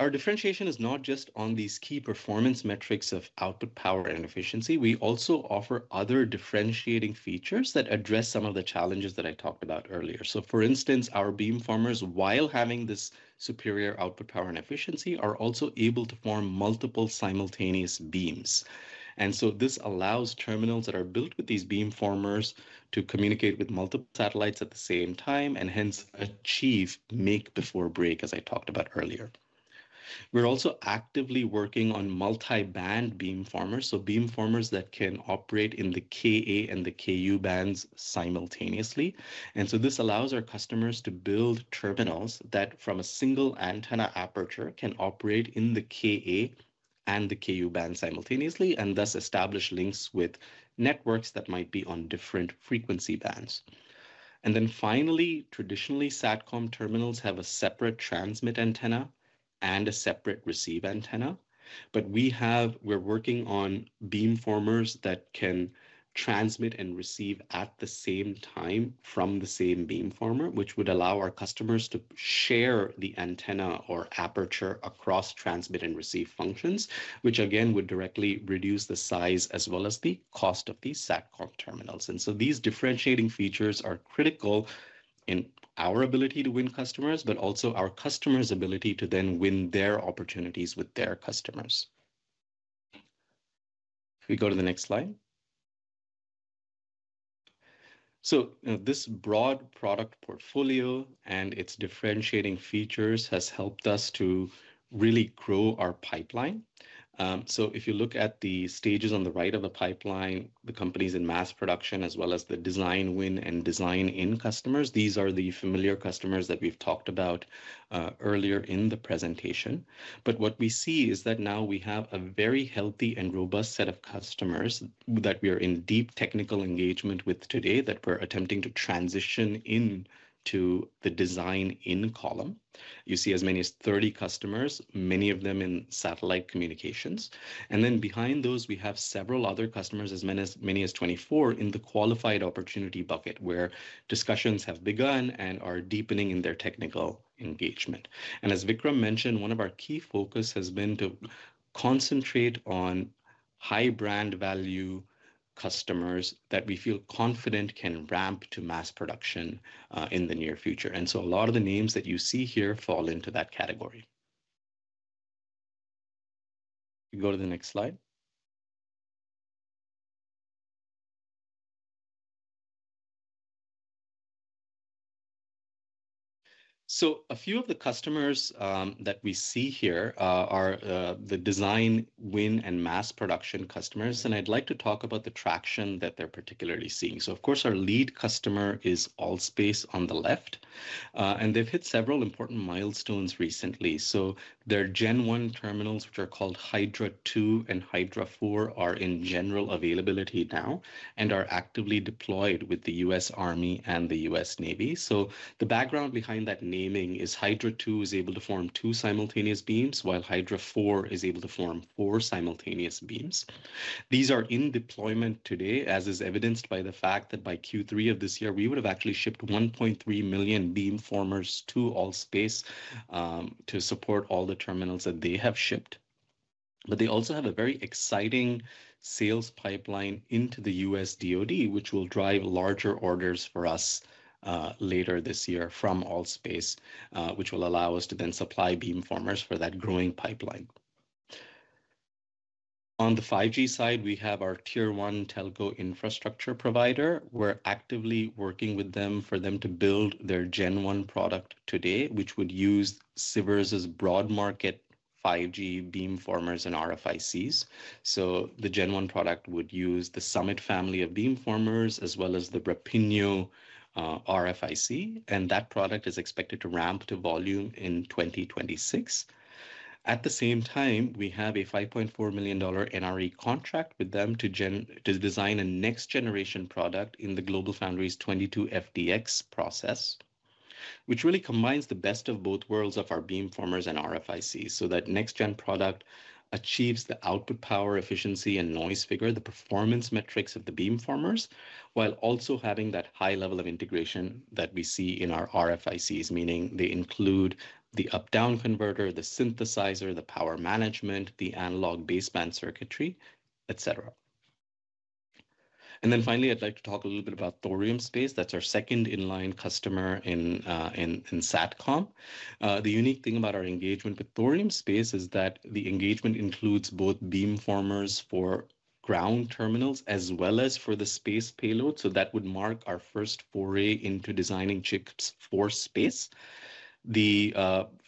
Our differentiation is not just on these key performance metrics of output power and efficiency. We also offer other differentiating features that address some of the challenges that I talked about earlier. For instance, our beamformers, while having this superior output power and efficiency, are also able to form multiple simultaneous beams. This allows terminals that are built with these beamformers to communicate with multiple satellites at the same time and hence achieve make-before-break, as I talked about earlier. We're also actively working on multi-band beamformers, so beamformers that can operate in the Ka and the Ku-bands simultaneously. This allows our customers to build terminals that, from a single antenna aperture, can operate in the Ka and the Ku-band simultaneously and thus establish links with networks that might be on different frequency bands. Finally, traditionally, SATCOM terminals have a separate transmit antenna and a separate receive antenna. We're working on beamformers that can transmit and receive at the same time from the same beamformer, which would allow our customers to share the antenna or aperture across transmit and receive functions, which again would directly reduce the size as well as the cost of these SATCOM terminals. These differentiating features are critical in our ability to win customers, but also our customers' ability to then win their opportunities with their customers. If we go to the next slide. This broad product portfolio and its differentiating features has helped us to really grow our pipeline. If you look at the stages on the right of the pipeline, the companies in mass production as well as the design win and design in customers, these are the familiar customers that we've talked about earlier in the presentation. What we see is that now we have a very healthy and robust set of customers that we are in deep technical engagement with today that we're attempting to transition into the design in column. You see as many as 30 customers, many of them in satellite communications. Behind those, we have several other customers, as many as 24 in the qualified opportunity bucket where discussions have begun and are deepening in their technical engagement. As Vickram mentioned, one of our key focuses has been to concentrate on high-brand value customers that we feel confident can ramp to mass production in the near future. A lot of the names that you see here fall into that category. If we go to the next slide. A few of the customers that we see here are the design win and mass production customers. I'd like to talk about the traction that they're particularly seeing. Of course, our lead customer is ALL.SPACE on the left. They've hit several important milestones recently. Their Gen 1 terminals, which are called Hydra 2 and Hydra 4, are in general availability now and are actively deployed with the U.S. Army and the U.S. Navy. The background behind that naming is Hydra 2 is able to form two simultaneous beams, while Hydra 4 is able to form four simultaneous beams. These are in deployment today, as is evidenced by the fact that by Q3 of this year, we would have actually shipped 1.3 million beamformers to ALL.SPACE to support all the terminals that they have shipped. They also have a very exciting sales pipeline into the U.S. DOD, which will drive larger orders for us later this year from ALL.SPACE, which will allow us to then supply beamformers for that growing pipeline. On the 5G side, we have our Tier 1 telco infrastructure provider. We're actively working with them for them to build their Gen 1 product today, which would use Sivers' broad market 5G beamformers and RFICs. The Gen 1 product would use the Summit Family of beamformers as well as the Rapenio RFIC. That product is expected to ramp to volume in 2026. At the same time, we have a $5.4 million NRE contract with them to design a next-generation product in the GlobalFoundries 22FDX process, which really combines the best of both worlds of our beamformers and RFICs so that next-gen product achieves the output power, efficiency, and noise figure, the performance metrics of the beamformers, while also having that high level of integration that we see in our RFICs, meaning they include the up-down converter, the synthesizer, the power management, the analog baseband circuitry, etc. Finally, I'd like to talk a little bit about Thorium Space. That's our second in-line customer in SATCOM. The unique thing about our engagement with Thorium Space is that the engagement includes both beamformers for ground terminals as well as for the space payload. That would mark our first foray into designing chips for space. The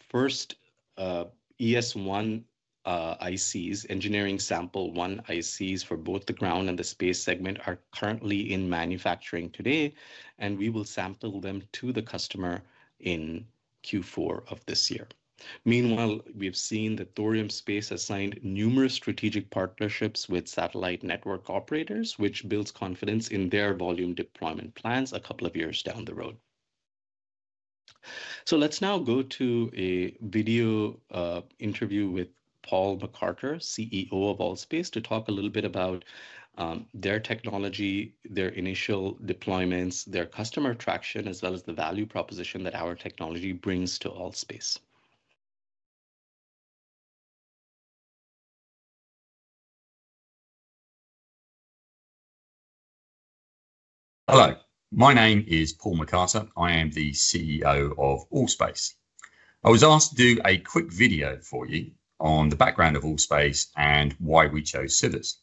first ES1 ICs, engineering sample 1 ICs for both the ground and the space segment, are currently in manufacturing today. We will sample them to the customer in Q4 of this year. Meanwhile, we have seen that Thorium Space has signed numerous strategic partnerships with satellite network operators, which builds confidence in their volume deployment plans a couple of years down the road. Let's now go to a video interview with Paul McCarter, CEO of ALL.SPACE, to talk a little bit about their technology, their initial deployments, their customer traction, as well as the value proposition that our technology brings to ALL.SPACE. Hello. My name is Paul McCarter. I am the CEO of ALL.SPACE. I was asked to do a quick video for you on the background of ALL.SPACE and why we chose Sivers.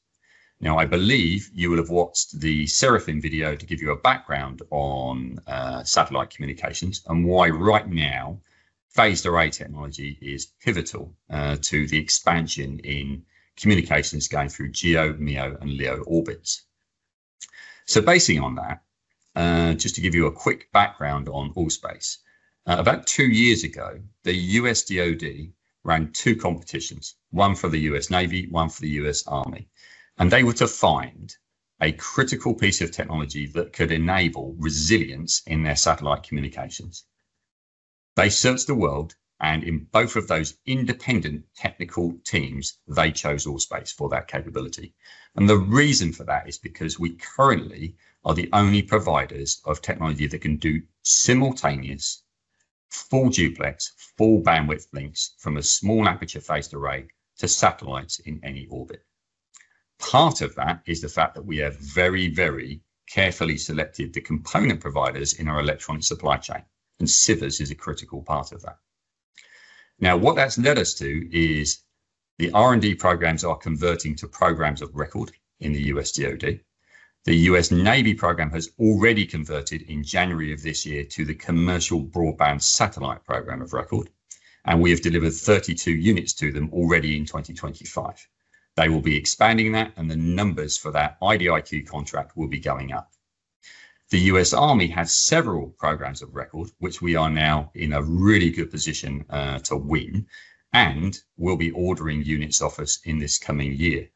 Now, I believe you will have watched the Seraphim video to give you a background on satellite communications and why right now phased array technology is pivotal to the expansion in communications going through GEO, MEO, and LEO orbits. Basing on that, just to give you a quick background on ALL.SPACE, about two years ago, the U.S. DOD ran two competitions, one for the U.S. Navy, one for the U.S. Army. They were to find a critical piece of technology that could enable resilience in their satellite communications. They searched the world, and in both of those independent technical teams, they chose ALL.SPACE for that capability. The reason for that is because we currently are the only providers of technology that can do simultaneous full duplex, full bandwidth links from a small aperture phased array to satellites in any orbit. Part of that is the fact that we have very, very carefully selected the component providers in our electronic supply chain. And Sivers is a critical part of that. What that's led us to is the R&D programs are converting to programs of record in the U.S. DOD. The U.S. Navy program has already converted in January of this year to the commercial broadband satellite program of record. We have delivered 32 units to them already in 2025. They will be expanding that, and the numbers for that IDRQ contract will be going up. The U.S. Army has several programs of record, which we are now in a really good position to win and will be ordering units off us in this coming year.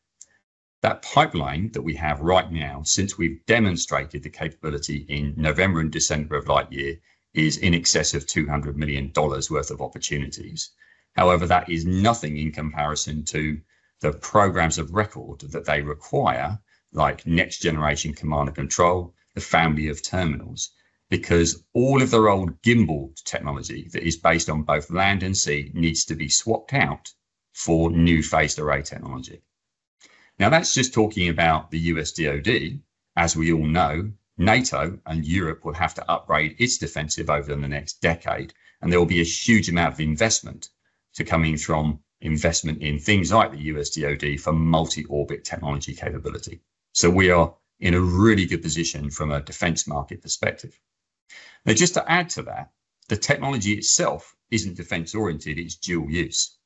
That pipeline that we have right now, since we've demonstrated the capability in November and December of last year, is in excess of $200 million worth of opportunities. However, that is nothing in comparison to the programs of record that they require, like next-generation command and control, the family of terminals, because all of the old gimbal technology that is based on both land and sea needs to be swapped out for new phased array technology. Now, that's just talking about the U.S. DOD. As we all know, NATO and Europe will have to upgrade its defensive over the next decade, and there will be a huge amount of investment coming from investment in things like the U.S. DOD for multi-orbit technology capability. We are in a really good position from a defense market perspective. Now, just to add to that, the technology itself isn't defense-oriented. It's dual use.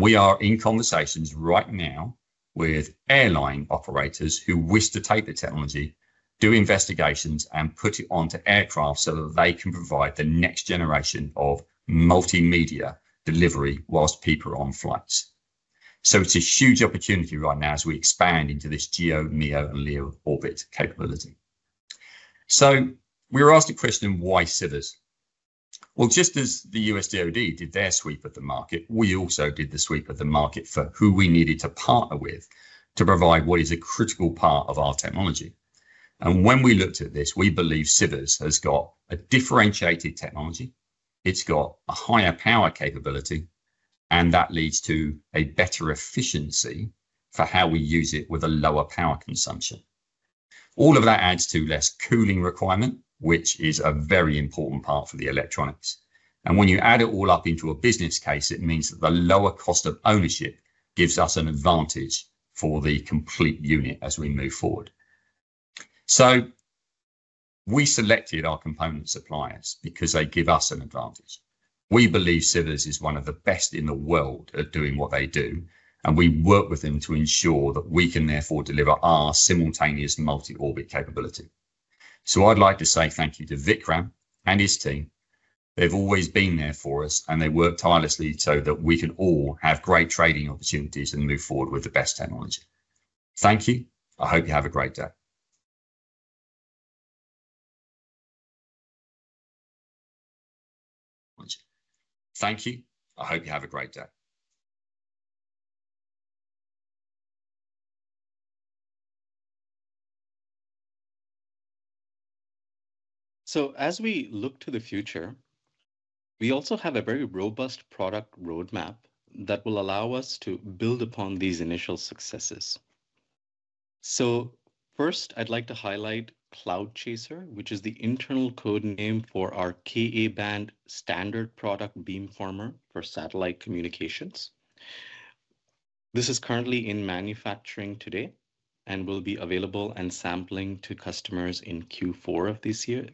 We are in conversations right now with airline operators who wish to take the technology, do investigations, and put it onto aircraft so that they can provide the next generation of multimedia delivery whilst people are on flights. It's a huge opportunity right now as we expand into this GEO, MEO, and LEO orbit capability. We were asked the question, why Sivers? Just as the U.S. DOD did their sweep of the market, we also did the sweep of the market for who we needed to partner with to provide what is a critical part of our technology. When we looked at this, we believe Sivers has got a differentiated technology. It has got a higher power capability, and that leads to a better efficiency for how we use it with a lower power consumption. All of that adds to less cooling requirement, which is a very important part for the electronics. When you add it all up into a business case, it means that the lower cost of ownership gives us an advantage for the complete unit as we move forward. We selected our component suppliers because they give us an advantage. We believe Sivers is one of the best in the world at doing what they do, and we work with them to ensure that we can therefore deliver our simultaneous multi-orbit capability. I'd like to say thank you to Vickram and his team. They've always been there for us, and they work tirelessly so that we can all have great trading opportunities and move forward with the best technology. Thank you. I hope you have a great day. As we look to the future, we also have a very robust product roadmap that will allow us to build upon these initial successes. First, I'd like to highlight Cloud Chaser, which is the internal code name for our Ka-band standard product beamformer for satellite communications. This is currently in manufacturing today and will be available and sampling to customers in Q4 of this year.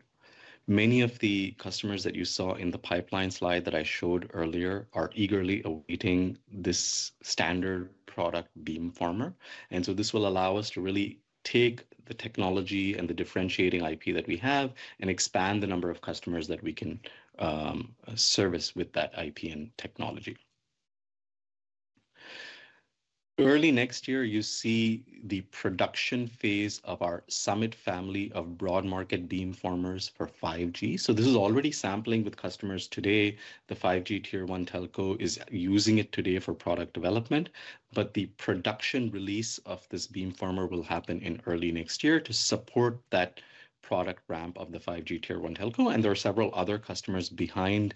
Many of the customers that you saw in the pipeline slide that I showed earlier are eagerly awaiting this standard product beamformer. This will allow us to really take the technology and the differentiating IP that we have and expand the number of customers that we can service with that IP and technology. Early next year, you see the production phase of our Summit family of broad market beamformers for 5G. This is already sampling with customers today. The 5G Tier 1 telco is using it today for product development, but the production release of this beamformer will happen in early next year to support that product ramp of the 5G Tier 1 telco. There are several other customers behind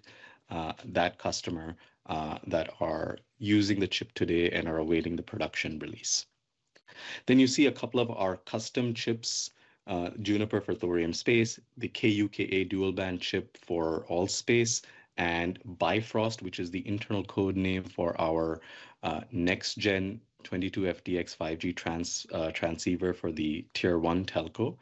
that customer that are using the chip today and are awaiting the production release. You see a couple of our custom chips, Juniper for Thorium Space, the Ku&Ka dual-band chip for ALL.SPACE, and BIFROST, which is the internal code name for our next-gen 22FDX 5G transceiver for the Tier 1 telco.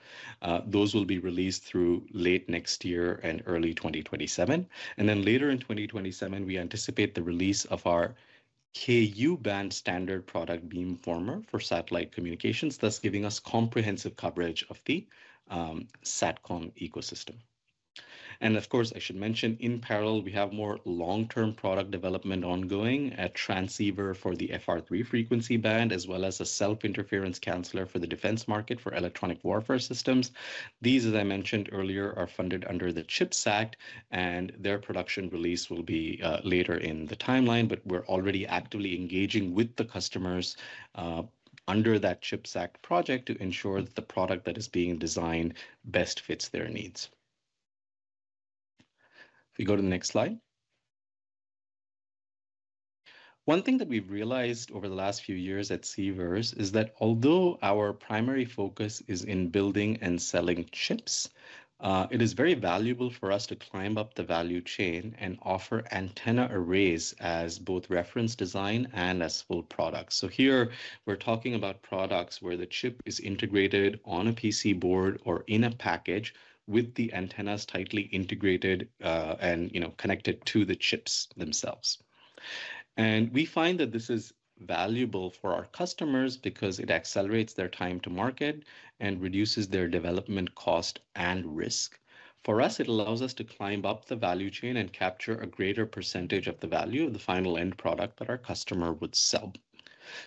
Those will be released through late next year and early 2027. Later in 2027, we anticipate the release of our Ku-band standard product beamformer for satellite communications, thus giving us comprehensive coverage of the SATCOM ecosystem. Of course, I should mention in parallel, we have more long-term product development ongoing at transceiver for the FR3 frequency band, as well as a self-interference counselor for the defense market for electronic warfare systems. These, as I mentioned earlier, are funded under the CHIPS Act, and their production release will be later in the timeline, but we're already actively engaging with the customers under that CHIPS Act project to ensure that the product that is being designed best fits their needs. If we go to the next slide. One thing that we've realized over the last few years at Sivers is that although our primary focus is in building and selling chips, it is very valuable for us to climb up the value chain and offer antenna arrays as both reference design and as full products. Here we're talking about products where the chip is integrated on a PC board or in a package with the antennas tightly integrated and connected to the chips themselves. We find that this is valuable for our customers because it accelerates their time to market and reduces their development cost and risk. For us, it allows us to climb up the value chain and capture a greater percentage of the value of the final end product that our customer would sell.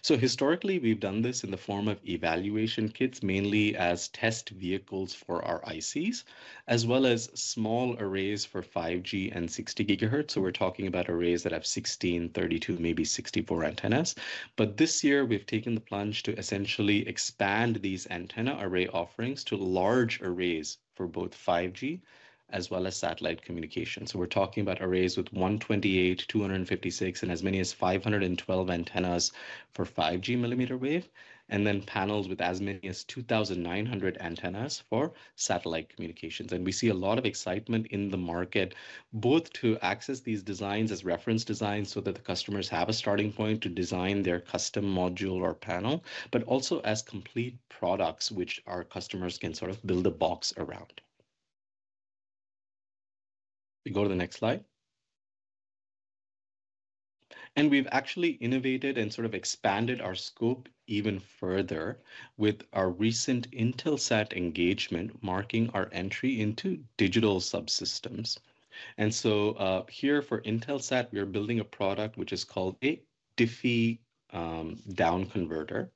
Historically, we've done this in the form of evaluation kits, mainly as test vehicles for our ICs, as well as small arrays for 5G and 60 GHz. We're talking about arrays that have 16, 32, maybe 64 antennas. This year, we've taken the plunge to essentially expand these antenna array offerings to large arrays for both 5G as well as satellite communications. We're talking about arrays with 128, 256, and as many as 512 antennas for 5G mm wave, and then panels with as many as 2,900 antennas for satellite communications. We see a lot of excitement in the market both to access these designs as reference designs so that the customers have a starting point to design their custom module or panel, but also as complete products which our customers can sort of build a box around. We go to the next slide. We have actually innovated and sort of expanded our scope even further with our recent Intelsat engagement marking our entry into digital subsystems. Here for Intelsat, we are building a product which is called a DIFI down converter.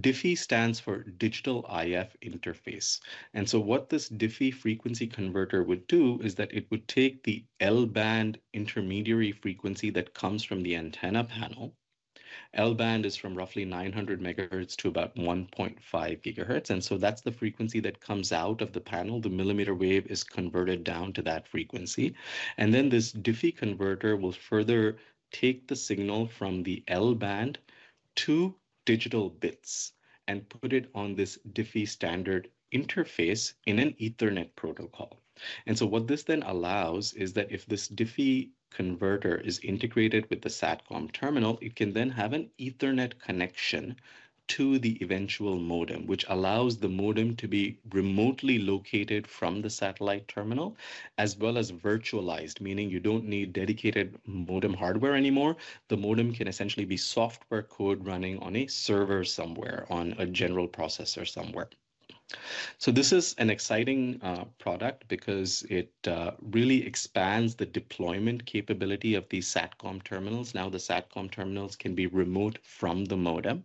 DIFI stands for digital IF interface. What this DIFI frequency converter would do is that it would take the L-band intermediary frequency that comes from the antenna panel. L-band is from roughly 900 MHz to about 1.5. That is the frequency that comes out of the panel. The millimeter wave is converted down to that frequency. This DIFI converter will further take the signal from the L-band to digital bits and put it on this DIFI standard interface in an Ethernet protocol. What this then allows is that if this DIFI converter is integrated with the SATCOM terminal, it can have an Ethernet connection to the eventual modem, which allows the modem to be remotely located from the satellite terminal as well as virtualized, meaning you do not need dedicated modem hardware anymore. The modem can essentially be software code running on a server somewhere, on a general processor somewhere. This is an exciting product because it really expands the deployment capability of these SATCOM terminals. Now, the SATCOM terminals can be remote from the modem.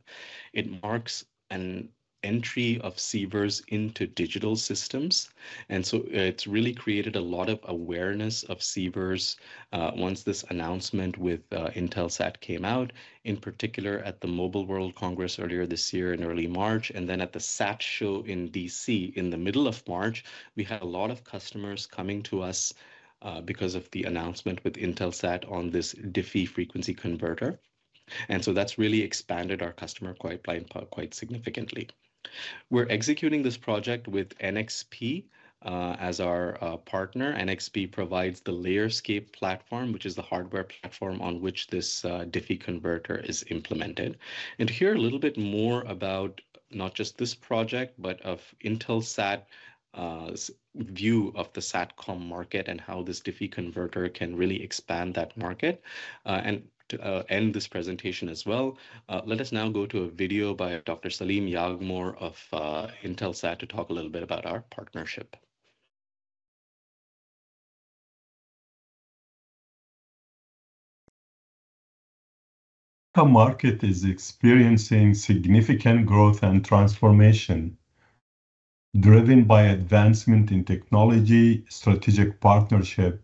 It marks an entry of Sivers into digital systems. It has really created a lot of awareness of Sivers once this announcement with Intelsat came out, in particular at the Mobile World Congress earlier this year in early March. At the SAT Show in Washington, DC in the middle of March, we had a lot of customers coming to us because of the announcement with Intelsat on this DIFI frequency converter. That has really expanded our customer base quite significantly. We are executing this project with NXP as our partner. NXP provides the Layerscape platform, which is the hardware platform on which this DIFI converter is implemented. To hear a little bit more about not just this project, but also Intelsat's view of the SATCOM market and how this DIFI converter can really expand that market, and to end this presentation as well, let us now go to a video by Dr. Salim Yaghmour of Intelsat to talk a little bit about our partnership. The market is experiencing significant growth and transformation driven by advancement in technology, strategic partnership,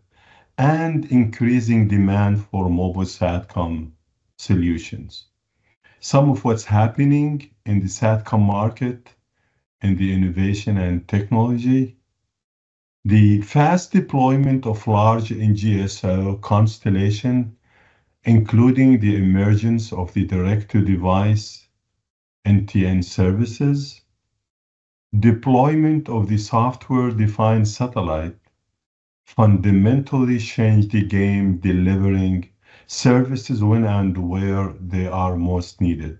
and increasing demand for mobile SATCOM solutions. Some of what's happening in the SATCOM market and the innovation and technology, the fast deployment of large NGSO constellation, including the emergence of the direct-to-device NTN services, deployment of the software-defined satellite fundamentally changed the game delivering services when and where they are most needed,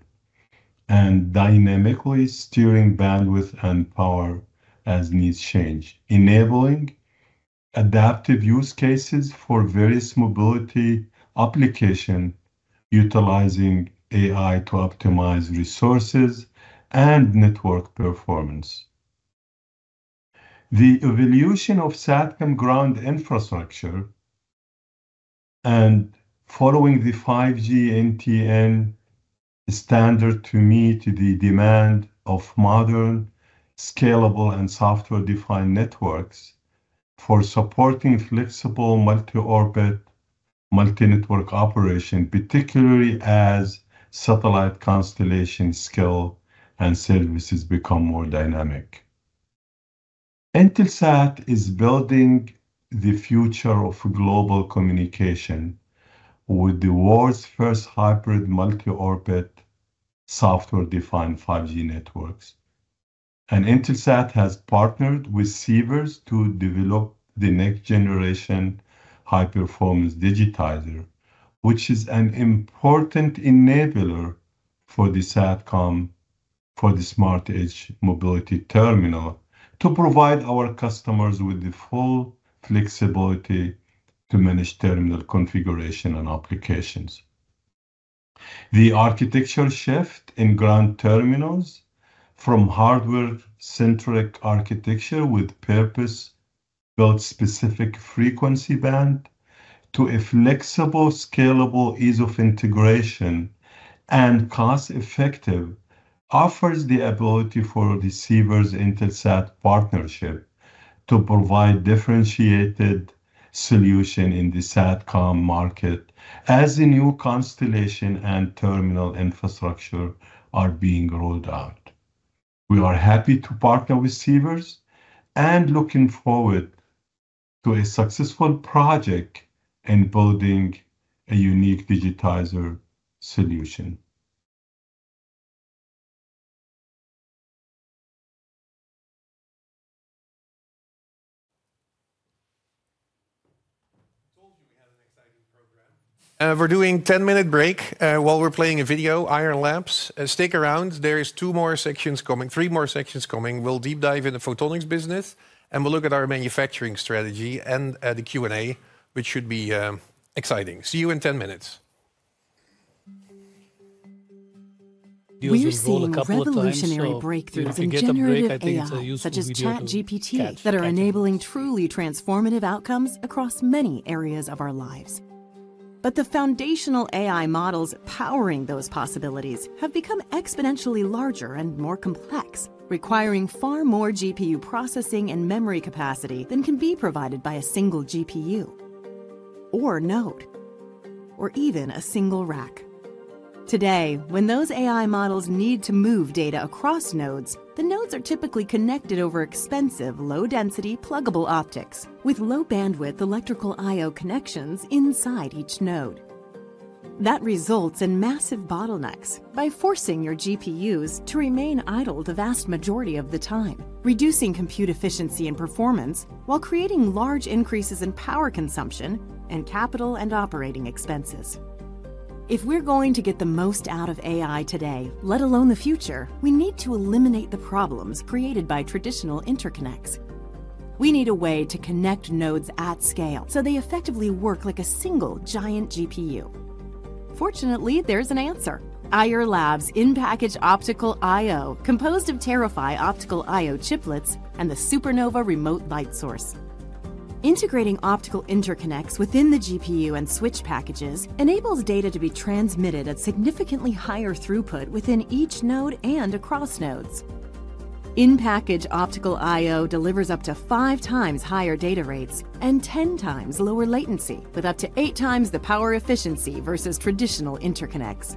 and dynamically steering bandwidth and power as needs change, enabling adaptive use cases for various mobility applications, utilizing AI to optimize resources and network performance. The evolution of SATCOM ground infrastructure and following the 5G NTN standard to meet the demand of modern scalable and software-defined networks for supporting flexible multi-orbit, multi-network operation, particularly as satellite constellation scale and services become more dynamic. Intelsat is building the future of global communication with the world's first hybrid multi-orbit software-defined 5G networks. Intelsat has partnered with Sivers to develop the next generation high-performance digitizer, which is an important enabler for the SATCOM for the smart-edge mobility terminal to provide our customers with the full flexibility to manage terminal configuration and applications. The architecture shift in ground terminals from hardware-centric architecture with purpose-built specific frequency band to a flexible, scalable, ease of integration, and cost-effective offers the ability for the Sivers Intelsat partnership to provide differentiated solutions in the SATCOM market as a new constellation and terminal infrastructure are being rolled out. We are happy to partner with Sivers and looking forward to a successful project in building a unique digitizer solution. We told you we had an exciting program. We're doing a 10-minute break while we're playing a video, Ayar Labs. Stick around. There are two more sections coming, three more sections coming. We'll deep dive into the photonics business, and we'll look at our manufacturing strategy and the Q&A, which should be exciting. See you in 10 minutes. We're seeing evolutionary breakthroughs in technology, such as ChatGPT, that are enabling truly transformative outcomes across many areas of our lives. The foundational AI models powering those possibilities have become exponentially larger and more complex, requiring far more GPU processing and memory capacity than can be provided by a single GPU, or node, or even a single rack. Today, when those AI models need to move data across nodes, the nodes are typically connected over expensive, low-density, pluggable optics with low-bandwidth electrical I/O connections inside each node. That results in massive bottlenecks by forcing your GPUs to remain idle the vast majority of the time, reducing compute efficiency and performance while creating large increases in power consumption and capital and operating expenses. If we're going to get the most out of AI today, let alone the future, we need to eliminate the problems created by traditional interconnects. We need a way to connect nodes at scale so they effectively work like a single giant GPU. Fortunately, there's an answer. Ayar Labs in-package optical I/O composed of Terrify optical I/O chiplets and the Supernova remote light source. Integrating optical interconnects within the GPU and switch packages enables data to be transmitted at significantly higher throughput within each node and across nodes. In-package optical I/O delivers up to five times higher data rates and 10 times lower latency, with up to eight times the power efficiency versus traditional interconnects.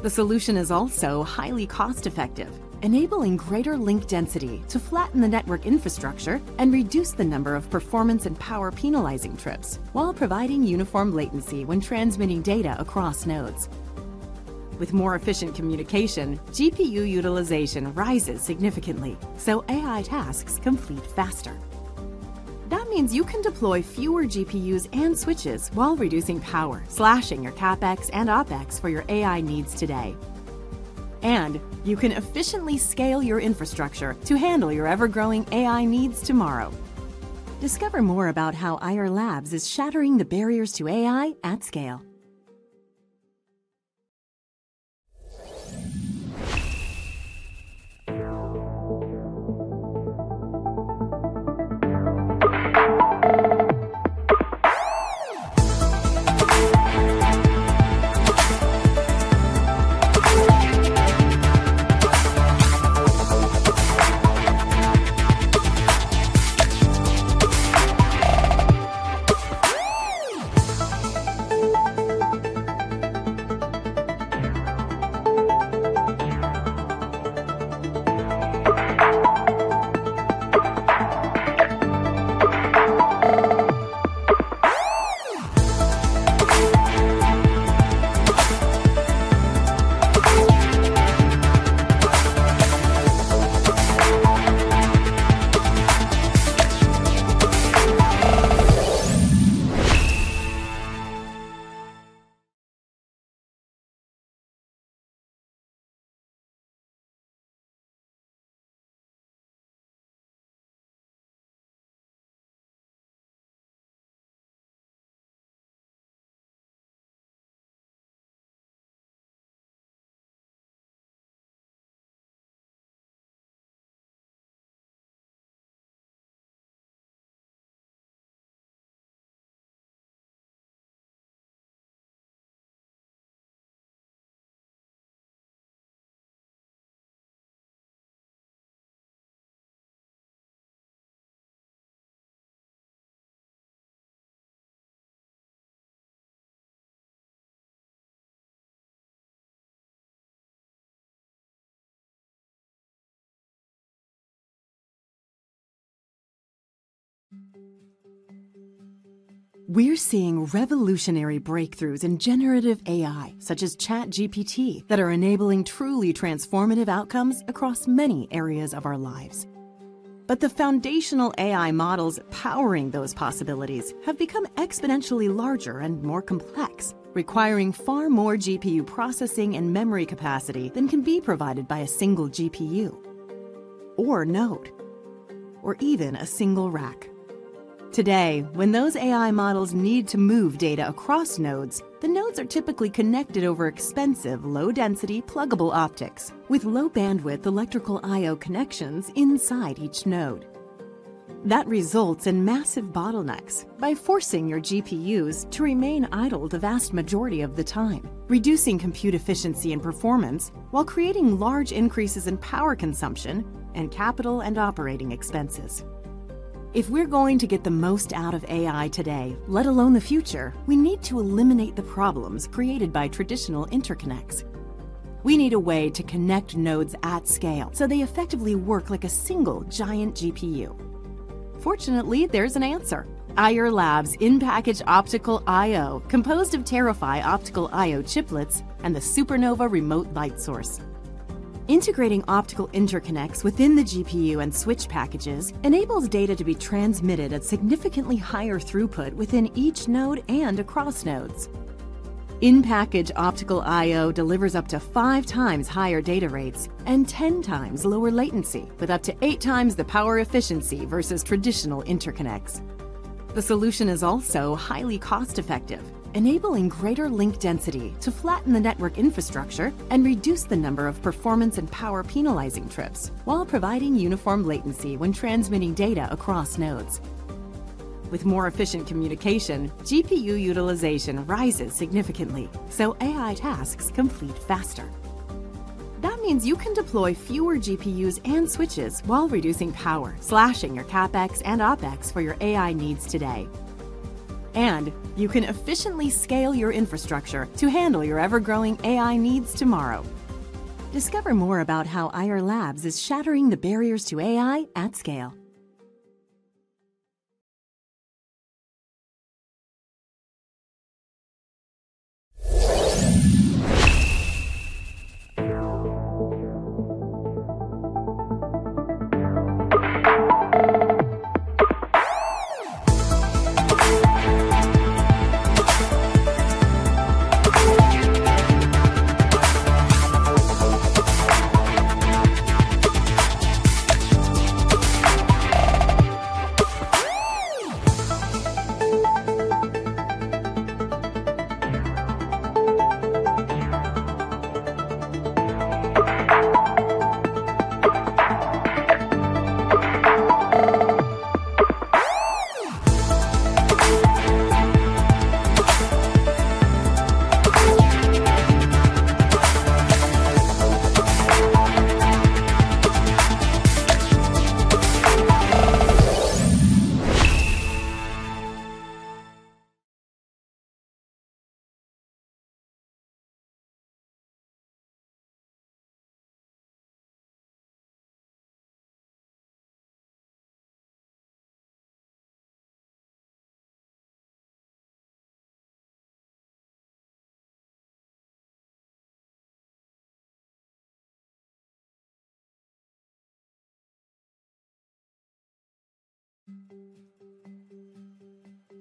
The solution is also highly cost-effective, enabling greater link density to flatten the network infrastructure and reduce the number of performance and power penalizing trips while providing uniform latency when transmitting data across nodes. With more efficient communication, GPU utilization rises significantly, so AI tasks complete faster. That means you can deploy fewer GPUs and switches while reducing power, slashing your CapEx and OpEx for your AI needs today. You can efficiently scale your infrastructure to handle your ever-growing AI needs tomorrow. Discover more about how Ayar Labs is shattering the barriers to AI at scale. We're seeing revolutionary breakthroughs in generative AI, such as ChatGPT, that are enabling truly transformative outcomes across many areas of our lives. The foundational AI models powering those possibilities have become exponentially larger and more complex, requiring far more GPU processing and memory capacity than can be provided by a single GPU, or node, or even a single rack. Today, when those AI models need to move data across nodes, the nodes are typically connected over expensive, low-density, pluggable optics with low-bandwidth electrical I/O connections inside each node. That results in massive bottlenecks by forcing your GPUs to remain idle the vast majority of the time, reducing compute efficiency and performance while creating large increases in power consumption and capital and operating expenses. If we're going to get the most out of AI today, let alone the future, we need to eliminate the problems created by traditional interconnects. We need a way to connect nodes at scale so they effectively work like a single giant GPU. Fortunately, there's an answer. Ayar Labs in-package optical I/O composed of Terrify optical I/O chiplets and the Supernova remote light source. Integrating optical interconnects within the GPU and switch packages enables data to be transmitted at significantly higher throughput within each node and across nodes. In-package optical I/O delivers up to five times higher data rates and 10 times lower latency, with up to eight times the power efficiency versus traditional interconnects. The solution is also highly cost-effective, enabling greater link density to flatten the network infrastructure and reduce the number of performance and power penalizing trips while providing uniform latency when transmitting data across nodes. With more efficient communication, GPU utilization rises significantly, so AI tasks complete faster. That means you can deploy fewer GPUs and switches while reducing power, slashing your CapEx and OpEx for your AI needs today. You can efficiently scale your infrastructure to handle your ever-growing AI needs tomorrow. Discover more about how Ayar Labs is shattering the barriers to AI at scale.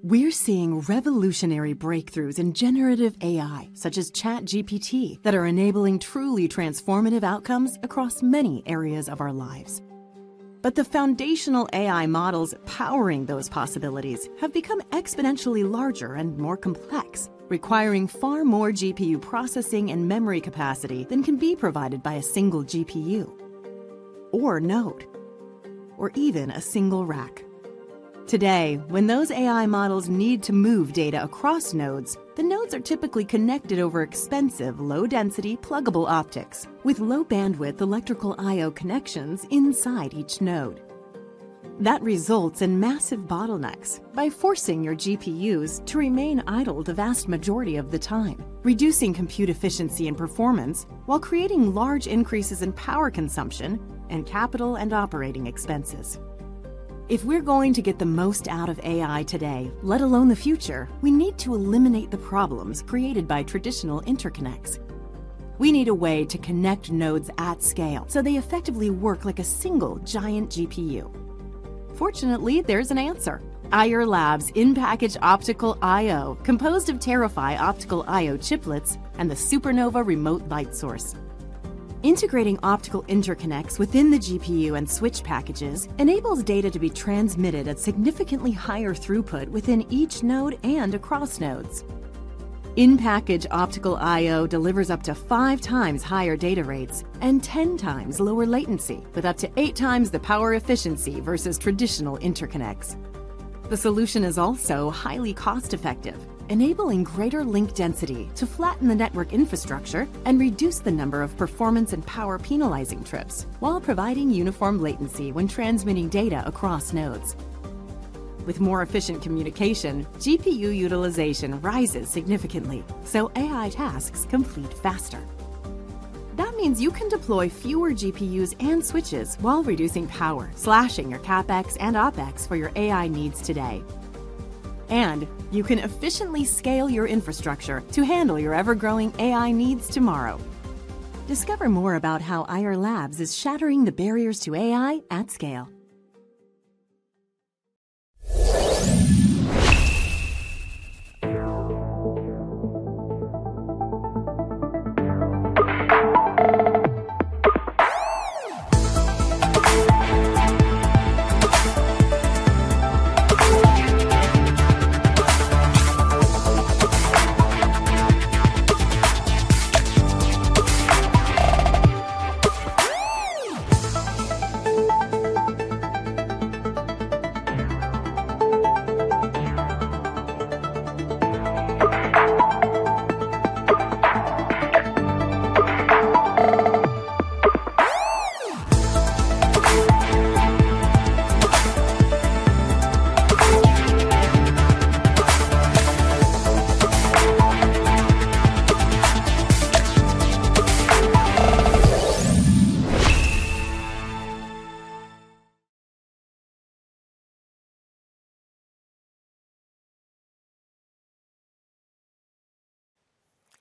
We're seeing revolutionary breakthroughs in generative AI, such as ChatGPT, that are enabling truly transformative outcomes across many areas of our lives. The foundational AI models powering those possibilities have become exponentially larger and more complex, requiring far more GPU processing and memory capacity than can be provided by a single GPU, or node, or even a single rack. Today, when those AI models need to move data across nodes, the nodes are typically connected over expensive, low-density, pluggable optics with low-bandwidth electrical I/O connections inside each node. That results in massive bottlenecks by forcing your GPUs to remain idle the vast majority of the time, reducing compute efficiency and performance while creating large increases in power consumption and capital and operating expenses. If we're going to get the most out of AI today, let alone the future, we need to eliminate the problems created by traditional interconnects. We need a way to connect nodes at scale so they effectively work like a single giant GPU. Fortunately, there's an answer. Ayar Labs in-package optical I/O composed of Terrify optical I/O chiplets and the Supernova remote light source. Integrating optical interconnects within the GPU and switch packages enables data to be transmitted at significantly higher throughput within each node and across nodes. In-package optical I/O delivers up to five times higher data rates and 10 times lower latency, with up to eight times the power efficiency versus traditional interconnects. The solution is also highly cost-effective, enabling greater link density to flatten the network infrastructure and reduce the number of performance and power penalizing trips while providing uniform latency when transmitting data across nodes. With more efficient communication, GPU utilization rises significantly, so AI tasks complete faster. That means you can deploy fewer GPUs and switches while reducing power, slashing your CapEx and OpEx for your AI needs today. You can efficiently scale your infrastructure to handle your ever-growing AI needs tomorrow. Discover more about how Ayar Labs is shattering the barriers to AI at scale.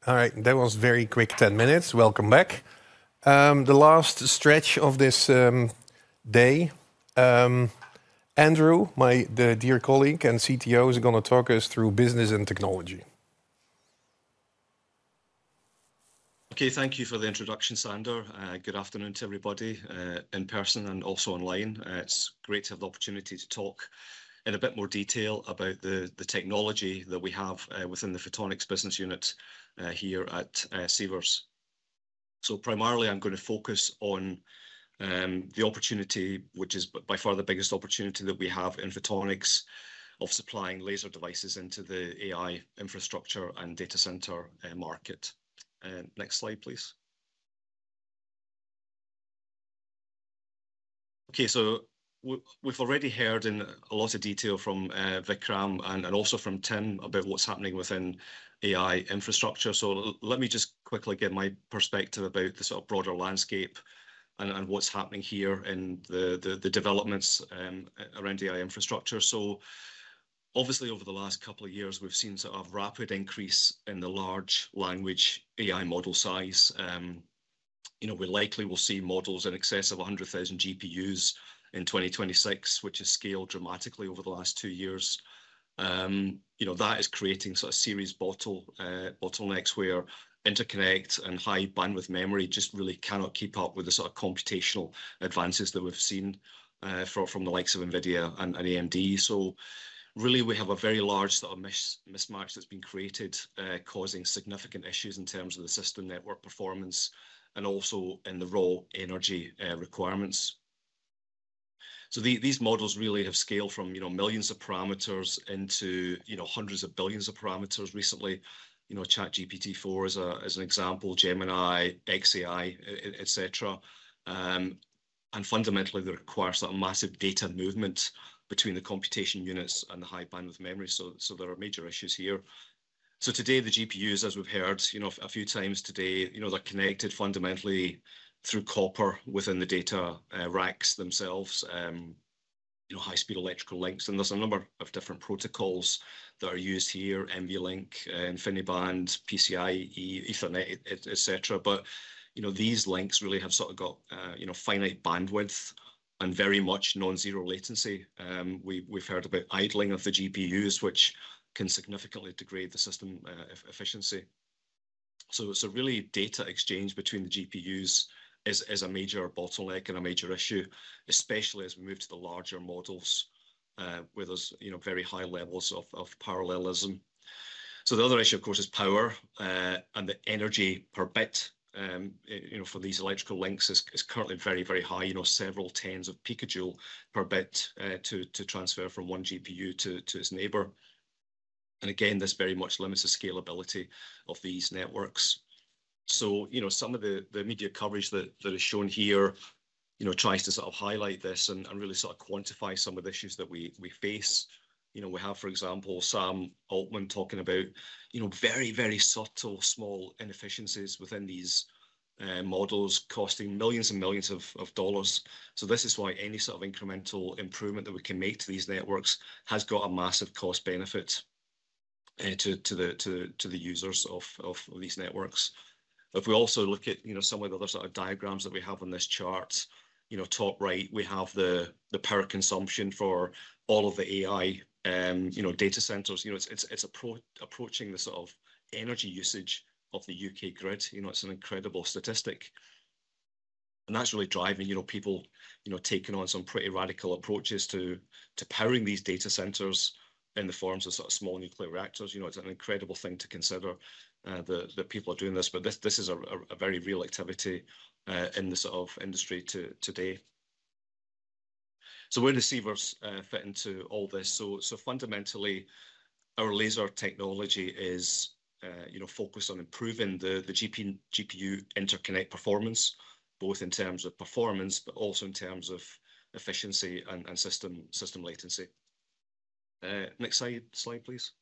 All right, that was a very quick 10 minutes. Welcome back. The last stretch of this day, Andrew, my dear colleague and CTO, is going to talk us through business and technology. Okay, thank you for the introduction, Sander. Good afternoon to everybody in person and also online. It's great to have the opportunity to talk in a bit more detail about the technology that we have within the Photonics Business Unit here at Sivers. Primarily, I'm going to focus on the opportunity, which is by far the biggest opportunity that we have in Photonics, of supplying laser devices into the AI infrastructure and data center market. Next slide, please. Okay, we've already heard in a lot of detail from Vickram and also from Tim about what's happening within AI infrastructure. Let me just quickly get my perspective about the sort of broader landscape and what's happening here in the developments around AI infrastructure. Obviously, over the last couple of years, we've seen sort of a rapid increase in the large language AI model size. You know, we likely will see models in excess of 100,000 GPUs in 2026, which has scaled dramatically over the last two years. You know, that is creating sort of serious bottlenecks where interconnect and high bandwidth memory just really cannot keep up with the sort of computational advances that we've seen from the likes of NVIDIA and AMD. You know, we have a very large sort of mismatch that's been created, causing significant issues in terms of the system network performance and also in the raw energy requirements. These models really have scaled from, you know, millions of parameters into, you know, hundreds of billions of parameters recently. You know, ChatGPT 4 is an example, Gemini, xAI, etc. Fundamentally, they require sort of massive data movement between the computation units and the high bandwidth memory. There are major issues here. Today, the GPUs, as we've heard, you know, a few times today, you know, they're connected fundamentally through copper within the data racks themselves, you know, high-speed electrical links. There's a number of different protocols that are used here: NVLink, InfiniBand, PCIe, Ethernet, etc. You know, these links really have sort of got, you know, finite bandwidth and very much non-zero latency. We've heard about idling of the GPUs, which can significantly degrade the system efficiency. Really, data exchange between the GPUs is a major bottleneck and a major issue, especially as we move to the larger models where there's, you know, very high levels of parallelism. The other issue, of course, is power and the energy per bit, you know, for these electrical links is currently very, very high, you know, several tens of picajoules per bit to transfer from one GPU to its neighbor. Again, this very much limits the scalability of these networks. You know, some of the media coverage that is shown here, you know, tries to sort of highlight this and really sort of quantify some of the issues that we face. You know, we have, for example, Sam Altman talking about, you know, very, very subtle small inefficiencies within these models costing millions and millions of dollars. This is why any sort of incremental improvement that we can make to these networks has got a massive cost benefit to the users of these networks. If we also look at, you know, some of the other sort of diagrams that we have on this chart, you know, top right, we have the power consumption for all of the AI, you know, data centers. You know, it's approaching the sort of energy usage of the U.K. grid. You know, it's an incredible statistic. That's really driving, you know, people, you know, taking on some pretty radical approaches to powering these data centers in the forms of sort of small nuclear reactors. You know, it's an incredible thing to consider that people are doing this. This is a very real activity in the sort of industry today. Where does Sivers fit into all this? Fundamentally, our laser technology is, you know, focused on improving the GPU interconnect performance, both in terms of performance, but also in terms of efficiency and system latency. Next slide, please.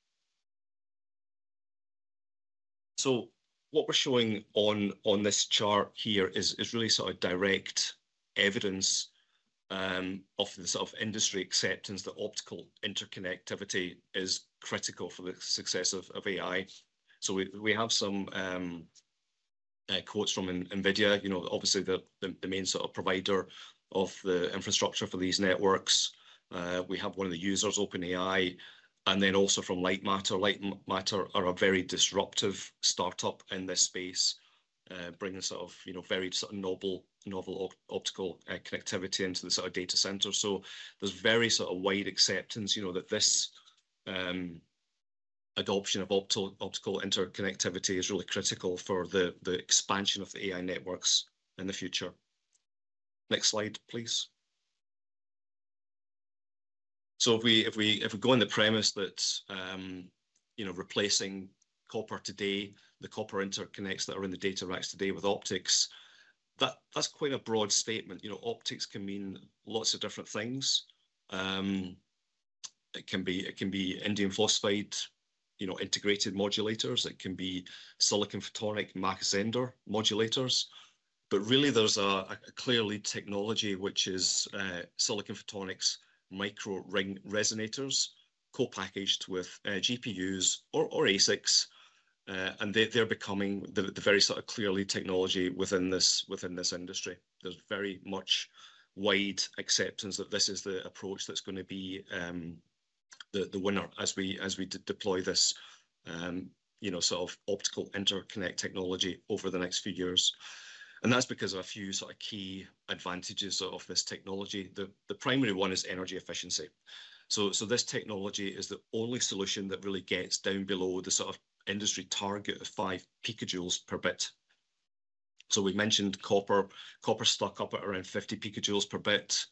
What we're showing on this chart here is really sort of direct evidence of the sort of industry acceptance that optical interconnectivity is critical for the success of AI. We have some quotes from NVIDIA, you know, obviously the main sort of provider of the infrastructure for these networks. We have one of the users, OpenAI, and then also from Lightmatter. Lightmatter are a very disruptive startup in this space, bringing sort of, you know, very sort of novel optical connectivity into the sort of data centers. There is very sort of wide acceptance, you know, that this adoption of optical interconnectivity is really critical for the expansion of the AI networks in the future. Next slide, please. If we go on the premise that, you know, replacing copper today, the copper interconnects that are in the data racks today with optics, that's quite a broad statement. You know, optics can mean lots of different things. It can be indium phosphide, you know, integrated modulators. It can be silicon photonic Mach-Zehnder modulators. But really, there's a clear lead technology, which is silicon photonics micro ring resonators co-packaged with GPUs or ASICs. And they're becoming the very sort of clear lead technology within this industry. There's very much wide acceptance that this is the approach that's going to be the winner as we deploy this, you know, sort of optical interconnect technology over the next few years. That's because of a few sort of key advantages of this technology. The primary one is energy efficiency. This technology is the only solution that really gets down below the sort of industry target of 5 picajoules per bit. We mentioned copper; copper is stuck up at around 50 picajoules per bit.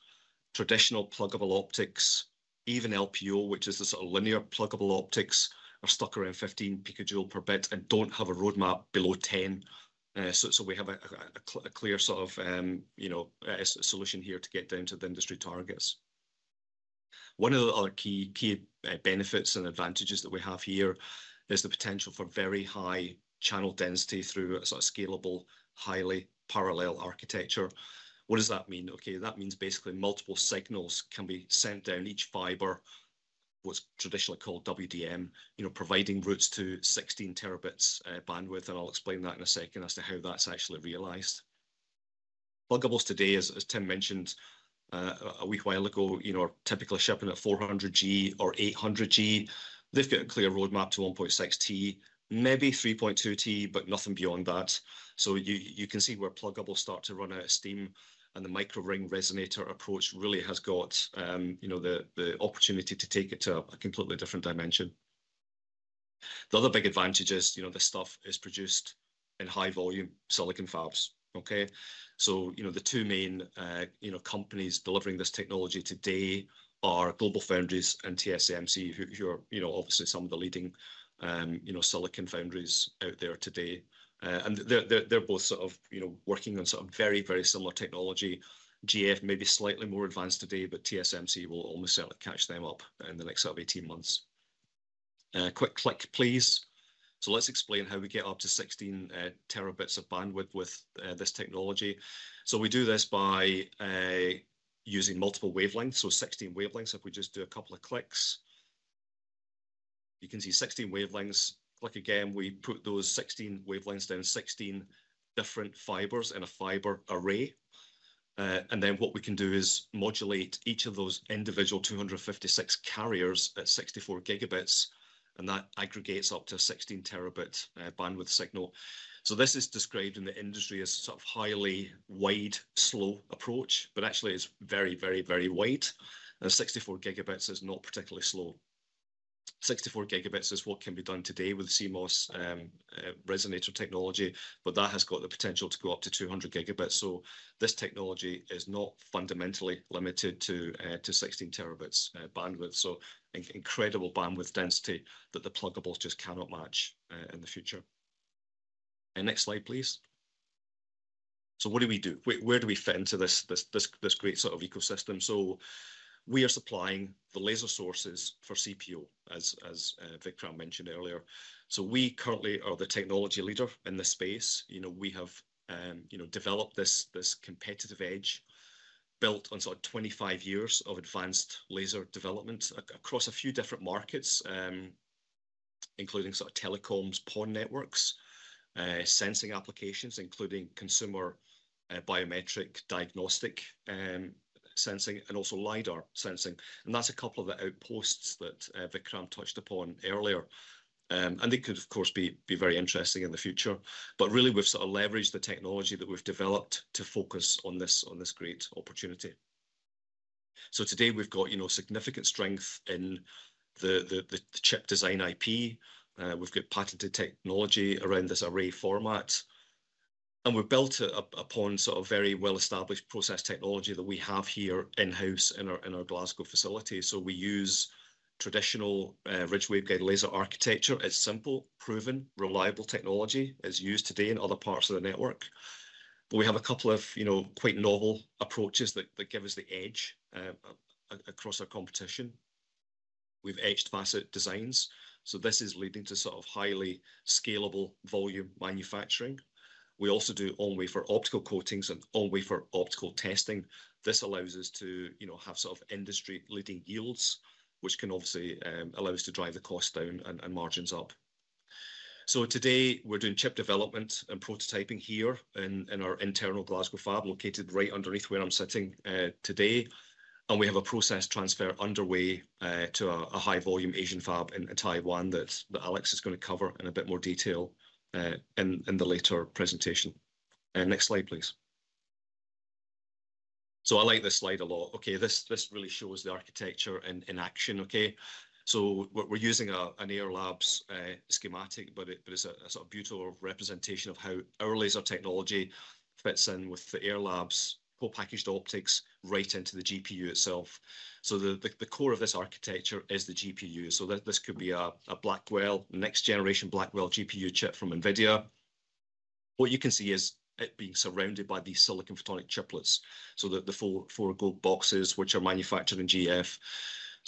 Traditional pluggable optics, even LPO, which is the sort of linear pluggable optics, are stuck around 15 picajoules per bit and do not have a roadmap below 10. We have a clear sort of, you know, solution here to get down to the industry targets. One of the other key benefits and advantages that we have here is the potential for very high channel density through a sort of scalable, highly parallel architecture. What does that mean? That means basically multiple signals can be sent down each fiber, what is traditionally called WDM, you know, providing routes to 16 terabits bandwidth. I will explain that in a second as to how that is actually realized. Pluggables today, as Tim mentioned a week while ago, you know, are typically shipping at 400G or 800G. They have got a clear roadmap to 1.6T, maybe 3.2T, but nothing beyond that. You can see where pluggables start to run out of steam. The micro ring resonator approach really has got, you know, the opportunity to take it to a completely different dimension. The other big advantage is, you know, this stuff is produced in high volume silicon fabs. Okay, you know, the two main companies delivering this technology today are GlobalFoundries and TSMC, who are, you know, obviously some of the leading silicon foundries out there today. They are both sort of, you know, working on very, very similar technology. GF may be slightly more advanced today, but TSMC will almost certainly catch them up in the next sort of 18 months. Quick click, please. Let's explain how we get up to 16 terabits of bandwidth with this technology. We do this by using multiple wavelengths. Sixteen wavelengths, if we just do a couple of clicks, you can see 16 wavelengths. Click again. We put those 16 wavelengths down 16 different fibers in a fiber array. Then what we can do is modulate each of those individual 256 carriers at 64 Gb. That aggregates up to a 16 terabit bandwidth signal. This is described in the industry as sort of highly wide, slow approach, but actually it's very, very, very wide. Sixty-four gigabits is not particularly slow. 64 Gb is what can be done today with CMOS resonator technology, but that has got the potential to go up to 200 GbThis technology is not fundamentally limited to 16 terabits bandwidth. Incredible bandwidth density that the pluggables just cannot match in the future. Next slide, please. What do we do? Where do we fit into this great sort of ecosystem? We are supplying the laser sources for CPO, as Vickram mentioned earlier. We currently are the technology leader in this space. You know, we have, you know, developed this competitive edge built on sort of 25 years of advanced laser development across a few different markets, including sort of telecoms, PON networks, sensing applications, including consumer biometric diagnostic sensing and also LiDAR sensing. That is a couple of the outposts that Vickram touched upon earlier. They could, of course, be very interesting in the future. Really, we've sort of leveraged the technology that we've developed to focus on this great opportunity. Today, we've got, you know, significant strength in the chip design IP. We've got patented technology around this array format. We've built upon sort of very well-established process technology that we have here in-house in our Glasgow facility. We use traditional ridge waveguide laser architecture. It's simple, proven, reliable technology. It's used today in other parts of the network. We have a couple of, you know, quite novel approaches that give us the edge across our competition. We've etched facet designs. This is leading to sort of highly scalable volume manufacturing. We also do on-wafer optical coatings and on-wafer optical testing. This allows us to, you know, have sort of industry-leading yields, which can obviously allow us to drive the cost down and margins up. Today, we're doing chip development and prototyping here in our internal Glasgow fab located right underneath where I'm sitting today. We have a process transfer underway to a high-volume Asian fab in Taiwan that Alex is going to cover in a bit more detail in the later presentation. Next slide, please. I like this slide a lot. This really shows the architecture in action. We're using an Ayar Labs schematic, but it's a sort of beautiful representation of how our laser technology fits in with the Ayar Labs co-packaged optics right into the GPU itself. The core of this architecture is the GPU. This could be a Blackwell, next-generation Blackwell GPU chip from NVIDIA. What you can see is it being surrounded by these silicon photonic chiplets. The four gold boxes, which are manufactured in GF.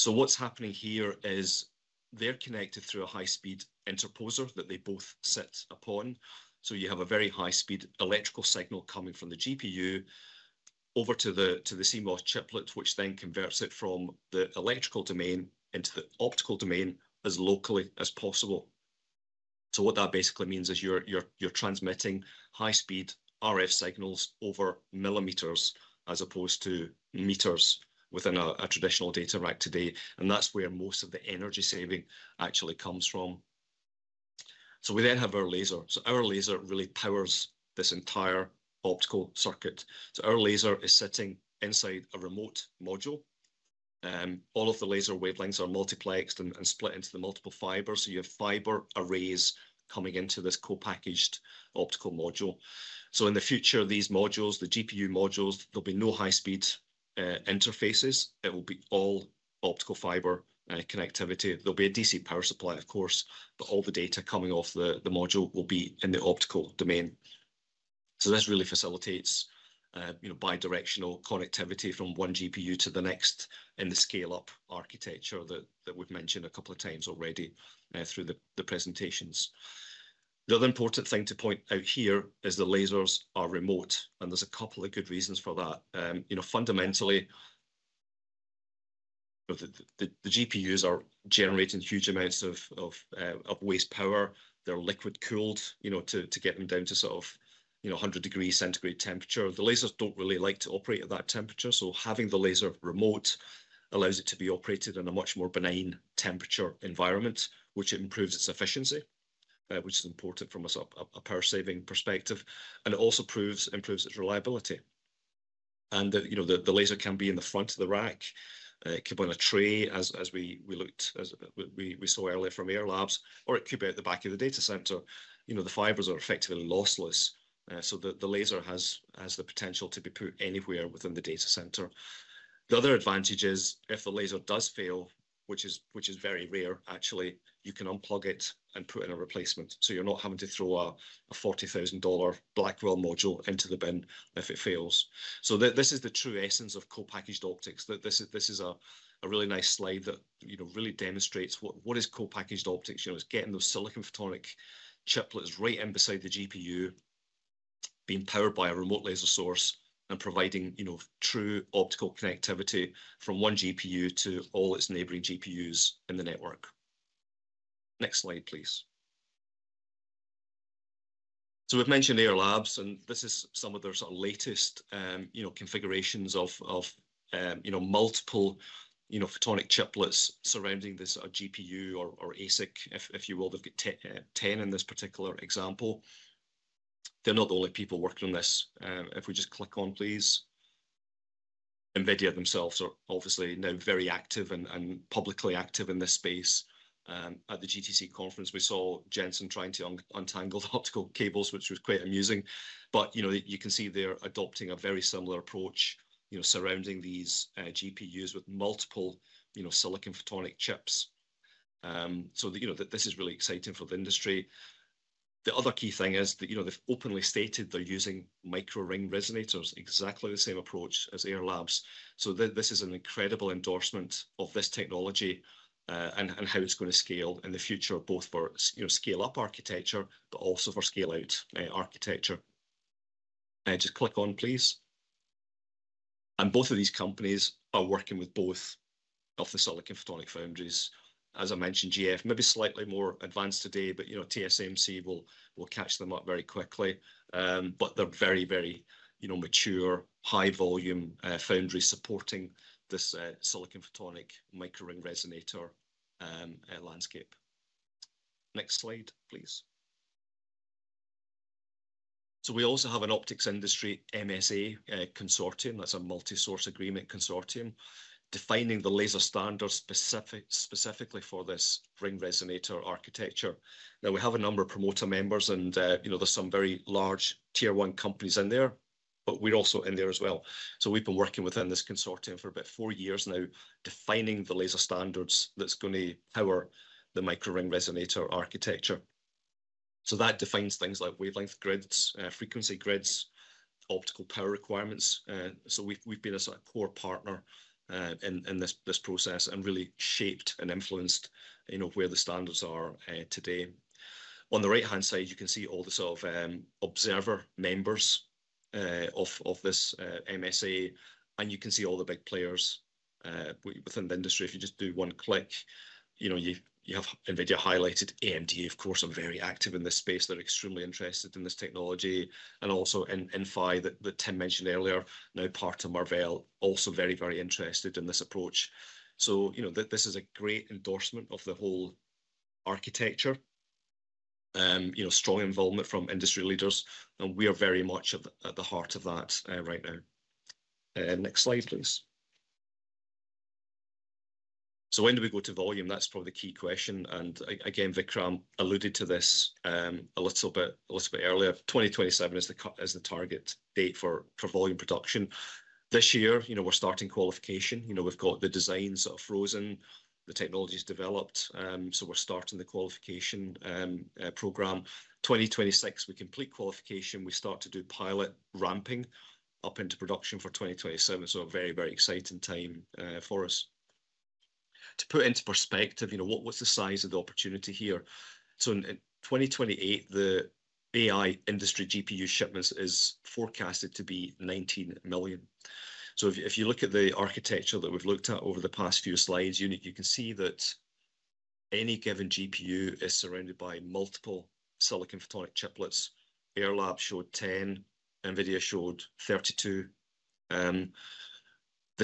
What's happening here is they're connected through a high-speed interposer that they both sit upon. You have a very high-speed electrical signal coming from the GPU over to the CMOS chiplet, which then converts it from the electrical domain into the optical domain as locally as possible. What that basically means is you're transmitting high-speed RF signals over millimeters as opposed to meters within a traditional data rack today. That's where most of the energy saving actually comes from. We then have our laser. Our laser really powers this entire optical circuit. Our laser is sitting inside a remote module. All of the laser wavelengths are multiplexed and split into the multiple fibers. You have fiber arrays coming into this co-packaged optical module. In the future, these modules, the GPU modules, there'll be no high-speed interfaces. It will be all optical fiber connectivity. There'll be a DC power supply, of course, but all the data coming off the module will be in the optical domain. This really facilitates, you know, bidirectional connectivity from one GPU to the next in the scale-up architecture that we've mentioned a couple of times already through the presentations. The other important thing to point out here is the lasers are remote. There's a couple of good reasons for that. You know, fundamentally, the GPUs are generating huge amounts of waste power. They're liquid-cooled, you know, to get them down to sort of, you know, 100 degrees Celsius temperature. The lasers don't really like to operate at that temperature. Having the laser remote allows it to be operated in a much more benign temperature environment, which improves its efficiency, which is important from a power-saving perspective. It also improves its reliability. You know, the laser can be in the front of the rack, it could be on a tray as we looked, as we saw earlier from Ayar Labs, or it could be at the back of the data center. You know, the fibers are effectively lossless. The laser has the potential to be put anywhere within the data center. The other advantage is if the laser does fail, which is very rare, actually, you can unplug it and put in a replacement. You're not having to throw a $40,000 Blackwell module into the bin if it fails. This is the true essence of co-packaged optics. This is a really nice slide that, you know, really demonstrates what is co-packaged optics. You know, it's getting those silicon photonic chiplets right in beside the GPU, being powered by a remote laser source and providing, you know, true optical connectivity from one GPU to all its neighboring GPUs in the network. Next slide, please. So we've mentioned Ayar Labs, and this is some of their sort of latest, you know, configurations of, you know, multiple, you know, photonic chiplets surrounding this sort of GPU or ASIC, if you will, they've got 10 in this particular example. They're not the only people working on this. If we just click on, please. NVIDIA themselves are obviously now very active and publicly active in this space. At the GTC conference, we saw Jensen trying to untangle the optical cables, which was quite amusing. You can see they're adopting a very similar approach, surrounding these GPUs with multiple silicon photonic chips. This is really exciting for the industry. The other key thing is that they've openly stated they're using micro ring resonators, exactly the same approach as Ayar Labs. This is an incredible endorsement of this technology and how it's going to scale in the future, both for scale-up architecture, but also for scale-out architecture. Just click on, please. Both of these companies are working with both of the silicon photonic foundries. As I mentioned, GlobalFoundries may be slightly more advanced today, but TSMC will catch them up very quickly. They're very, very mature, high-volume foundries supporting this silicon photonic micro ring resonator landscape. Next slide, please. We also have an optics industry MSA consortium. That's a multi-source agreement consortium defining the laser standards specifically for this ring resonator architecture. Now, we have a number of promoter members and, you know, there's some very large tier one companies in there, but we're also in there as well. We've been working within this consortium for about four years now, defining the laser standards that's going to power the micro ring resonator architecture. That defines things like wavelength grids, frequency grids, optical power requirements. We've been a sort of core partner in this process and really shaped and influenced, you know, where the standards are today. On the right-hand side, you can see all the sort of observer members of this MSA. You can see all the big players within the industry. If you just do one click, you know, you have Nvidia highlighted, AMD, of course, very active in this space. They're extremely interested in this technology. And also Inphi, that Tim mentioned earlier, now part of Marvell, also very, very interested in this approach. You know, this is a great endorsement of the whole architecture. You know, strong involvement from industry leaders. And we are very much at the heart of that right now. Next slide, please. When do we go to volume? That's probably the key question. Again, Vickram alluded to this a little bit earlier. 2027 is the target date for volume production. This year, you know, we're starting qualification. You know, we've got the designs that are frozen. The technology is developed. We're starting the qualification program. 2026, we complete qualification. We start to do pilot ramping up into production for 2027. A very, very exciting time for us. To put into perspective, you know, what's the size of the opportunity here? In 2028, the AI industry GPU shipments is forecasted to be 19 million. If you look at the architecture that we've looked at over the past few slides, you can see that any given GPU is surrounded by multiple silicon photonic chiplets. Ayar Labs showed 10. Nvidia showed 32. The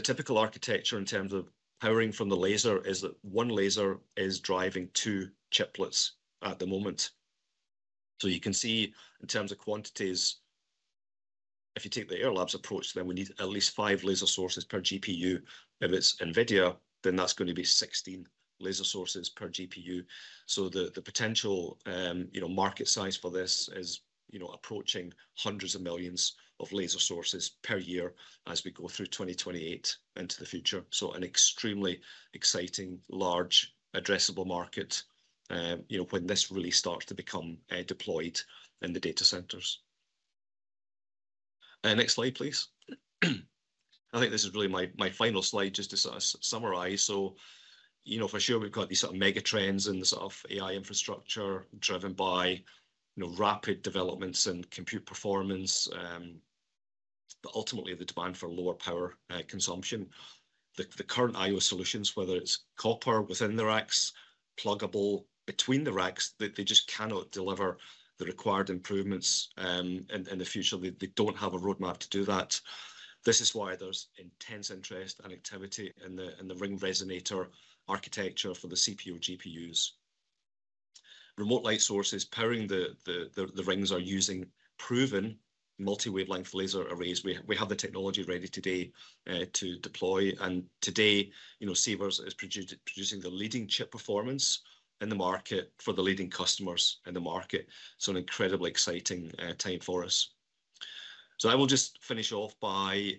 typical architecture in terms of powering from the laser is that one laser is driving two chiplets at the moment. You can see in terms of quantities, if you take the Ayar Labs approach, then we need at least five laser sources per GPU. If it's Nvidia, then that's going to be 16 laser sources per GPU. So the potential, you know, market size for this is, you know, approaching hundreds of millions of laser sources per year as we go through 2028 into the future. So an extremely exciting, large, addressable market, you know, when this really starts to become deployed in the data centers. Next slide, please. I think this is really my final slide just to sort of summarize. So, you know, for sure, we've got these sort of mega trends in the sort of AI infrastructure driven by, you know, rapid developments in compute performance. But ultimately, the demand for lower power consumption. The current IO solutions, whether it's copper within the racks, pluggable between the racks, they just cannot deliver the required improvements in the future. They do not have a roadmap to do that. This is why there's intense interest and activity in the ring resonator architecture for the CPU GPUs. Remote light sources powering the rings are using proven multi-wavelength laser arrays. We have the technology ready today to deploy. And today, you know, Sivers is producing the leading chip performance in the market for the leading customers in the market. So an incredibly exciting time for us. I will just finish off by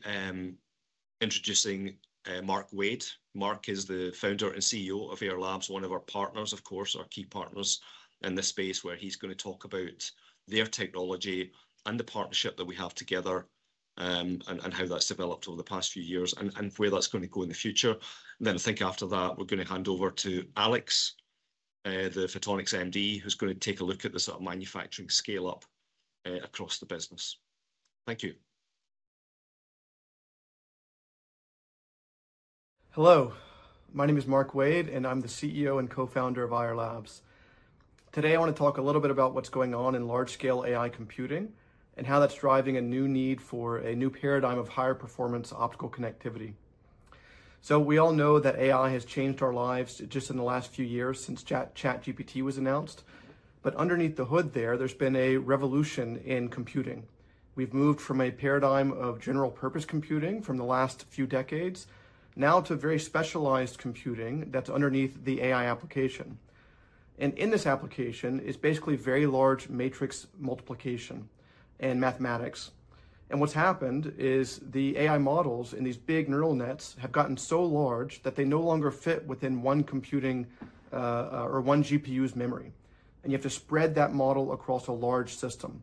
introducing Mark Wade. Mark is the founder and CEO of Ayar Labs, one of our partners, of course, our key partners in this space where he's going to talk about their technology and the partnership that we have together and how that's developed over the past few years and where that's going to go in the future. I think after that, we're going to hand over to Alex, the Photonics MD, who's going to take a look at the sort of manufacturing scale-up across the business. Thank you. Hello. My name is Mark Wade, and I'm the CEO and co-founder of Ayar Labs. Today, I want to talk a little bit about what's going on in large-scale AI computing and how that's driving a new need for a new paradigm of higher performance optical connectivity. We all know that AI has changed our lives just in the last few years since ChatGPT was announced. Underneath the hood there, there's been a revolution in computing. We've moved from a paradigm of general-purpose computing from the last few decades now to very specialized computing that's underneath the AI application. In this application, it's basically very large matrix multiplication and mathematics. What's happened is the AI models in these big neural nets have gotten so large that they no longer fit within one computing or one GPU's memory. You have to spread that model across a large system.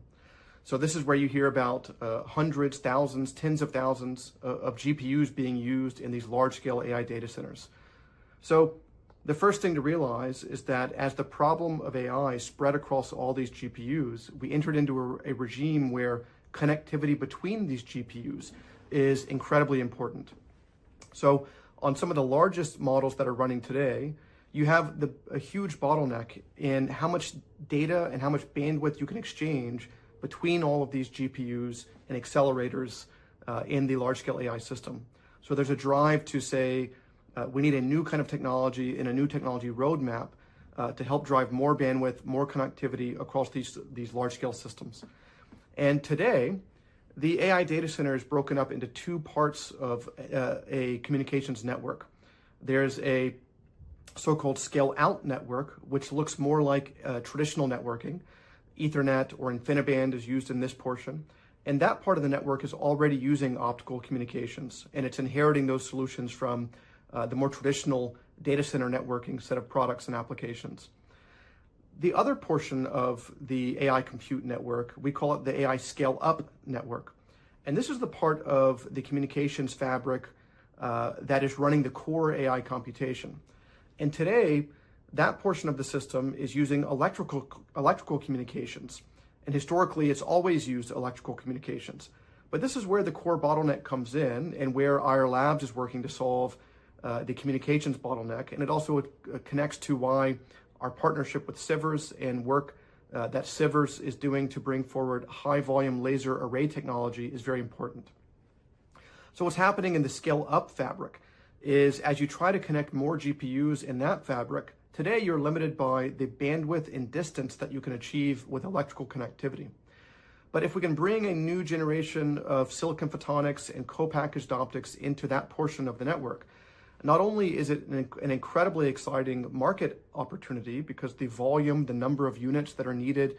This is where you hear about hundreds, thousands, tens of thousands of GPUs being used in these large-scale AI data centers. The first thing to realize is that as the problem of AI spread across all these GPUs, we entered into a regime where connectivity between these GPUs is incredibly important. On some of the largest models that are running today, you have a huge bottleneck in how much data and how much bandwidth you can exchange between all of these GPUs and Axelerators in the large-scale AI system. There is a drive to say we need a new kind of technology and a new technology roadmap to help drive more bandwidth, more connectivity across these large-scale systems. Today, the AI data center is broken up into two parts of a communications network. There's a so-called scale-out network, which looks more like traditional networking. Ethernet or InfiniBand is used in this portion. That part of the network is already using optical communications. It's inheriting those solutions from the more traditional data center networking set of products and applications. The other portion of the AI compute network, we call it the AI scale-up network. This is the part of the communications fabric that is running the core AI computation. Today, that portion of the system is using electrical communications. Historically, it's always used electrical communications. This is where the core bottleneck comes in and where Ayar Labs is working to solve the communications bottleneck. It also connects to why our partnership with Sivers and work that Sivers is doing to bring forward high-volume laser array technology is very important. What's happening in the scale-up fabric is as you try to connect more GPUs in that fabric, today you're limited by the bandwidth and distance that you can achieve with electrical connectivity. If we can bring a new generation of silicon photonics and co-packaged optics into that portion of the network, not only is it an incredibly exciting market opportunity because the volume, the number of units that are needed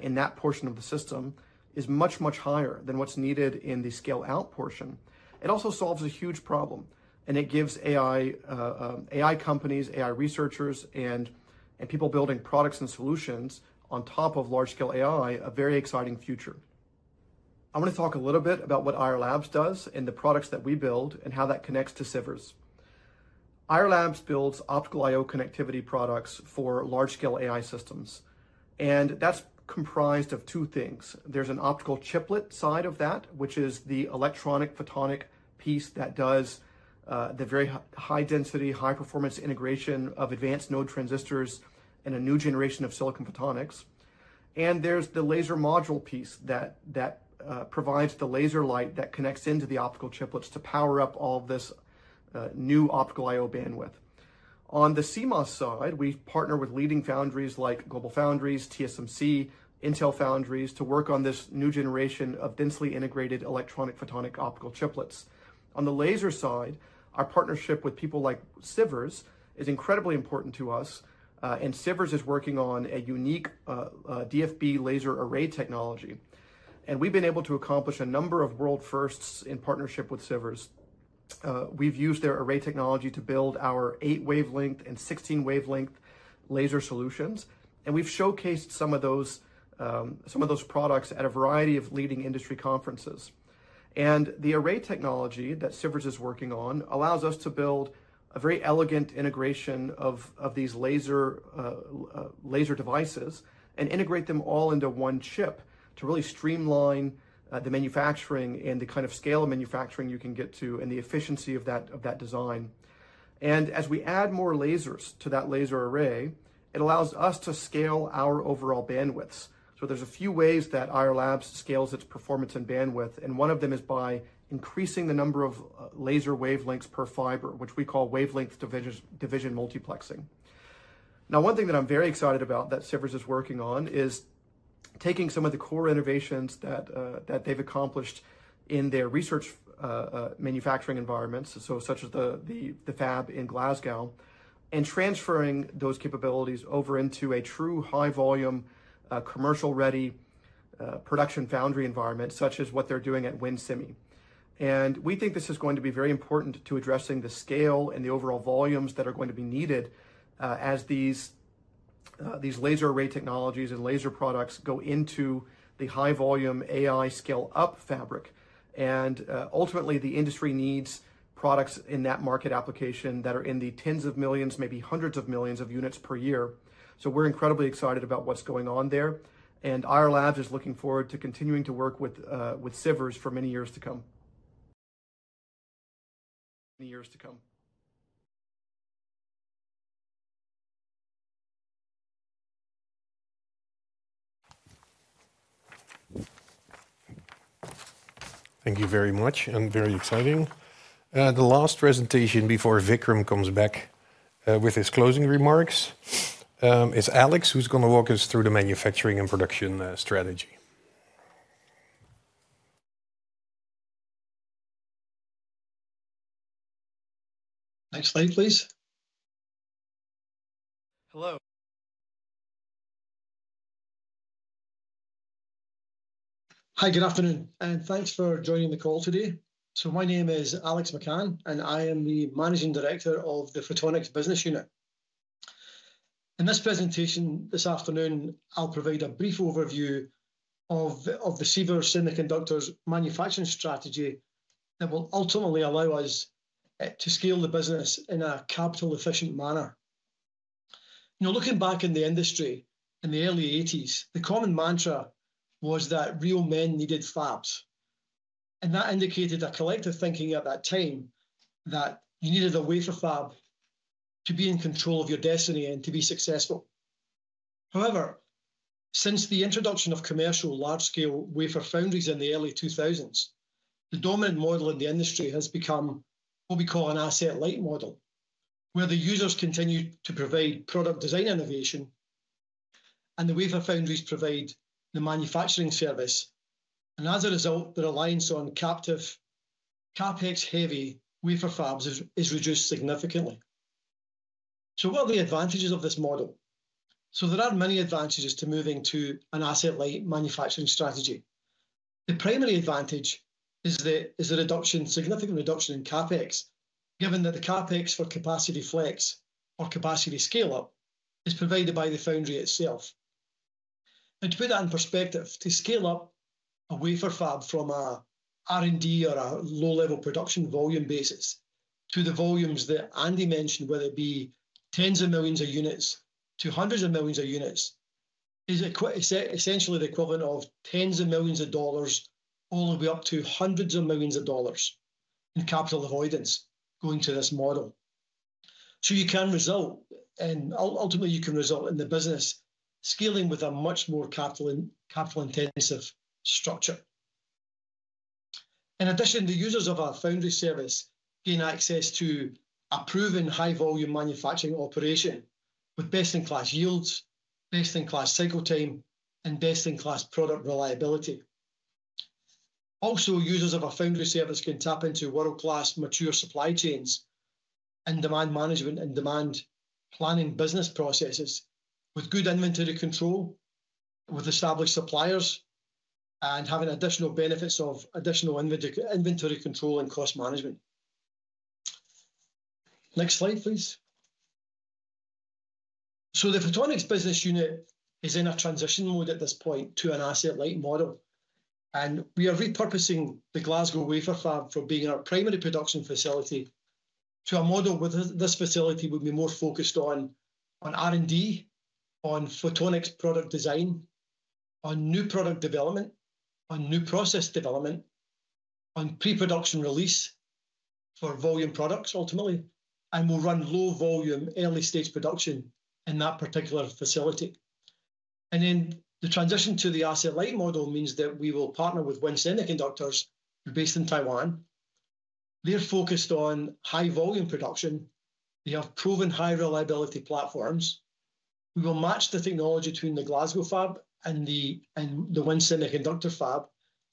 in that portion of the system is much, much higher than what's needed in the scale-out portion. It also solves a huge problem. It gives AI companies, AI researchers, and people building products and solutions on top of large-scale AI a very exciting future. I want to talk a little bit about what Ayar Labs does and the products that we build and how that connects to Sivers. Ayar Labs builds optical IO connectivity products for large-scale AI systems. That is comprised of two things. There is an optical chiplet side of that, which is the electronic photonic piece that does the very high-density, high-performance integration of advanced node transistors and a new generation of silicon photonics. There is the laser module piece that provides the laser light that connects into the optical chiplets to power up all of this new optical IO bandwidth. On the CMOS side, we partner with leading foundries like GlobalFoundries, TSMC, Intel Foundries to work on this new generation of densely integrated electronic photonic optical chiplets. On the laser side, our partnership with people like Sivers is incredibly important to us. Sivers is working on a unique DFB laser array technology. We have been able to accomplish a number of world firsts in partnership with Sivers. We've used their array technology to build our 8-wavelength and 16-wavelength laser solutions. We've showcased some of those products at a variety of leading industry conferences. The array technology that Sivers is working on allows us to build a very elegant integration of these laser devices and integrate them all into one chip to really streamline the manufacturing and the kind of scale of manufacturing you can get to and the efficiency of that design. As we add more lasers to that laser array, it allows us to scale our overall bandwidths. There are a few ways that Ayar Labs scales its performance and bandwidth. One of them is by increasing the number of laser wavelengths per fiber, which we call wavelength division multiplexing. Now, one thing that I'm very excited about that Sivers is working on is taking some of the core innovations that they've accomplished in their research manufacturing environments, such as the fab in Glasgow, and transferring those capabilities over into a true high-volume, commercial-ready production foundry environment, such as what they're doing at WIN Semiconductors. We think this is going to be very important to addressing the scale and the overall volumes that are going to be needed as these laser array technologies and laser products go into the high-volume AI scale-up fabric. Ultimately, the industry needs products in that market application that are in the tens of millions, maybe hundreds of millions of units per year. We're incredibly excited about what's going on there. Ayar Labs is looking forward to continuing to work with Sivers for many years to come. Thank you very much and very exciting. The last presentation before Vickram comes back with his closing remarks is Alex, who's going to walk us through the manufacturing and production strategy. Next slide, please. Hello. Hi, good afternoon. And thanks for joining the call today. My name is Alex McCann, and I am the Managing Director of the Photonics Business Unit. In this presentation this afternoon, I'll provide a brief overview of the Sivers Semiconductors manufacturing strategy that will ultimately allow us to scale the business in a capital-efficient manner. Looking back in the industry in the early 1980s, the common mantra was that real men needed fabs. That indicated a collective thinking at that time that you needed a wafer fab to be in control of your destiny and to be successful. However, since the introduction of commercial large-scale wafer foundries in the early 2000s, the dominant model in the industry has become what we call an asset-light model, where the users continue to provide product design innovation, and the wafer foundries provide the manufacturing service. As a result, the reliance on captive, CapEx-heavy wafer fabs is reduced significantly. What are the advantages of this model? There are many advantages to moving to an asset-light manufacturing strategy. The primary advantage is the significant reduction in CapEx, given that the CapEx for capacity flex or capacity scale-up is provided by the foundry itself. To put that in perspective, to scale up a wafer fab from an R&D or a low-level production volume basis to the volumes that Andy mentioned, whether it be tens of millions of units to hundreds of millions of units, is essentially the equivalent of $10 million-$100 million in capital avoidance going to this model. You can result in, ultimately, you can result in the business scaling with a much more capital-intensive structure. In addition, the users of our foundry service gain access to a proven high-volume manufacturing operation with best-in-class yields, best-in-class cycle time, and best-in-class product reliability. Also, users of our foundry service can tap into world-class mature supply chains and demand management and demand planning business processes with good inventory control with established suppliers and having additional benefits of additional inventory control and cost management. Next slide, please. The Photonics Business Unit is in a transition mode at this point to an asset-light model. We are repurposing the Glasgow wafer fab from being our primary production facility to a model where this facility would be more focused on R&D, on photonics product design, on new product development, on new process development, on pre-production release for volume products ultimately, and will run low-volume early-stage production in that particular facility. The transition to the asset-light model means that we will partner with WIN Semiconductors based in Taiwan. They are focused on high-volume production. They have proven high-reliability platforms. We will match the technology between the Glasgow fab and the WIN Semiconductors fab.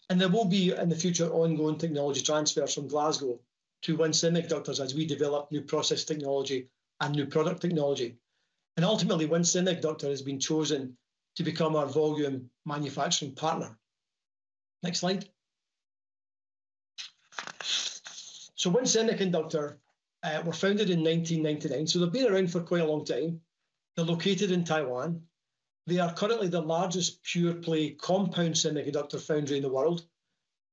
There will be, in the future, ongoing technology transfers from Glasgow to WIN Semiconductors as we develop new process technology and new product technology. Ultimately, WIN Semiconductors has been chosen to become our volume manufacturing partner. Next slide. WIN Semiconductors were founded in 1999. They have been around for quite a long time. They are located in Taiwan. They are currently the largest pure-play compound semiconductor foundry in the world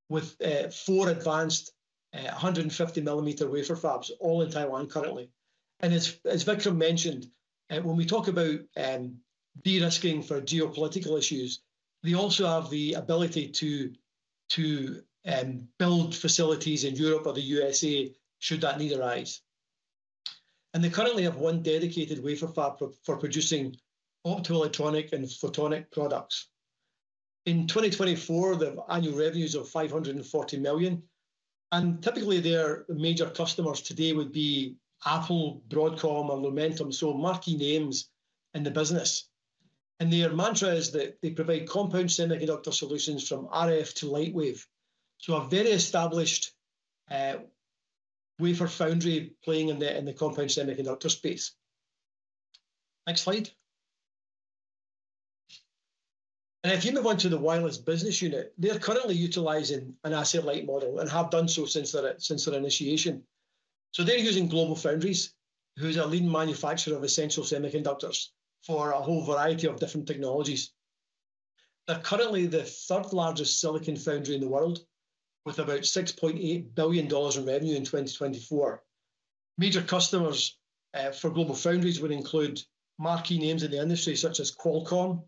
with four advanced 150-millimeter wafer fabs, all in Taiwan currently. As Vickram mentioned, when we talk about de-risking for geopolitical issues, they also have the ability to build facilities in Europe or the U.S.A should that need arise. They currently have one dedicated wafer fab for producing optoelectronic and photonic products. In 2024, they have annual revenues of $540 million. Typically, their major customers today would be Apple, Broadcom, and Lumentum, so marquee names in the business. Their mantra is that they provide compound semiconductor solutions from RF to lightwave. A very established wafer foundry playing in the compound semiconductor space. Next slide. If you move on to the Wireless Business Unit, they're currently utilizing an asset-light model and have done so since their initiation. They're using GlobalFoundries, who is a leading manufacturer of essential semiconductors for a whole variety of different technologies. They're currently the third-largest silicon foundry in the world with about $6.8 billion in revenue in 2024. Major customers for GlobalFoundries would include marquee names in the industry such as Qualcomm,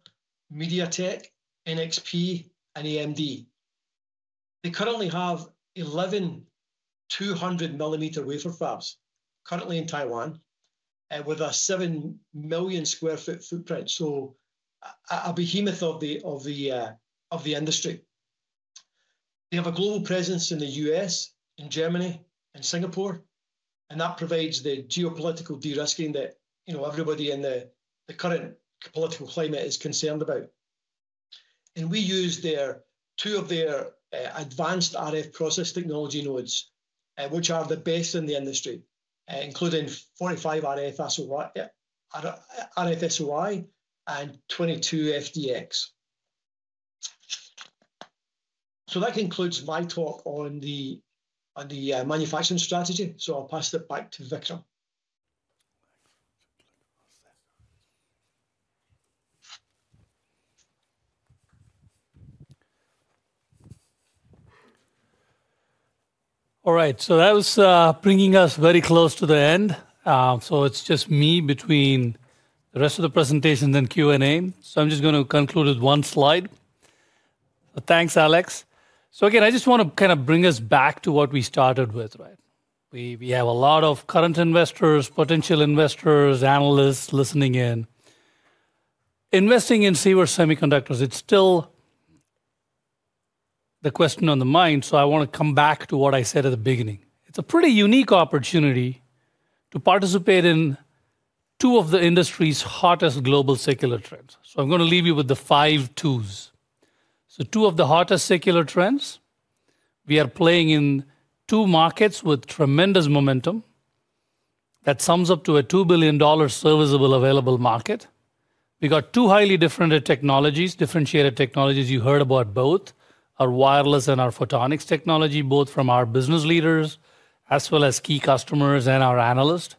MediaTek, NXP, and AMD. They currently have 11 200-millimeter wafer fabs in Taiwan with a 7 million sq ft footprint, so a behemoth of the industry. They have a global presence in the U.S., in Germany, and Singapore. That provides the geopolitical de-risking that everybody in the current political climate is concerned about. We use two of their advanced RF process technology nodes, which are the best in the industry, including 45 RF SOI and 22 FDX. That concludes my talk on the manufacturing strategy. I'll pass it back to Vickram. All right. That was bringing us very close to the end. It's just me between the rest of the presentations and Q&A. I'm just going to conclude with one slide. Thanks, Alex. Again, I just want to kind of bring us back to what we started with, right? We have a lot of current investors, potential investors, analysts listening in. Investing in Sivers Semiconductors, it's still the question on the mind. I want to come back to what I said at the beginning. It's a pretty unique opportunity to participate in two of the industry's hottest global secular trends. I'm going to leave you with the five twos. Two of the hottest secular trends, we are playing in two markets with tremendous momentum. That sums up to a $2 billion serviceable available market. We got two highly different technologies, differentiated technologies. You heard about both, our wireless and our photonics technology, both from our business leaders as well as key customers and our analysts.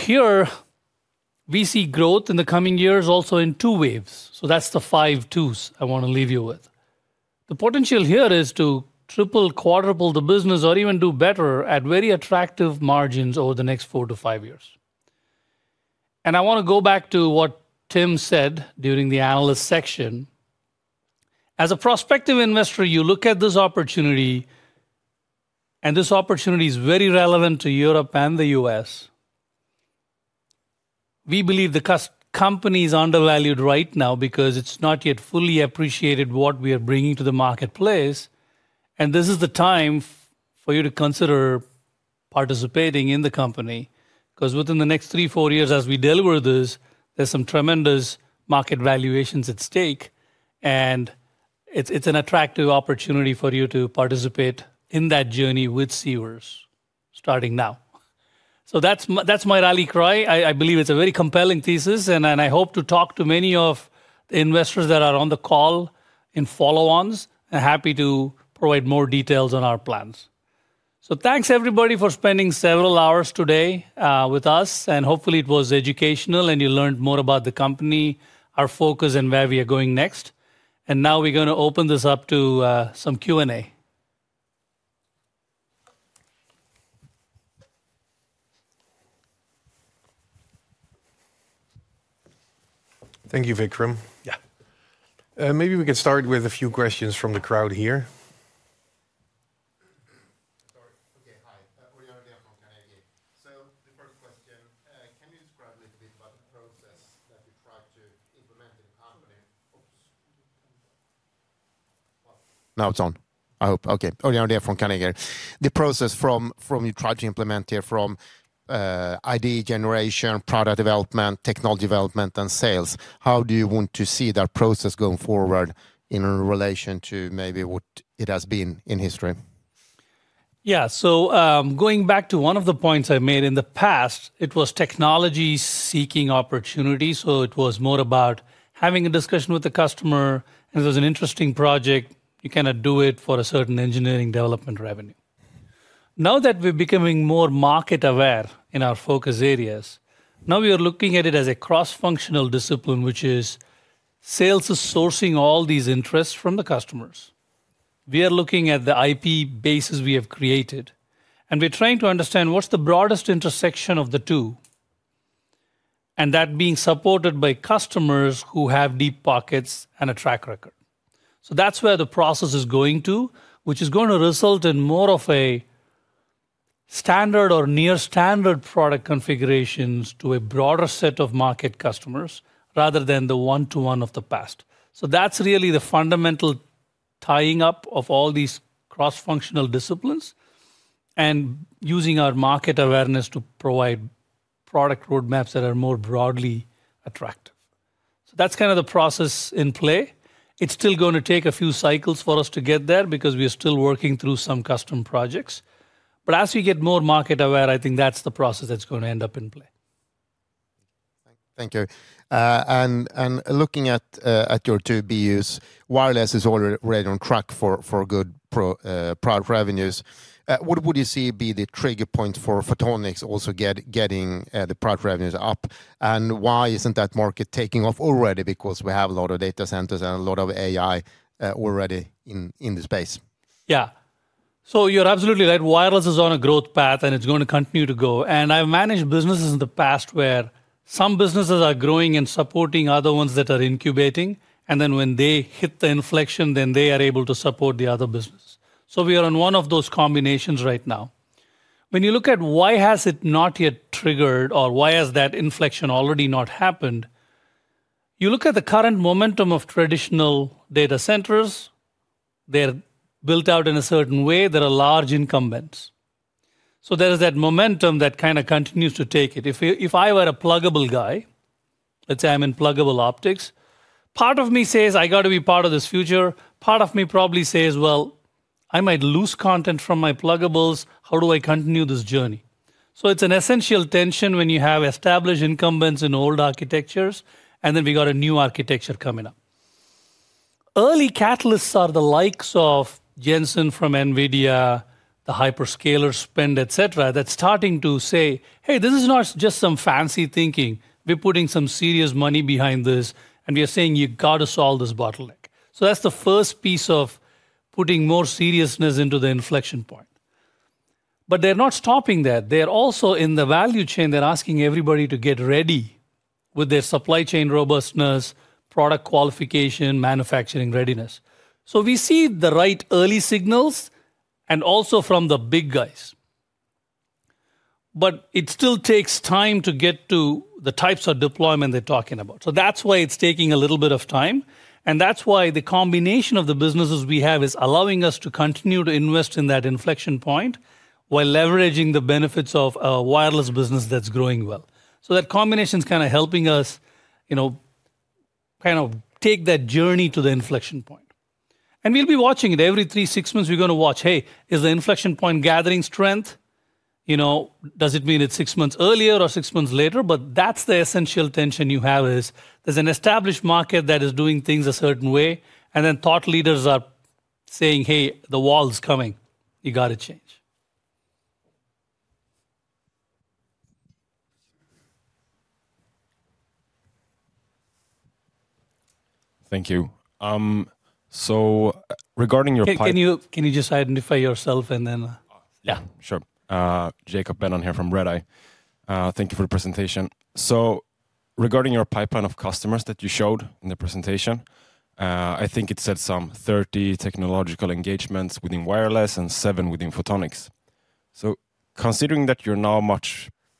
Here, we see growth in the coming years, also in two waves. That's the five twos I want to leave you with. The potential here is to triple, quadruple the business, or even do better at very attractive margins over the next four to five years. I want to go back to what Tim said during the analyst section. As a prospective investor, you look at this opportunity, and this opportunity is very relevant to Europe and the U.S.. We believe the company is undervalued right now because it's not yet fully appreciated what we are bringing to the marketplace. This is the time for you to consider participating in the company because within the next three, four years, as we deliver this, there's some tremendous market valuations at stake. It is an attractive opportunity for you to participate in that journey with Sivers starting now. That is my rally cry. I believe it's a very compelling thesis, and I hope to talk to many of the investors that are on the call in follow-ons and happy to provide more details on our plans. Thanks, everybody, for spending several hours today with us. Hopefully, it was educational and you learned more about the company, our focus, and where we are going next. Now we're going to open this up to some Q&A. Thank you, Vickram. Yeah. Maybe we can start with a few questions from the crowd here. Okay. Hi. We are here from Carnegie. The first question, can you describe a little bit about the process that you tried to implement in the company? Now it's on. I hope. Okay. We are here from Carnegie. The process you tried to implement here from idea generation, product development, technology development, and sales. How do you want to see that process going forward in relation to maybe what it has been in history? Yeah. Going back to one of the points I made in the past, it was technology-seeking opportunity. It was more about having a discussion with the customer. It was an interesting project. You cannot do it for a certain engineering development revenue. Now that we're becoming more market-aware in our focus areas, now we are looking at it as a cross-functional discipline, which is sales is sourcing all these interests from the customers. We are looking at the IP basis we have created. We're trying to understand what's the broadest intersection of the two, and that being supported by customers who have deep pockets and a track record. That's where the process is going to, which is going to result in more of a standard or near-standard product configurations to a broader set of market customers rather than the one-to-one of the past. That is really the fundamental tying up of all these cross-functional disciplines and using our market awareness to provide product roadmaps that are more broadly attractive. That is kind of the process in play. It is still going to take a few cycles for us to get there because we are still working through some custom projects. As we get more market-aware, I think that is the process that is going to end up in play. Thank you. Looking at your two BUs, wireless is already on track for good product revenues. What would you see be the trigger point for photonics also getting the product revenues up? Why is that market not taking off already? Because we have a lot of data centers and a lot of AI already in the space. Yeah. You are absolutely right. Wireless is on a growth path, and it is going to continue to go. I've managed businesses in the past where some businesses are growing and supporting other ones that are incubating. Then when they hit the inflection, they are able to support the other businesses. We are on one of those combinations right now. When you look at why has it not yet triggered or why has that inflection already not happened, you look at the current momentum of traditional data centers. They're built out in a certain way. There are large incumbents. There is that momentum that kind of continues to take it. If I were a pluggable guy, let's say I'm in pluggable optics, part of me says, "I got to be part of this future." Part of me probably says, "I might lose content from my pluggables. How do I continue this journey?" It is an essential tension when you have established incumbents in old architectures, and then we got a new architecture coming up. Early catalysts are the likes of Jensen from NVIDIA, the hyperscalers spend, etc., that are starting to say, "Hey, this is not just some fancy thinking. We're putting some serious money behind this, and we are saying you got to solve this bottleneck." That is the first piece of putting more seriousness into the inflection point. They are not stopping there. They are also in the value chain. They are asking everybody to get ready with their supply chain robustness, product qualification, manufacturing readiness. We see the right early signals and also from the big guys. It still takes time to get to the types of deployment they are talking about. That is why it is taking a little bit of time. That is why the combination of the businesses we have is allowing us to continue to invest in that inflection point while leveraging the benefits of a wireless business that is growing well. That combination is helping us take that journey to the inflection point. We will be watching it every three, six months. We are going to watch, "Hey, is the inflection point gathering strength? Does it mean it is six months earlier or six months later?" That is the essential tension you have. There is an established market that is doing things a certain way. Then thought leaders are saying, "Hey, the wall is coming. You got to change." Thank you. Regarding your pipeline, can you just identify yourself and then? Yeah, sure. Jacob Benon here from Redeye. Thank you for the presentation. Regarding your pipeline of customers that you showed in the presentation, I think it said some 30 technological engagements within wireless and 7 within photonics. Considering that you're now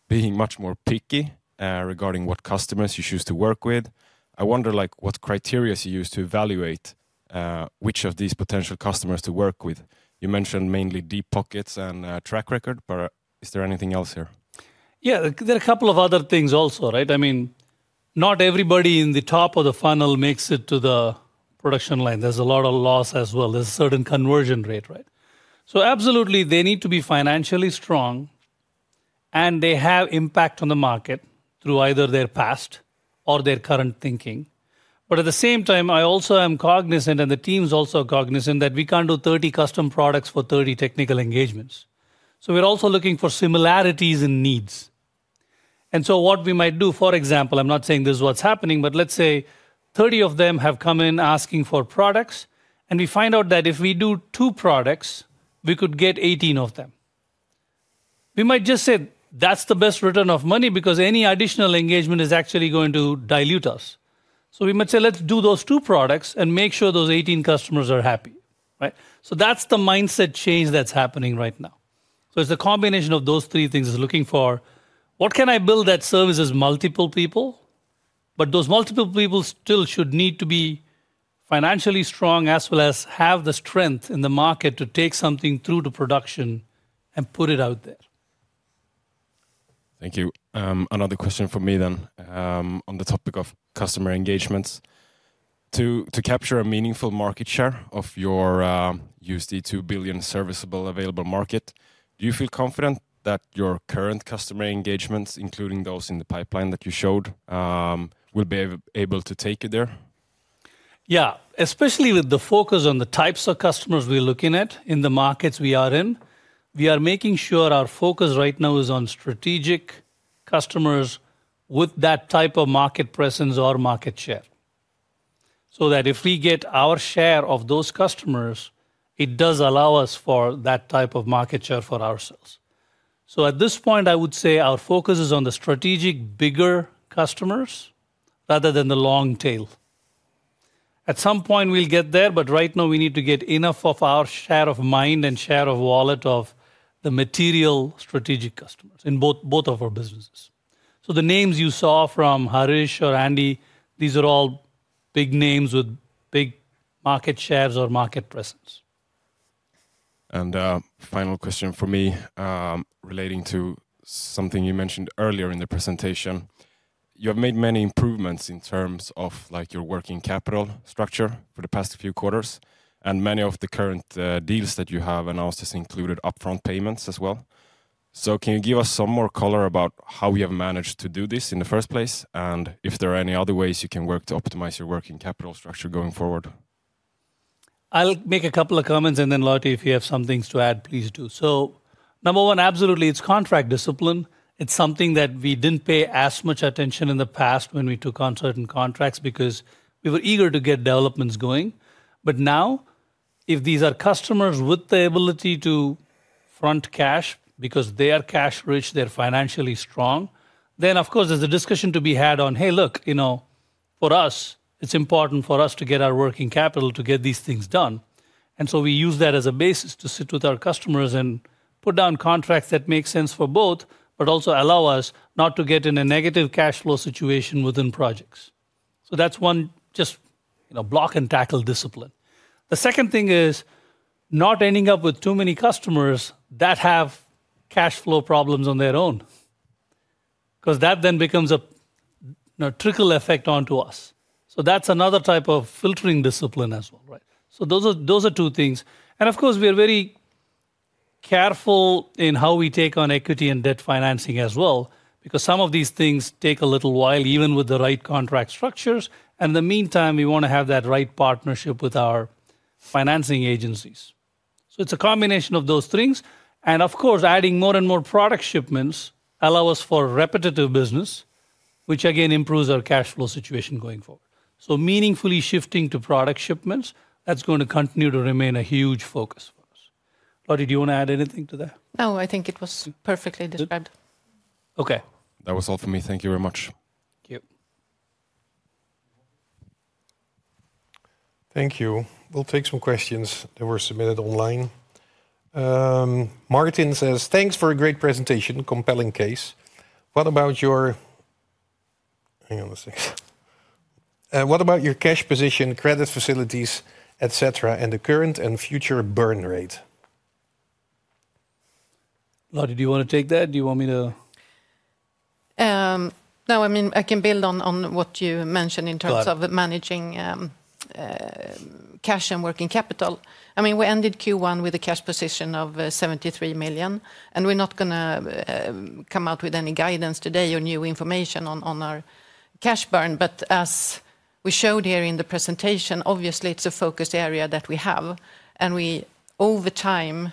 being much more picky regarding what customers you choose to work with, I wonder what criteria you use to evaluate which of these potential customers to work with. You mentioned mainly deep pockets and track record, but is there anything else here? Yeah, there are a couple of other things also, right? I mean, not everybody in the top of the funnel makes it to the production line. There's a lot of loss as well. There's a certain conversion rate, right? Absolutely, they need to be financially strong, and they have impact on the market through either their past or their current thinking. At the same time, I also am cognizant, and the team's also cognizant that we can't do 30 custom products for 30 technical engagements. We are also looking for similarities in needs. What we might do, for example, I'm not saying this is what's happening, but let's say 30 of them have come in asking for products, and we find out that if we do two products, we could get 18 of them. We might just say, "That's the best return of money because any additional engagement is actually going to dilute us." We might say, "Let's do those two products and make sure those 18 customers are happy," right? That's the mindset change that's happening right now. It is a combination of those three things it is looking for, "What can I build that services multiple people?" Those multiple people still should need to be financially strong as well as have the strength in the market to take something through to production and put it out there. Thank you. Another question for me then on the topic of customer engagements. To capture a meaningful market share of your $2 billion serviceable available market, do you feel confident that your current customer engagements, including those in the pipeline that you showed, will be able to take it there? Yeah, especially with the focus on the types of customers we are looking at in the markets we are in, we are making sure our focus right now is on strategic customers with that type of market presence or market share. If we get our share of those customers, it does allow us for that type of market share for ourselves. At this point, I would say our focus is on the strategic bigger customers rather than the long tail. At some point, we'll get there, but right now, we need to get enough of our share of mind and share of wallet of the material strategic customers in both of our businesses. The names you saw from Harish or Andy, these are all big names with big market shares or market presence. Final question for me relating to something you mentioned earlier in the presentation. You have made many improvements in terms of your working capital structure for the past few quarters, and many of the current deals that you have announced have included upfront payments as well. Can you give us some more color about how you have managed to do this in the first place and if there are any other ways you can work to optimize your working capital structure going forward? I'll make a couple of comments, and then, Lottie, if you have some things to add, please do. Number one, absolutely, it's contract discipline. It's something that we did not pay as much attention to in the past when we took on certain contracts because we were eager to get developments going. If these are customers with the ability to front cash because they are cash rich, they're financially strong, then of course, there's a discussion to be had on, "Hey, look, for us, it's important for us to get our working capital to get these things done." We use that as a basis to sit with our customers and put down contracts that make sense for both, but also allow us not to get in a negative cash flow situation within projects. That's one just block and tackle discipline. The second thing is not ending up with too many customers that have cash flow problems on their own because that then becomes a trickle effect onto us. That's another type of filtering discipline as well, right? Those are two things. Of course, we are very careful in how we take on equity and debt financing as well because some of these things take a little while even with the right contract structures. In the meantime, we want to have that right partnership with our financing agencies. It is a combination of those things. Of course, adding more and more product shipments allows us for repetitive business, which again improves our cash flow situation going forward. Meaningfully shifting to product shipments, that is going to continue to remain a huge focus for us. Lottie, do you want to add anything to that? No, I think it was perfectly described. Okay. That was all for me. Thank you very much. Thank you. Thank you. We will take some questions that were submitted online. Martin says, "Thanks for a great presentation, compelling case. What about your—" Hang on a second. What about your cash position, credit facilities, etc., and the current and future burn rate?" Lottie, do you want to take that? Do you want me to? No, I mean, I can build on what you mentioned in terms of managing cash and working capital. I mean, we ended Q1 with a cash position of 73 million. We are not going to come out with any guidance today or new information on our cash burn. As we showed here in the presentation, obviously, it is a focus area that we have. We, over time,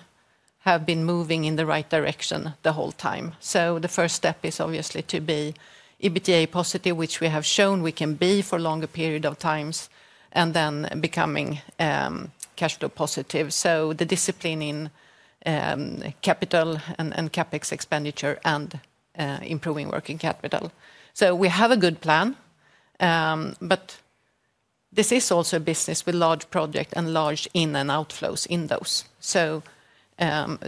have been moving in the right direction the whole time. The first step is obviously to be EBITDA positive, which we have shown we can be for longer periods of time, and then becoming cash flow positive. The discipline in capital and CapEx expenditure and improving working capital. We have a good plan. This is also a business with large projects and large in and outflows in those.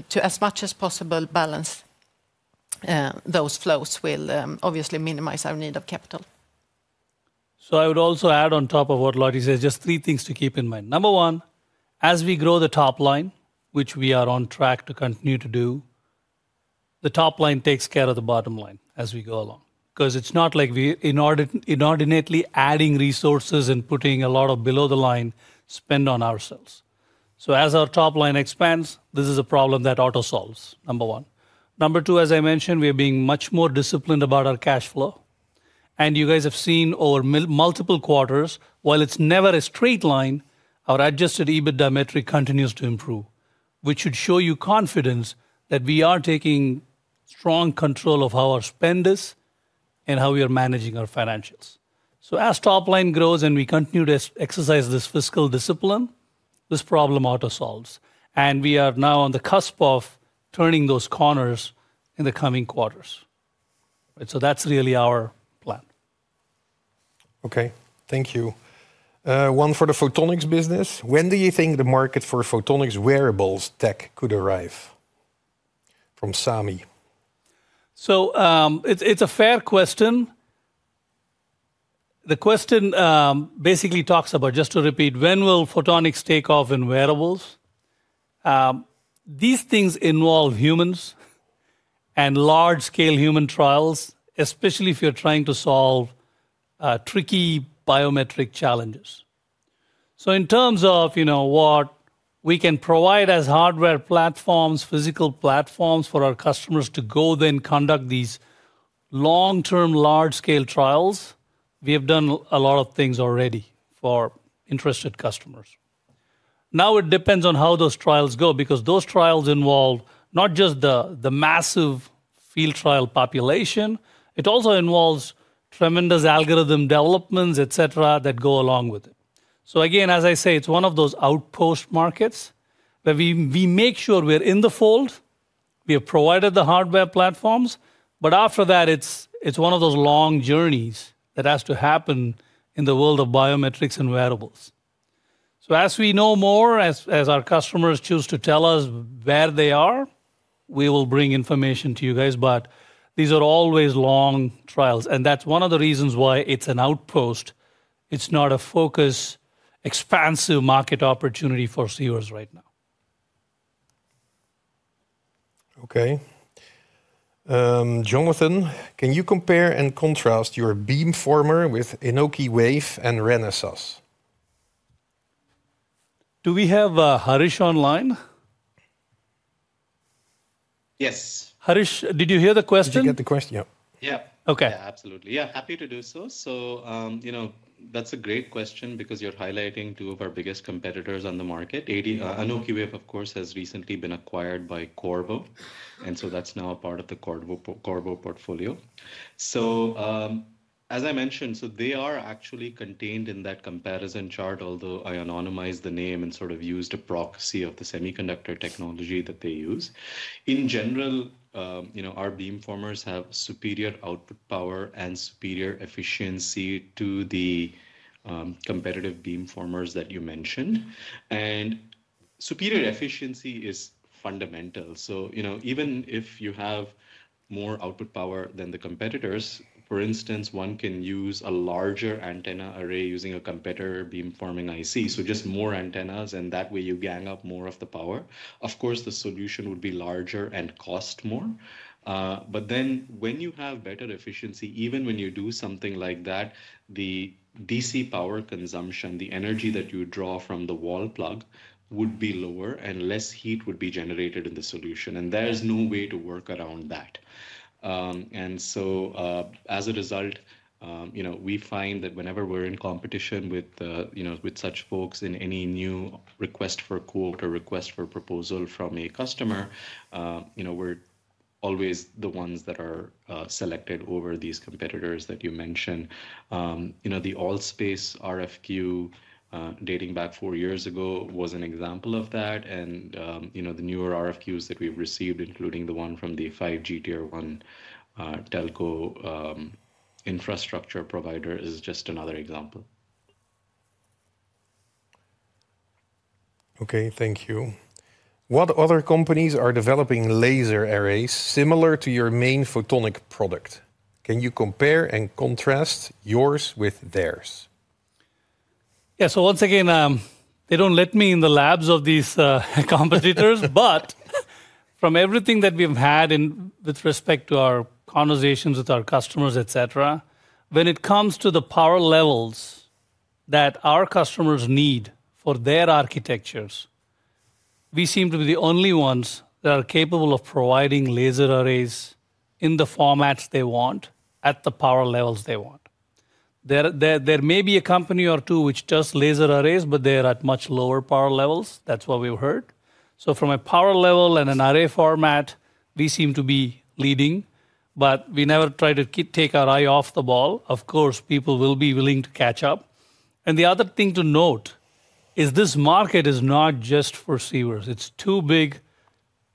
To as much as possible balance those flows will obviously minimize our need of capital. I would also add on top of what Lottie says, just three things to keep in mind. Number one, as we grow the top line, which we are on track to continue to do, the top line takes care of the bottom line as we go along. Because it's not like we're inordinately adding resources and putting a lot of below-the-line spend on ourselves. As our top line expands, this is a problem that auto-solves, number one. Number two, as I mentioned, we are being much more disciplined about our cash flow. You guys have seen over multiple quarters, while it's never a straight line, our adjusted EBITDA metric continues to improve, which should show you confidence that we are taking strong control of how our spend is and how we are managing our financials. As top line grows and we continue to exercise this fiscal discipline, this problem auto-solves. We are now on the cusp of turning those corners in the coming quarters. That's really our plan. Okay, thank you. One for the photonics business. When do you think the market for photonics wearables tech could arrive from SAMI? It's a fair question. The question basically talks about, just to repeat, when will photonics take off in wearables? These things involve humans and large-scale human trials, especially if you're trying to solve tricky biometric challenges. In terms of what we can provide as hardware platforms, physical platforms for our customers to go then conduct these long-term large-scale trials, we have done a lot of things already for interested customers. Now it depends on how those trials go because those trials involve not just the massive field trial population, it also involves tremendous algorithm developments, etc., that go along with it. Again, as I say, it's one of those outpost markets where we make sure we're in the fold, we have provided the hardware platforms, but after that, it's one of those long journeys that has to happen in the world of biometrics and wearables. As we know more, as our customers choose to tell us where they are, we will bring information to you guys. These are always long trials. That's one of the reasons why it's an outpost. It's not a focused, expansive market opportunity for CEOs right now. Okay. Jonathan, can you compare and contrast your beamformer with Anokiwave and Renesas? Do we have Harish online? Yes. Harish, did you hear the question? Did you get the question? Yeah.Yeah. Okay. Yeah, absolutely. Yeah, happy to do so. So that's a great question because you're highlighting two of our biggest competitors on the market. Anokiwave, of course, has recently been acquired by Qorvo. And so that's now a part of the Qorvo portfolio. As I mentioned, they are actually contained in that comparison chart, although I anonymized the name and sort of used a proxy of the semiconductor technology that they use. In general, our beamformers have superior output power and superior efficiency to the competitive beamformers that you mentioned. Superior efficiency is fundamental. Even if you have more output power than the competitors, for instance, one can use a larger antenna array using a competitor beamforming IC, so just more antennas, and that way you gang up more of the power. Of course, the solution would be larger and cost more. When you have better efficiency, even when you do something like that, the DC power consumption, the energy that you draw from the wall plug would be lower and less heat would be generated in the solution. There is no way to work around that. As a result, we find that whenever we're in competition with such folks in any new request for quote or request for proposal from a customer, we're always the ones that are selected over these competitors that you mentioned. The ALL.SPACE RFQ dating back four years ago was an example of that. The newer RFQs that we've received, including the one from the 5G tier one Telco infrastructure provider, is just another example. Okay, thank you. What other companies are developing laser arrays similar to your main photonic product? Can you compare and contrast yours with theirs? Yeah, once again, they don't let me in the labs of these competitors. From everything that we've had with respect to our conversations with our customers, etc., when it comes to the power levels that our customers need for their architectures, we seem to be the only ones that are capable of providing laser arrays in the formats they want at the power levels they want. There may be a company or two which does laser arrays, but they are at much lower power levels. That's what we've heard. From a power level and an array format, we seem to be leading. We never try to take our eye off the ball. Of course, people will be willing to catch up. The other thing to note is this market is not just for CEOs. It is too big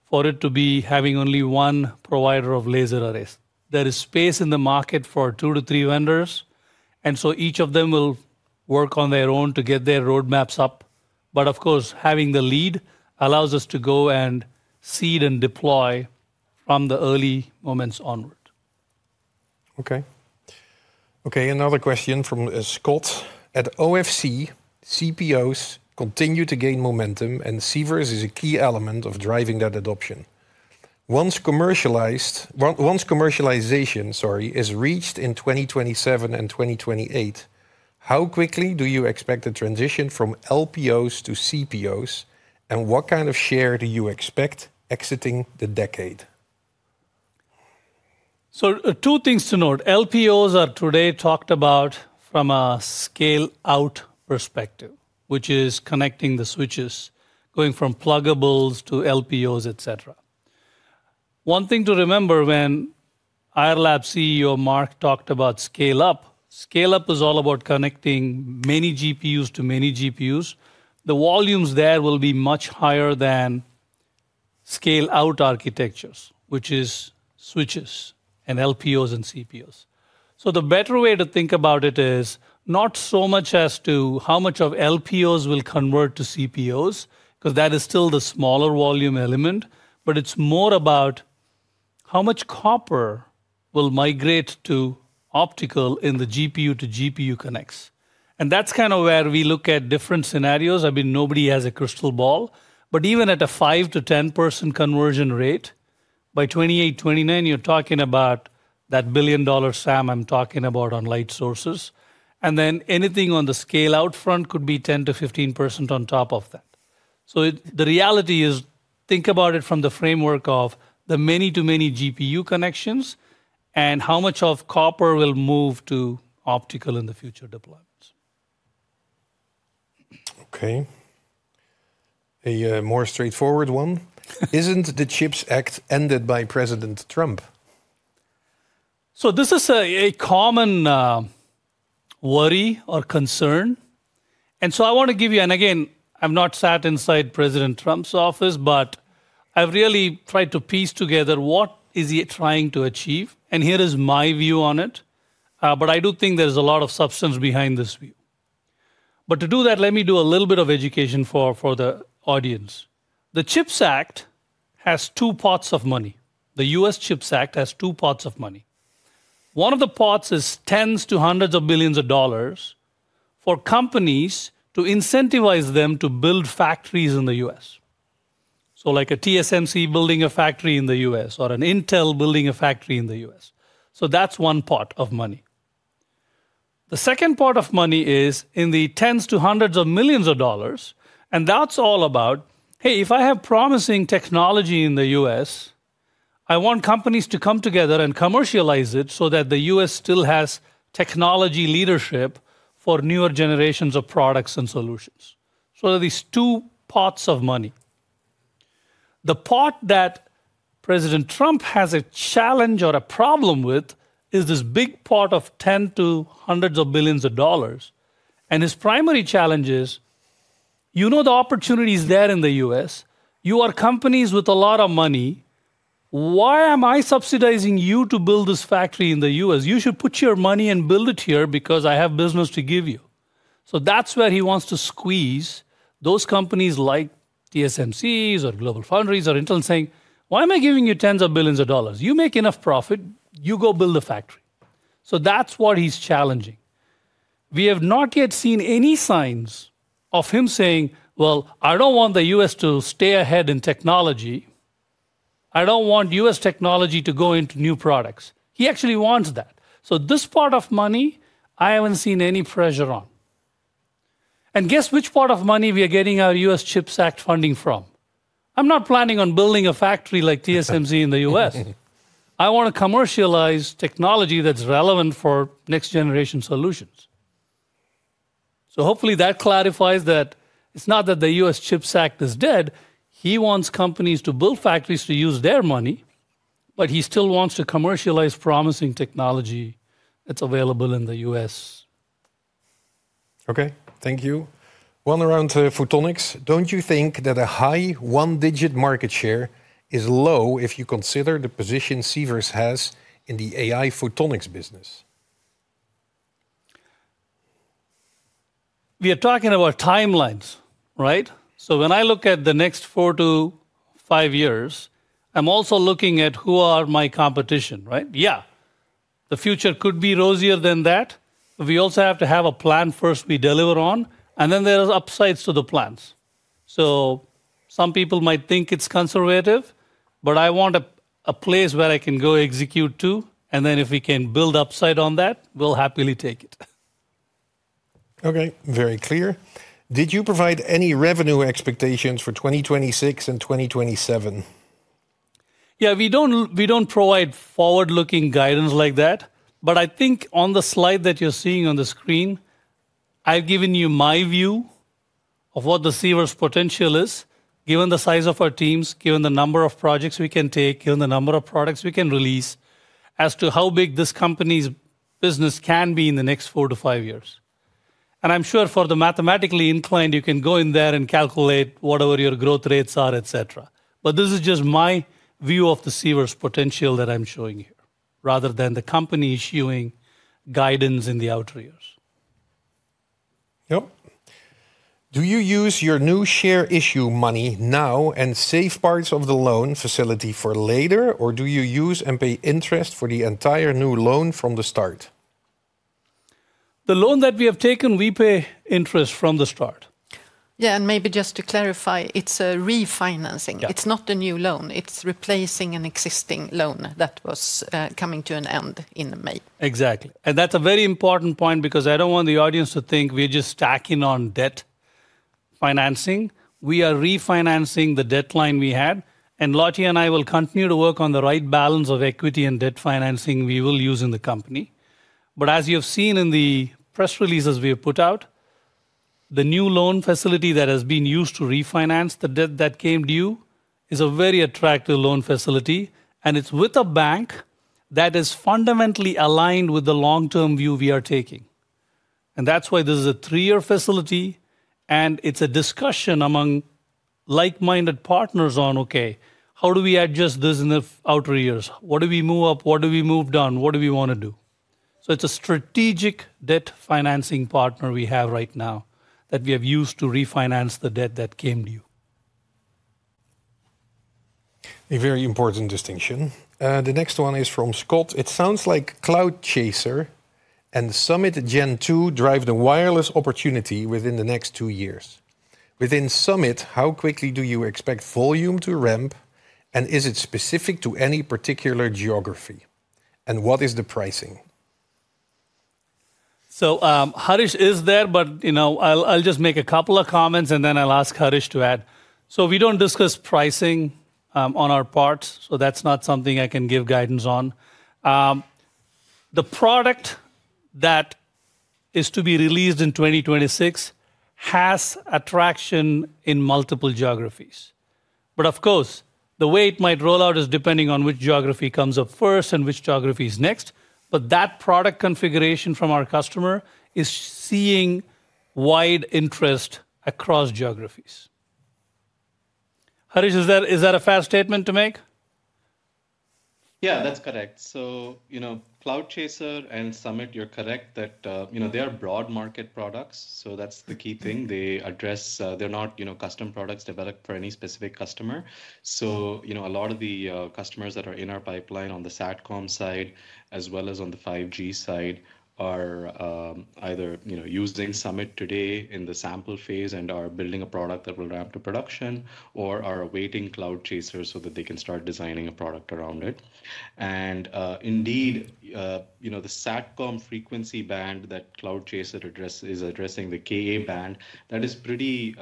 for it to be having only one provider of laser arrays. There is space in the market for two to three vendors. Each of them will work on their own to get their roadmaps up. Of course, having the lead allows us to go and seed and deploy from the early moments onward. Okay. Another question from Scott. At OFC, CPOs continue to gain momentum, and CPOs is a key element of driving that adoption. Once commercialization is reached in 2027 and 2028, how quickly do you expect the transition from LPOs to CPOs? What kind of share do you expect exiting the decade? Two things to note. LPOs are today talked about from a scale-out perspective, which is connecting the switches, going from pluggables to LPOs, etc. One thing to remember when Ayar Labs CEO Mark talked about scale-up, scale-up is all about connecting many GPUs to many GPUs. The volumes there will be much higher than scale-out architectures, which is switches and LPOs and CPOs. The better way to think about it is not so much as to how much of LPOs will convert to CPOs, because that is still the smaller volume element, but it is more about how much copper will migrate to optical in the GPU to GPU connects. That is kind of where we look at different scenarios. I mean, nobody has a crystal ball. But even at a 5-10% conversion rate, by 2028, 2029, you're talking about that billion-dollar SAM I'm talking about on light sources. And then anything on the scale-out front could be 10-15% on top of that. So the reality is think about it from the framework of the many to many GPU connections and how much of copper will move to optical in the future deployments. Okay. A more straightforward one. Isn't the CHIPS Act ended by President Trump? This is a common worry or concern. I want to give you, and again, I'm not sat inside President Trump's office, but I've really tried to piece together what is he trying to achieve. Here is my view on it. I do think there's a lot of substance behind this view. To do that, let me do a little bit of education for the audience. The CHIPS Act has two pots of money. The U.S. CHIPS Act has two pots of money. One of the pots is tens to hundreds of billions of dollars for companies to incentivize them to build factories in the U.S., like a TSMC building a factory in the U.S. or an Intel building a factory in the U.S. That is one pot of money. The second pot of money is in the tens to hundreds of millions of dollars. That is all about, hey, if I have promising technology in the U.S., I want companies to come together and commercialize it so that the U.S. still has technology leadership for newer generations of products and solutions. There are these two pots of money. The pot that President Trump has a challenge or a problem with is this big pot of tens to hundreds of billions of dollars. His primary challenge is, you know the opportunity is there in the U.S. You are companies with a lot of money. Why am I subsidizing you to build this factory in the U.S.? You should put your money and build it here because I have business to give you. That is where he wants to squeeze those companies like TSMC or GlobalFoundries or Intel saying, why am I giving you tens of billions of dollars? You make enough profit. You go build a factory. That is what he is challenging. We have not yet seen any signs of him saying, I do not want the U.S. to stay ahead in technology. I do not want U.S. technology to go into new products. He actually wants that. This pot of money, I haven't seen any pressure on. Guess which pot of money we are getting our U.S. CHIPS Act funding from? I'm not planning on building a factory like TSMC in the U.S.. I want to commercialize technology that's relevant for next-generation solutions. Hopefully that clarifies that it's not that the U.S. CHIPS Act is dead. He wants companies to build factories to use their money, but he still wants to commercialize promising technology that's available in the U.S. Okay, thank you. One round for photonics. Don't you think that a high one-digit market share is low if you consider the position CEOs have in the AI photonics business? We are talking about timelines, right? When I look at the next four to five years, I'm also looking at who are my competition, right? Yeah, the future could be rosier than that. We also have to have a plan first we deliver on. Then there are upsides to the plans. Some people might think it's conservative, but I want a place where I can go execute too. If we can build upside on that, we'll happily take it. Okay, very clear. Did you provide any revenue expectations for 2026 and 2027? Yeah, we don't provide forward-looking guidance like that. I think on the slide that you're seeing on the screen, I've given you my view of what the CEO's potential is, given the size of our teams, given the number of projects we can take, given the number of products we can release as to how big this company's business can be in the next four to five years. I'm sure for the mathematically inclined, you can go in there and calculate whatever your growth rates are, etc. This is just my view of the CEO's potential that I'm showing here rather than the company issuing guidance in the outer years. Yep. Do you use your new share issue money now and save parts of the loan facility for later, or do you use and pay interest for the entire new loan from the start? The loan that we have taken, we pay interest from the start. Yeah, and maybe just to clarify, it's a refinancing. It's not a new loan. It's replacing an existing loan that was coming to an end in May. Exactly. That's a very important point because I don't want the audience to think we're just stacking on debt financing. We are refinancing the debt line we had. Lottie and I will continue to work on the right balance of equity and debt financing we will use in the company. As you have seen in the press releases we have put out, the new loan facility that has been used to refinance the debt that came due is a very attractive loan facility. It is with a bank that is fundamentally aligned with the long-term view we are taking. That is why this is a three-year facility. It is a discussion among like-minded partners on, okay, how do we adjust this in the outer years? What do we move up? What do we move down? What do we want to do? It is a strategic debt financing partner we have right now that we have used to refinance the debt that came due. A very important distinction. The next one is from Scott. It sounds like Cloud Chaser and Summit Gen Two drive the wireless opportunity within the next two years. Within Summit, how quickly do you expect volume to ramp? Is it specific to any particular geography? What is the pricing? Harish is there, but I'll just make a couple of comments and then I'll ask Harish to add. We do not discuss pricing on our part. That is not something I can give guidance on. The product that is to be released in 2026 has attraction in multiple geographies. Of course, the way it might roll out is depending on which geography comes up first and which geography is next. That product configuration from our customer is seeing wide interest across geographies. Harish, is that a fair statement to make? Yeah, that's correct. Cloud Chaser and Summit, you're correct that they are broad market products. That's the key thing. They're not custom products developed for any specific customer. A lot of the customers that are in our pipeline on the SATCOM side, as well as on the 5G side, are either using Summit today in the sample phase and are building a product that will ramp to production or are awaiting Cloud Chaser so that they can start designing a product around it. Indeed, the SATCOM frequency band that Cloud Chaser is addressing, the Ka-band, is pretty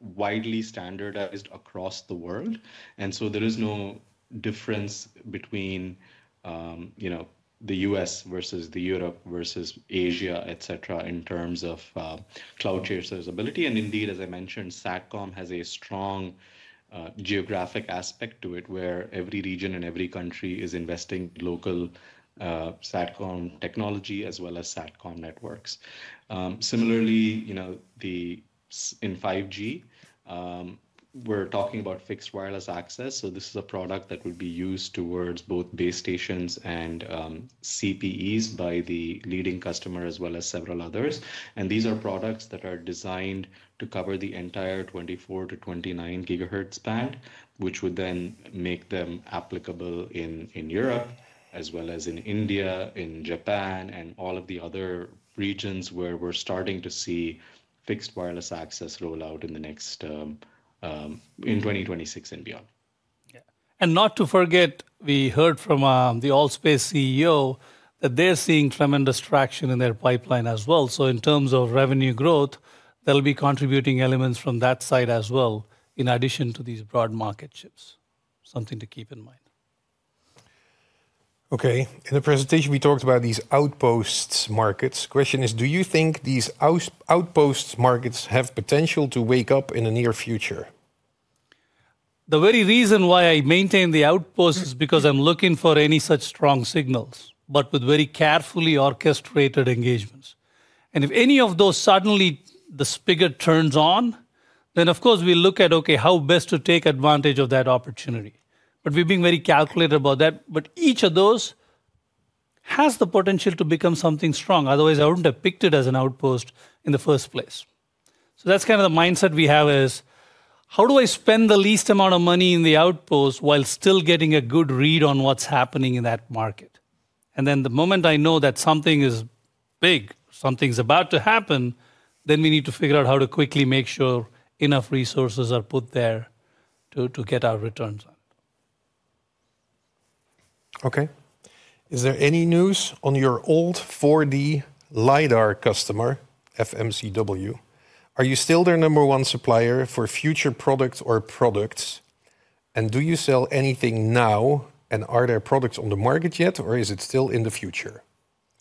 widely standardized across the world. There is no difference between the U.S. versus Europe versus Asia, etc., in terms of Cloud Chaser's ability. Indeed, as I mentioned, SATCOM has a strong geographic aspect to it where every region and every country is investing in local SATCOM technology as well as SATCOM networks. Similarly, in 5G, we're talking about fixed wireless access. This is a product that would be used towards both base stations and CPEs by the leading customer as well as several others. These are products that are designed to cover the entire 24-29 gigahertz band, which would then make them applicable in Europe as well as in India, in Japan, and all of the other regions where we're starting to see fixed wireless access roll out in 2026 and beyond. Yeah. Not to forget, we heard from the ALL.SPACE CEO that they're seeing tremendous traction in their pipeline as well. In terms of revenue growth, there will be contributing elements from that side as well in addition to these broad market chips. Something to keep in mind. Okay. In the presentation, we talked about these outposts markets. Question is, do you think these outposts markets have potential to wake up in the near future? The very reason why I maintain the outposts is because I'm looking for any such strong signals, but with very carefully orchestrated engagements. If any of those suddenly the spigot turns on, then of course we look at, okay, how best to take advantage of that opportunity. We have been very calculated about that. Each of those has the potential to become something strong. Otherwise, I wouldn't have picked it as an outpost in the first place. That is kind of the mindset we have is, how do I spend the least amount of money in the outpost while still getting a good read on what's happening in that market? The moment I know that something is big, something's about to happen, we need to figure out how to quickly make sure enough resources are put there to get our returns on it. Okay. Is there any news on your old 4D LiDAR customer, FMCW? Are you still their number one supplier for future products or products? And do you sell anything now? And are there products on the market yet, or is it still in the future?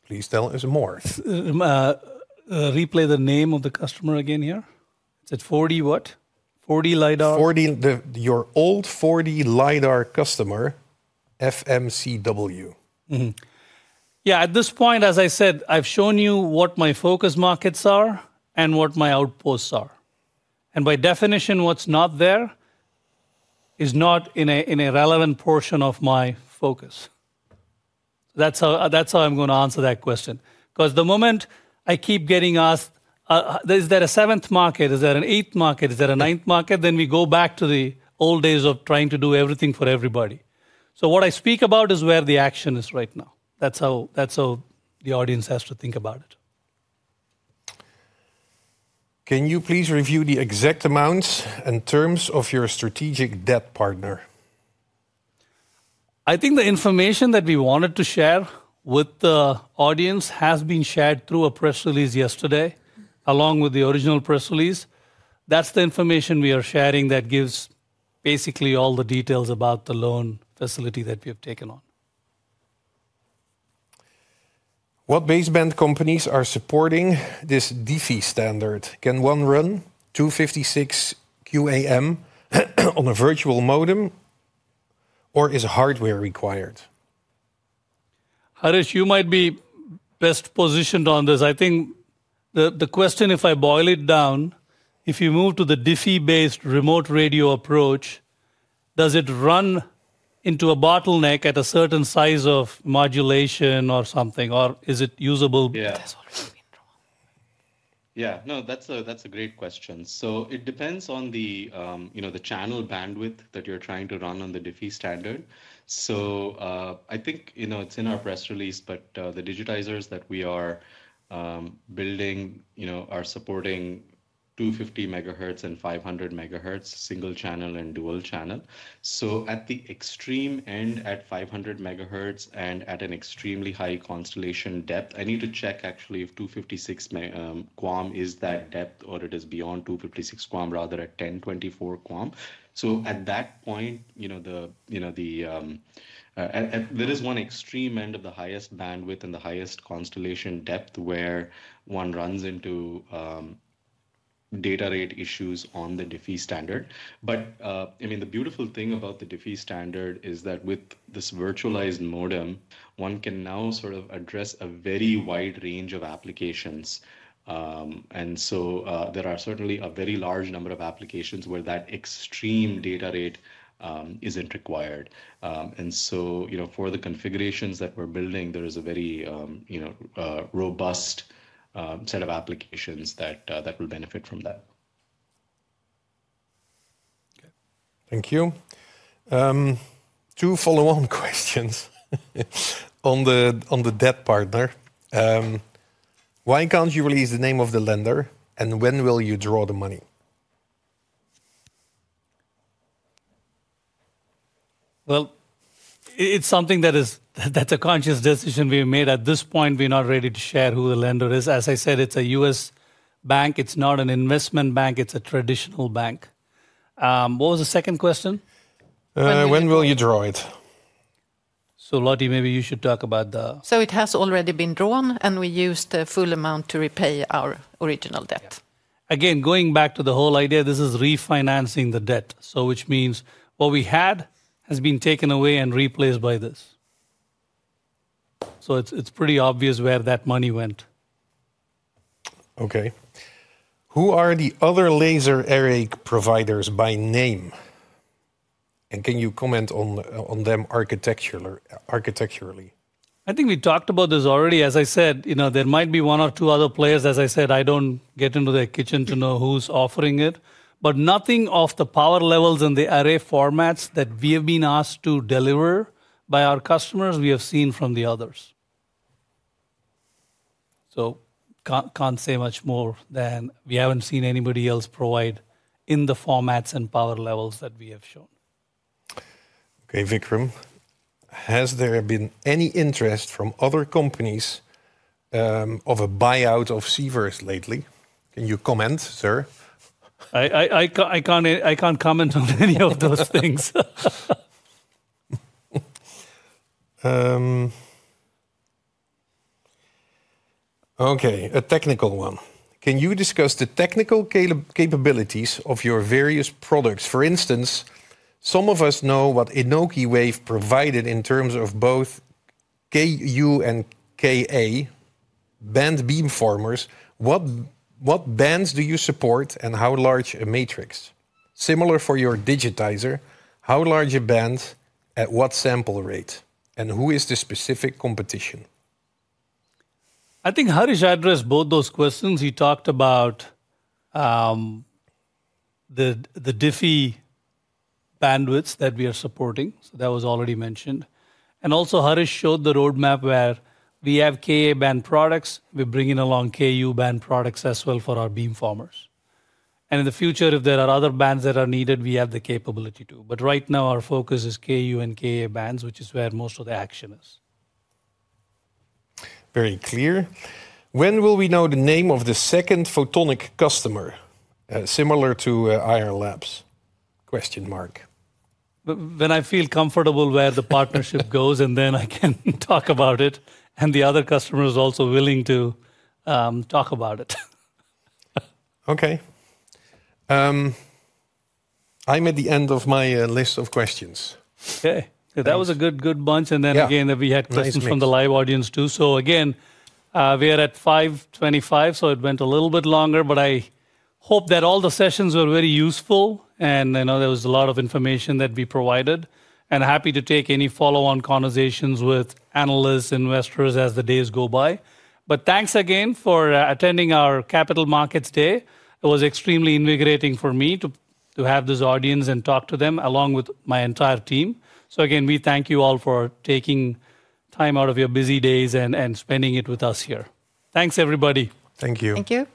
Please tell us more. Replay the name of the customer again here. Is it 4D what? 4D LiDAR? 4D, your old 4D LiDAR customer, FMCW. Yeah, at this point, as I said, I've shown you what my focus markets are and what my outposts are. By definition, what's not there is not in a relevant portion of my focus. That's how I'm going to answer that question. Because the moment I keep getting asked, is there a seventh market? Is there an eighth market? Is there a ninth market? We go back to the old days of trying to do everything for everybody. What I speak about is where the action is right now. That is how the audience has to think about it. Can you please review the exact amounts and terms of your strategic debt partner? I think the information that we wanted to share with the audience has been shared through a press release yesterday, along with the original press release. That is the information we are sharing that gives basically all the details about the loan facility that we have taken on. What basement companies are supporting this DC standard? Can one run 256 QAM on a virtual modem, or is hardware required? Harish, you might be best positioned on this. I think the question, if I boil it down, if you move to the DC-based remote radio approach, does it run into a bottleneck at a certain size of modulation or something, or is it usable? Yeah, that's what we've been drawing. Yeah, no, that's a great question. It depends on the channel bandwidth that you're trying to run on the DC standard. I think it's in our press release, but the digitizers that we are building are supporting 250 MHz and 500 MHz, single channel and dual channel. At the extreme end, at 500 MHz and at an extremely high constellation depth, I need to check actually if 256 QAM is that depth or it is beyond 256 QAM, rather at 1024 QAM. At that point, there is one extreme end of the highest bandwidth and the highest constellation depth where one runs into data rate issues on the DC standard. I mean, the beautiful thing about the DC standard is that with this virtualized modem, one can now sort of address a very wide range of applications. There are certainly a very large number of applications where that extreme data rate is not required. For the configurations that we are building, there is a very robust set of applications that will benefit from that. Okay. Thank you. Two follow-on questions on the debt partner. Why cannot you release the name of the lender and when will you draw the money? It is something that is a conscious decision we have made. At this point, we are not ready to share who the lender is. As I said, it is a U.S. bank. It's not an investment bank. It's a traditional bank. What was the second question? When will you draw it? Lottie, maybe you should talk about the... It has already been drawn and we used the full amount to repay our original debt. Again, going back to the whole idea, this is refinancing the debt, which means what we had has been taken away and replaced by this. It's pretty obvious where that money went. Who are the other laser array providers by name? Can you comment on them architecturally? I think we talked about this already. As I said, there might be one or two other players. As I said, I don't get into their kitchen to know who's offering it, but nothing off the power levels and the array formats that we have been asked to deliver by our customers, we have seen from the others. Can't say much more than we haven't seen anybody else provide in the formats and power levels that we have shown. Okay, Vickram, has there been any interest from other companies of a buyout of Sivers lately? Can you comment, sir? I can't comment on any of those things. Okay, a technical one. Can you discuss the technical capabilities of your various products? For instance, some of us know what Anokiwave provided in terms of both Ku and Ka-band beamformers. What bands do you support and how large a matrix? Similar for your digitizer, how large a band at what sample rate? And who is the specific competition? I think Harish addressed both those questions. He talked about the DC bandwidths that we are supporting. That was already mentioned. Harish showed the roadmap where we have Ka-band products. We are bringing along Ku-band products as well for our beamformers. In the future, if there are other bands that are needed, we have the capability to. Right now, our focus is Ku and Ka-bands, which is where most of the action is. Very clear. When will we know the name of the second photonic customer? Similar to Ayar Labs? When I feel comfortable where the partnership goes and then I can talk about it and the other customers are also willing to talk about it. I am at the end of my list of questions. That was a good bunch. We had questions from the live audience too. We are at 5:25, so it went a little bit longer, but I hope that all the sessions were very useful and there was a lot of information that we provided. Happy to take any follow-on conversations with analysts, investors as the days go by. Thanks again for attending our Capital Markets Day. It was extremely invigorating for me to have this audience and talk to them along with my entire team. We thank you all for taking time out of your busy days and spending it with us here. Thanks, everybody. Thank you. Thank you.